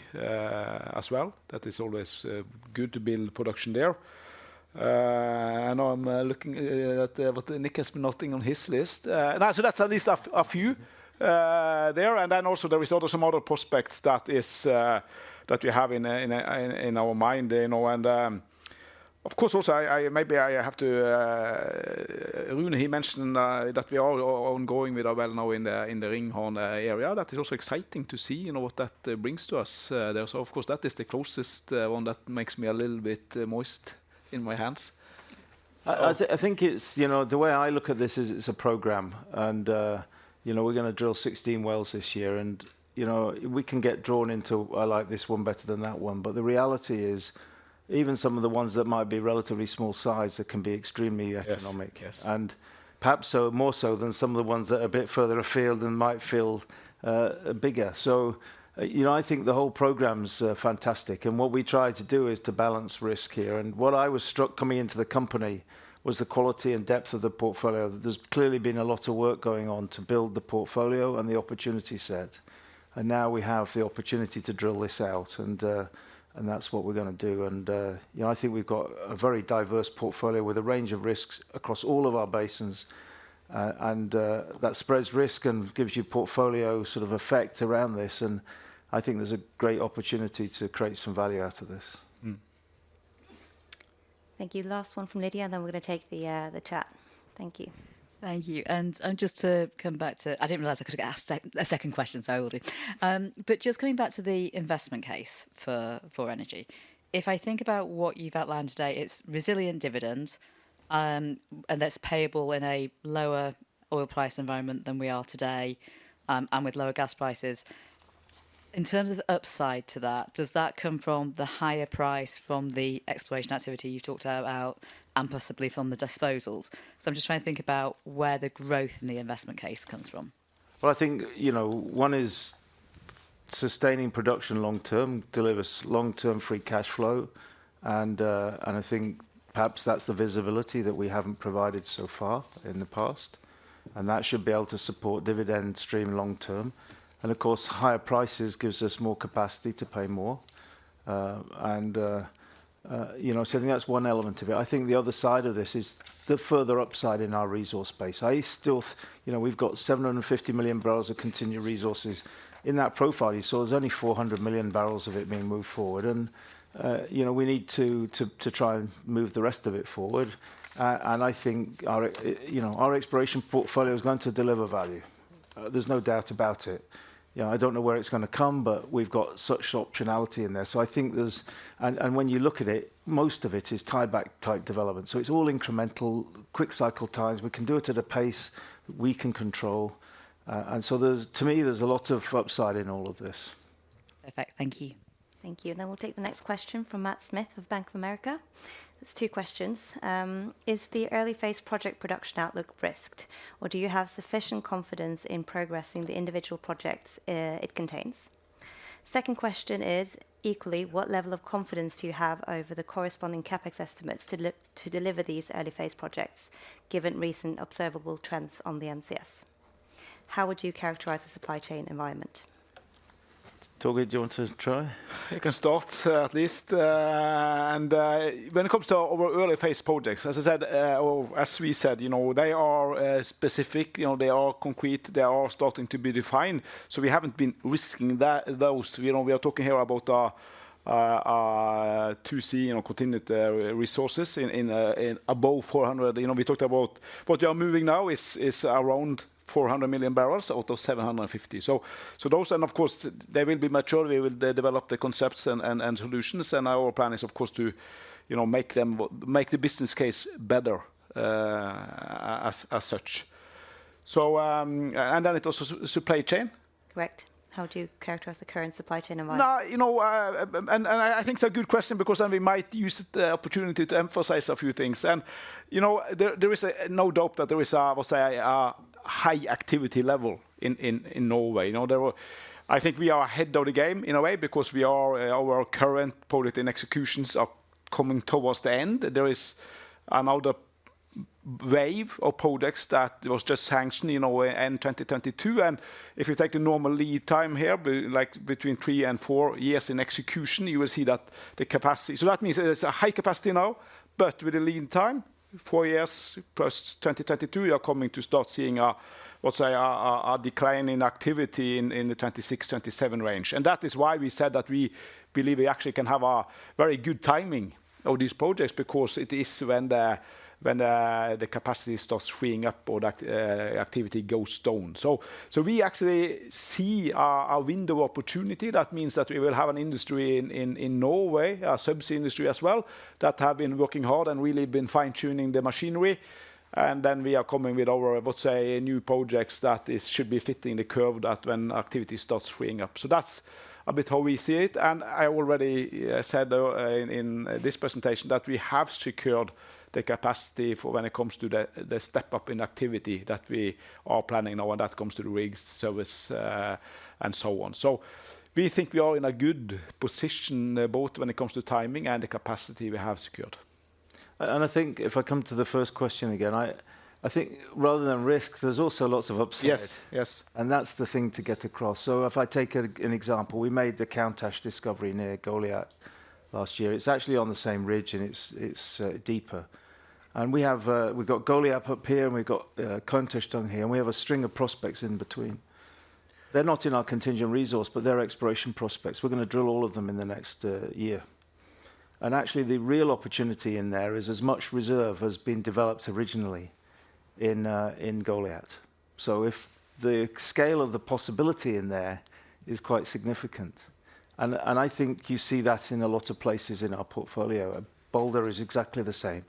D: as well. That is always good to build production there. I'm looking at what Nick has been putting on his list. No, so that's at least a few there. And then also, there are some other prospects that we have in our mind. And of course, also, maybe as Rune mentioned that we are ongoing with our well now in the Ringhorn area. That is also exciting to see what that brings to us there. So of course, that is the closest one that makes me a little bit moist in my hands.
C: I think the way I look at this is it's a program. We're going to drill 16 wells this year. And we can get drawn into I like this one better than that one. But the reality is even some of the ones that might be relatively small size that can be extremely economic and perhaps more so than some of the ones that are a bit further afield and might feel bigger. So I think the whole program is fantastic. What we try to do is to balance risk here. What I was struck coming into the company was the quality and depth of the portfolio. There's clearly been a lot of work going on to build the portfolio and the opportunity set. Now we have the opportunity to drill this out. That's what we're going to do. I think we've got a very diverse portfolio with a range of risks across all of our basins. And that spreads risk and gives you portfolio sort of effect around this. And I think there's a great opportunity to create some value out of this. Thank you. Last one from Lydia. And then we're going to take the chat. Thank you.
H: Thank you. Just to come back to, I didn't realize I could have asked a second question. Sorry, Willie. But just coming back to the investment case for Vår Energi. If I think about what you've outlined today, it's resilient dividends. And that's payable in a lower oil price environment than we are today and with lower gas prices. In terms of the upside to that, does that come from the higher price from the exploration activity you've talked about and possibly from the disposals? So I'm just trying to think about where the growth in the investment case comes from.
C: Well, I think one is sustaining production long-term delivers long-term free cash flow. And I think perhaps that's the visibility that we haven't provided so far in the past. And that should be able to support dividend stream long-term. And of course, higher prices gives us more capacity to pay more. And so I think that's one element of it. I think the other side of this is the further upside in our resource space. We've got 750 million barrels of contingent resources. In that profile, you saw there's only 400 million barrels of it being moved forward. And we need to try and move the rest of it forward. And I think our exploration portfolio is going to deliver value. There's no doubt about it. I don't know where it's going to come. But we've got such optionality in there. So, I think there's, and when you look at it, most of it is tie-back type development. So, it's all incremental, quick cycle times. We can do it at a pace we can control. And so, to me, there's a lot of upside in all of this.
H: Perfect. Thank you.
A: Thank you. And then we'll take the next question from Matt Smith of Bank of America. It's two questions. Is the early-phase project production outlook risked? Or do you have sufficient confidence in progressing the individual projects it contains? Second question is, equally, what level of confidence do you have over the corresponding CapEx estimates to deliver these early-phase projects given recent observable trends on the NCS? How would you characterize the supply chain environment?
C: Torger, do you want to try?
D: I can start at least. When it comes to our early-phase projects, as I said, or as we said, they are specific. They are concrete. They are starting to be defined. So we haven't been risking those. We are talking here about our 2C contingent resources above 400. We talked about what we are moving now is around 400 million barrels out of 750. And of course, they will be matured. We will develop the concepts and solutions. And our plan is, of course, to make the business case better as such. And then it's also supply chain.
A: Correct. How would you characterize the current supply chain environment?
D: I think it's a good question because then we might use the opportunity to emphasize a few things. There is no doubt that there is, I would say, a high activity level in Norway. I think we are ahead of the game in a way because our current project in executions are coming towards the end. There is another wave of projects that was just sanctioned in 2022. If you take the normal lead time here, between 3 and 4 years in execution, you will see that the capacity so that means there's a high capacity now. But with the lead time, 4 years plus 2022, you are coming to start seeing, I would say, a decline in activity in the 2026-2027 range. That is why we said that we believe we actually can have a very good timing of these projects because it is when the capacity starts freeing up or the activity goes down. So we actually see our window of opportunity. That means that we will have an industry in Norway, a subsea industry as well, that have been working hard and really been fine-tuning the machinery. And then we are coming with our, I would say, new projects that should be fitting the curve that when activity starts freeing up. So that's a bit how we see it. And I already said in this presentation that we have secured the capacity for when it comes to the step-up in activity that we are planning now when that comes to the rigs, service, and so on. We think we are in a good position both when it comes to timing and the capacity we have secured.
C: I think if I come to the first question again, I think rather than risk, there's also lots of upside. And that's the thing to get across. So if I take an example, we made the Countach discovery near Goliath last year. It's actually on the same ridge. And we've got Goliath up here. And we've got Countach down here. And we have a string of prospects in between. They're not in our contingent resource. But they're exploration prospects. We're going to drill all of them in the next year. And actually, the real opportunity in there is as much reserve as being developed originally in Goliath. So the scale of the possibility in there is quite significant. And I think you see that in a lot of places in our portfolio. Balder is exactly the same.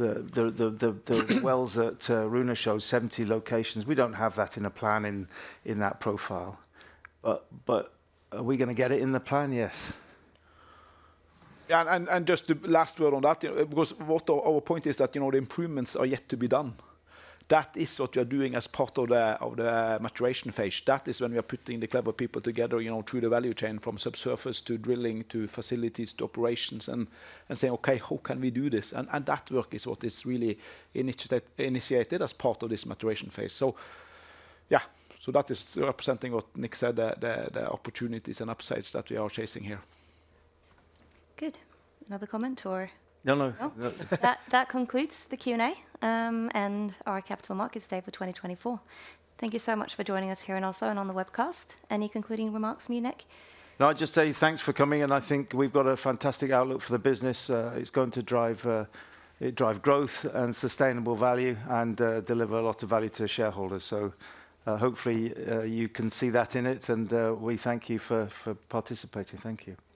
C: The wells that Rune showed, 70 locations, we don't have that in a plan in that profile. But are we going to get it in the plan? Yes.
D: Yeah. And just the last word on that because what our point is that the improvements are yet to be done. That is what we are doing as part of the maturation phase. That is when we are putting the clever people together through the value chain, from subsurface to drilling to facilities to operations, and saying, "OK, how can we do this?" And that work is what is really initiated as part of this maturation phase. So yeah, so that is representing what Nick said, the opportunities and upsides that we are chasing here.
C: Good. Another comment or? No, no.
A: That concludes the Q&A and our Capital Markets Day for 2024. Thank you so much for joining us here and also on the webcast. Any concluding remarks from you, Nick?
C: No, I'd just say thanks for coming. I think we've got a fantastic outlook for the business. It's going to drive growth and sustainable value and deliver a lot of value to shareholders. Hopefully, you can see that in it. We thank you for participating. Thank you.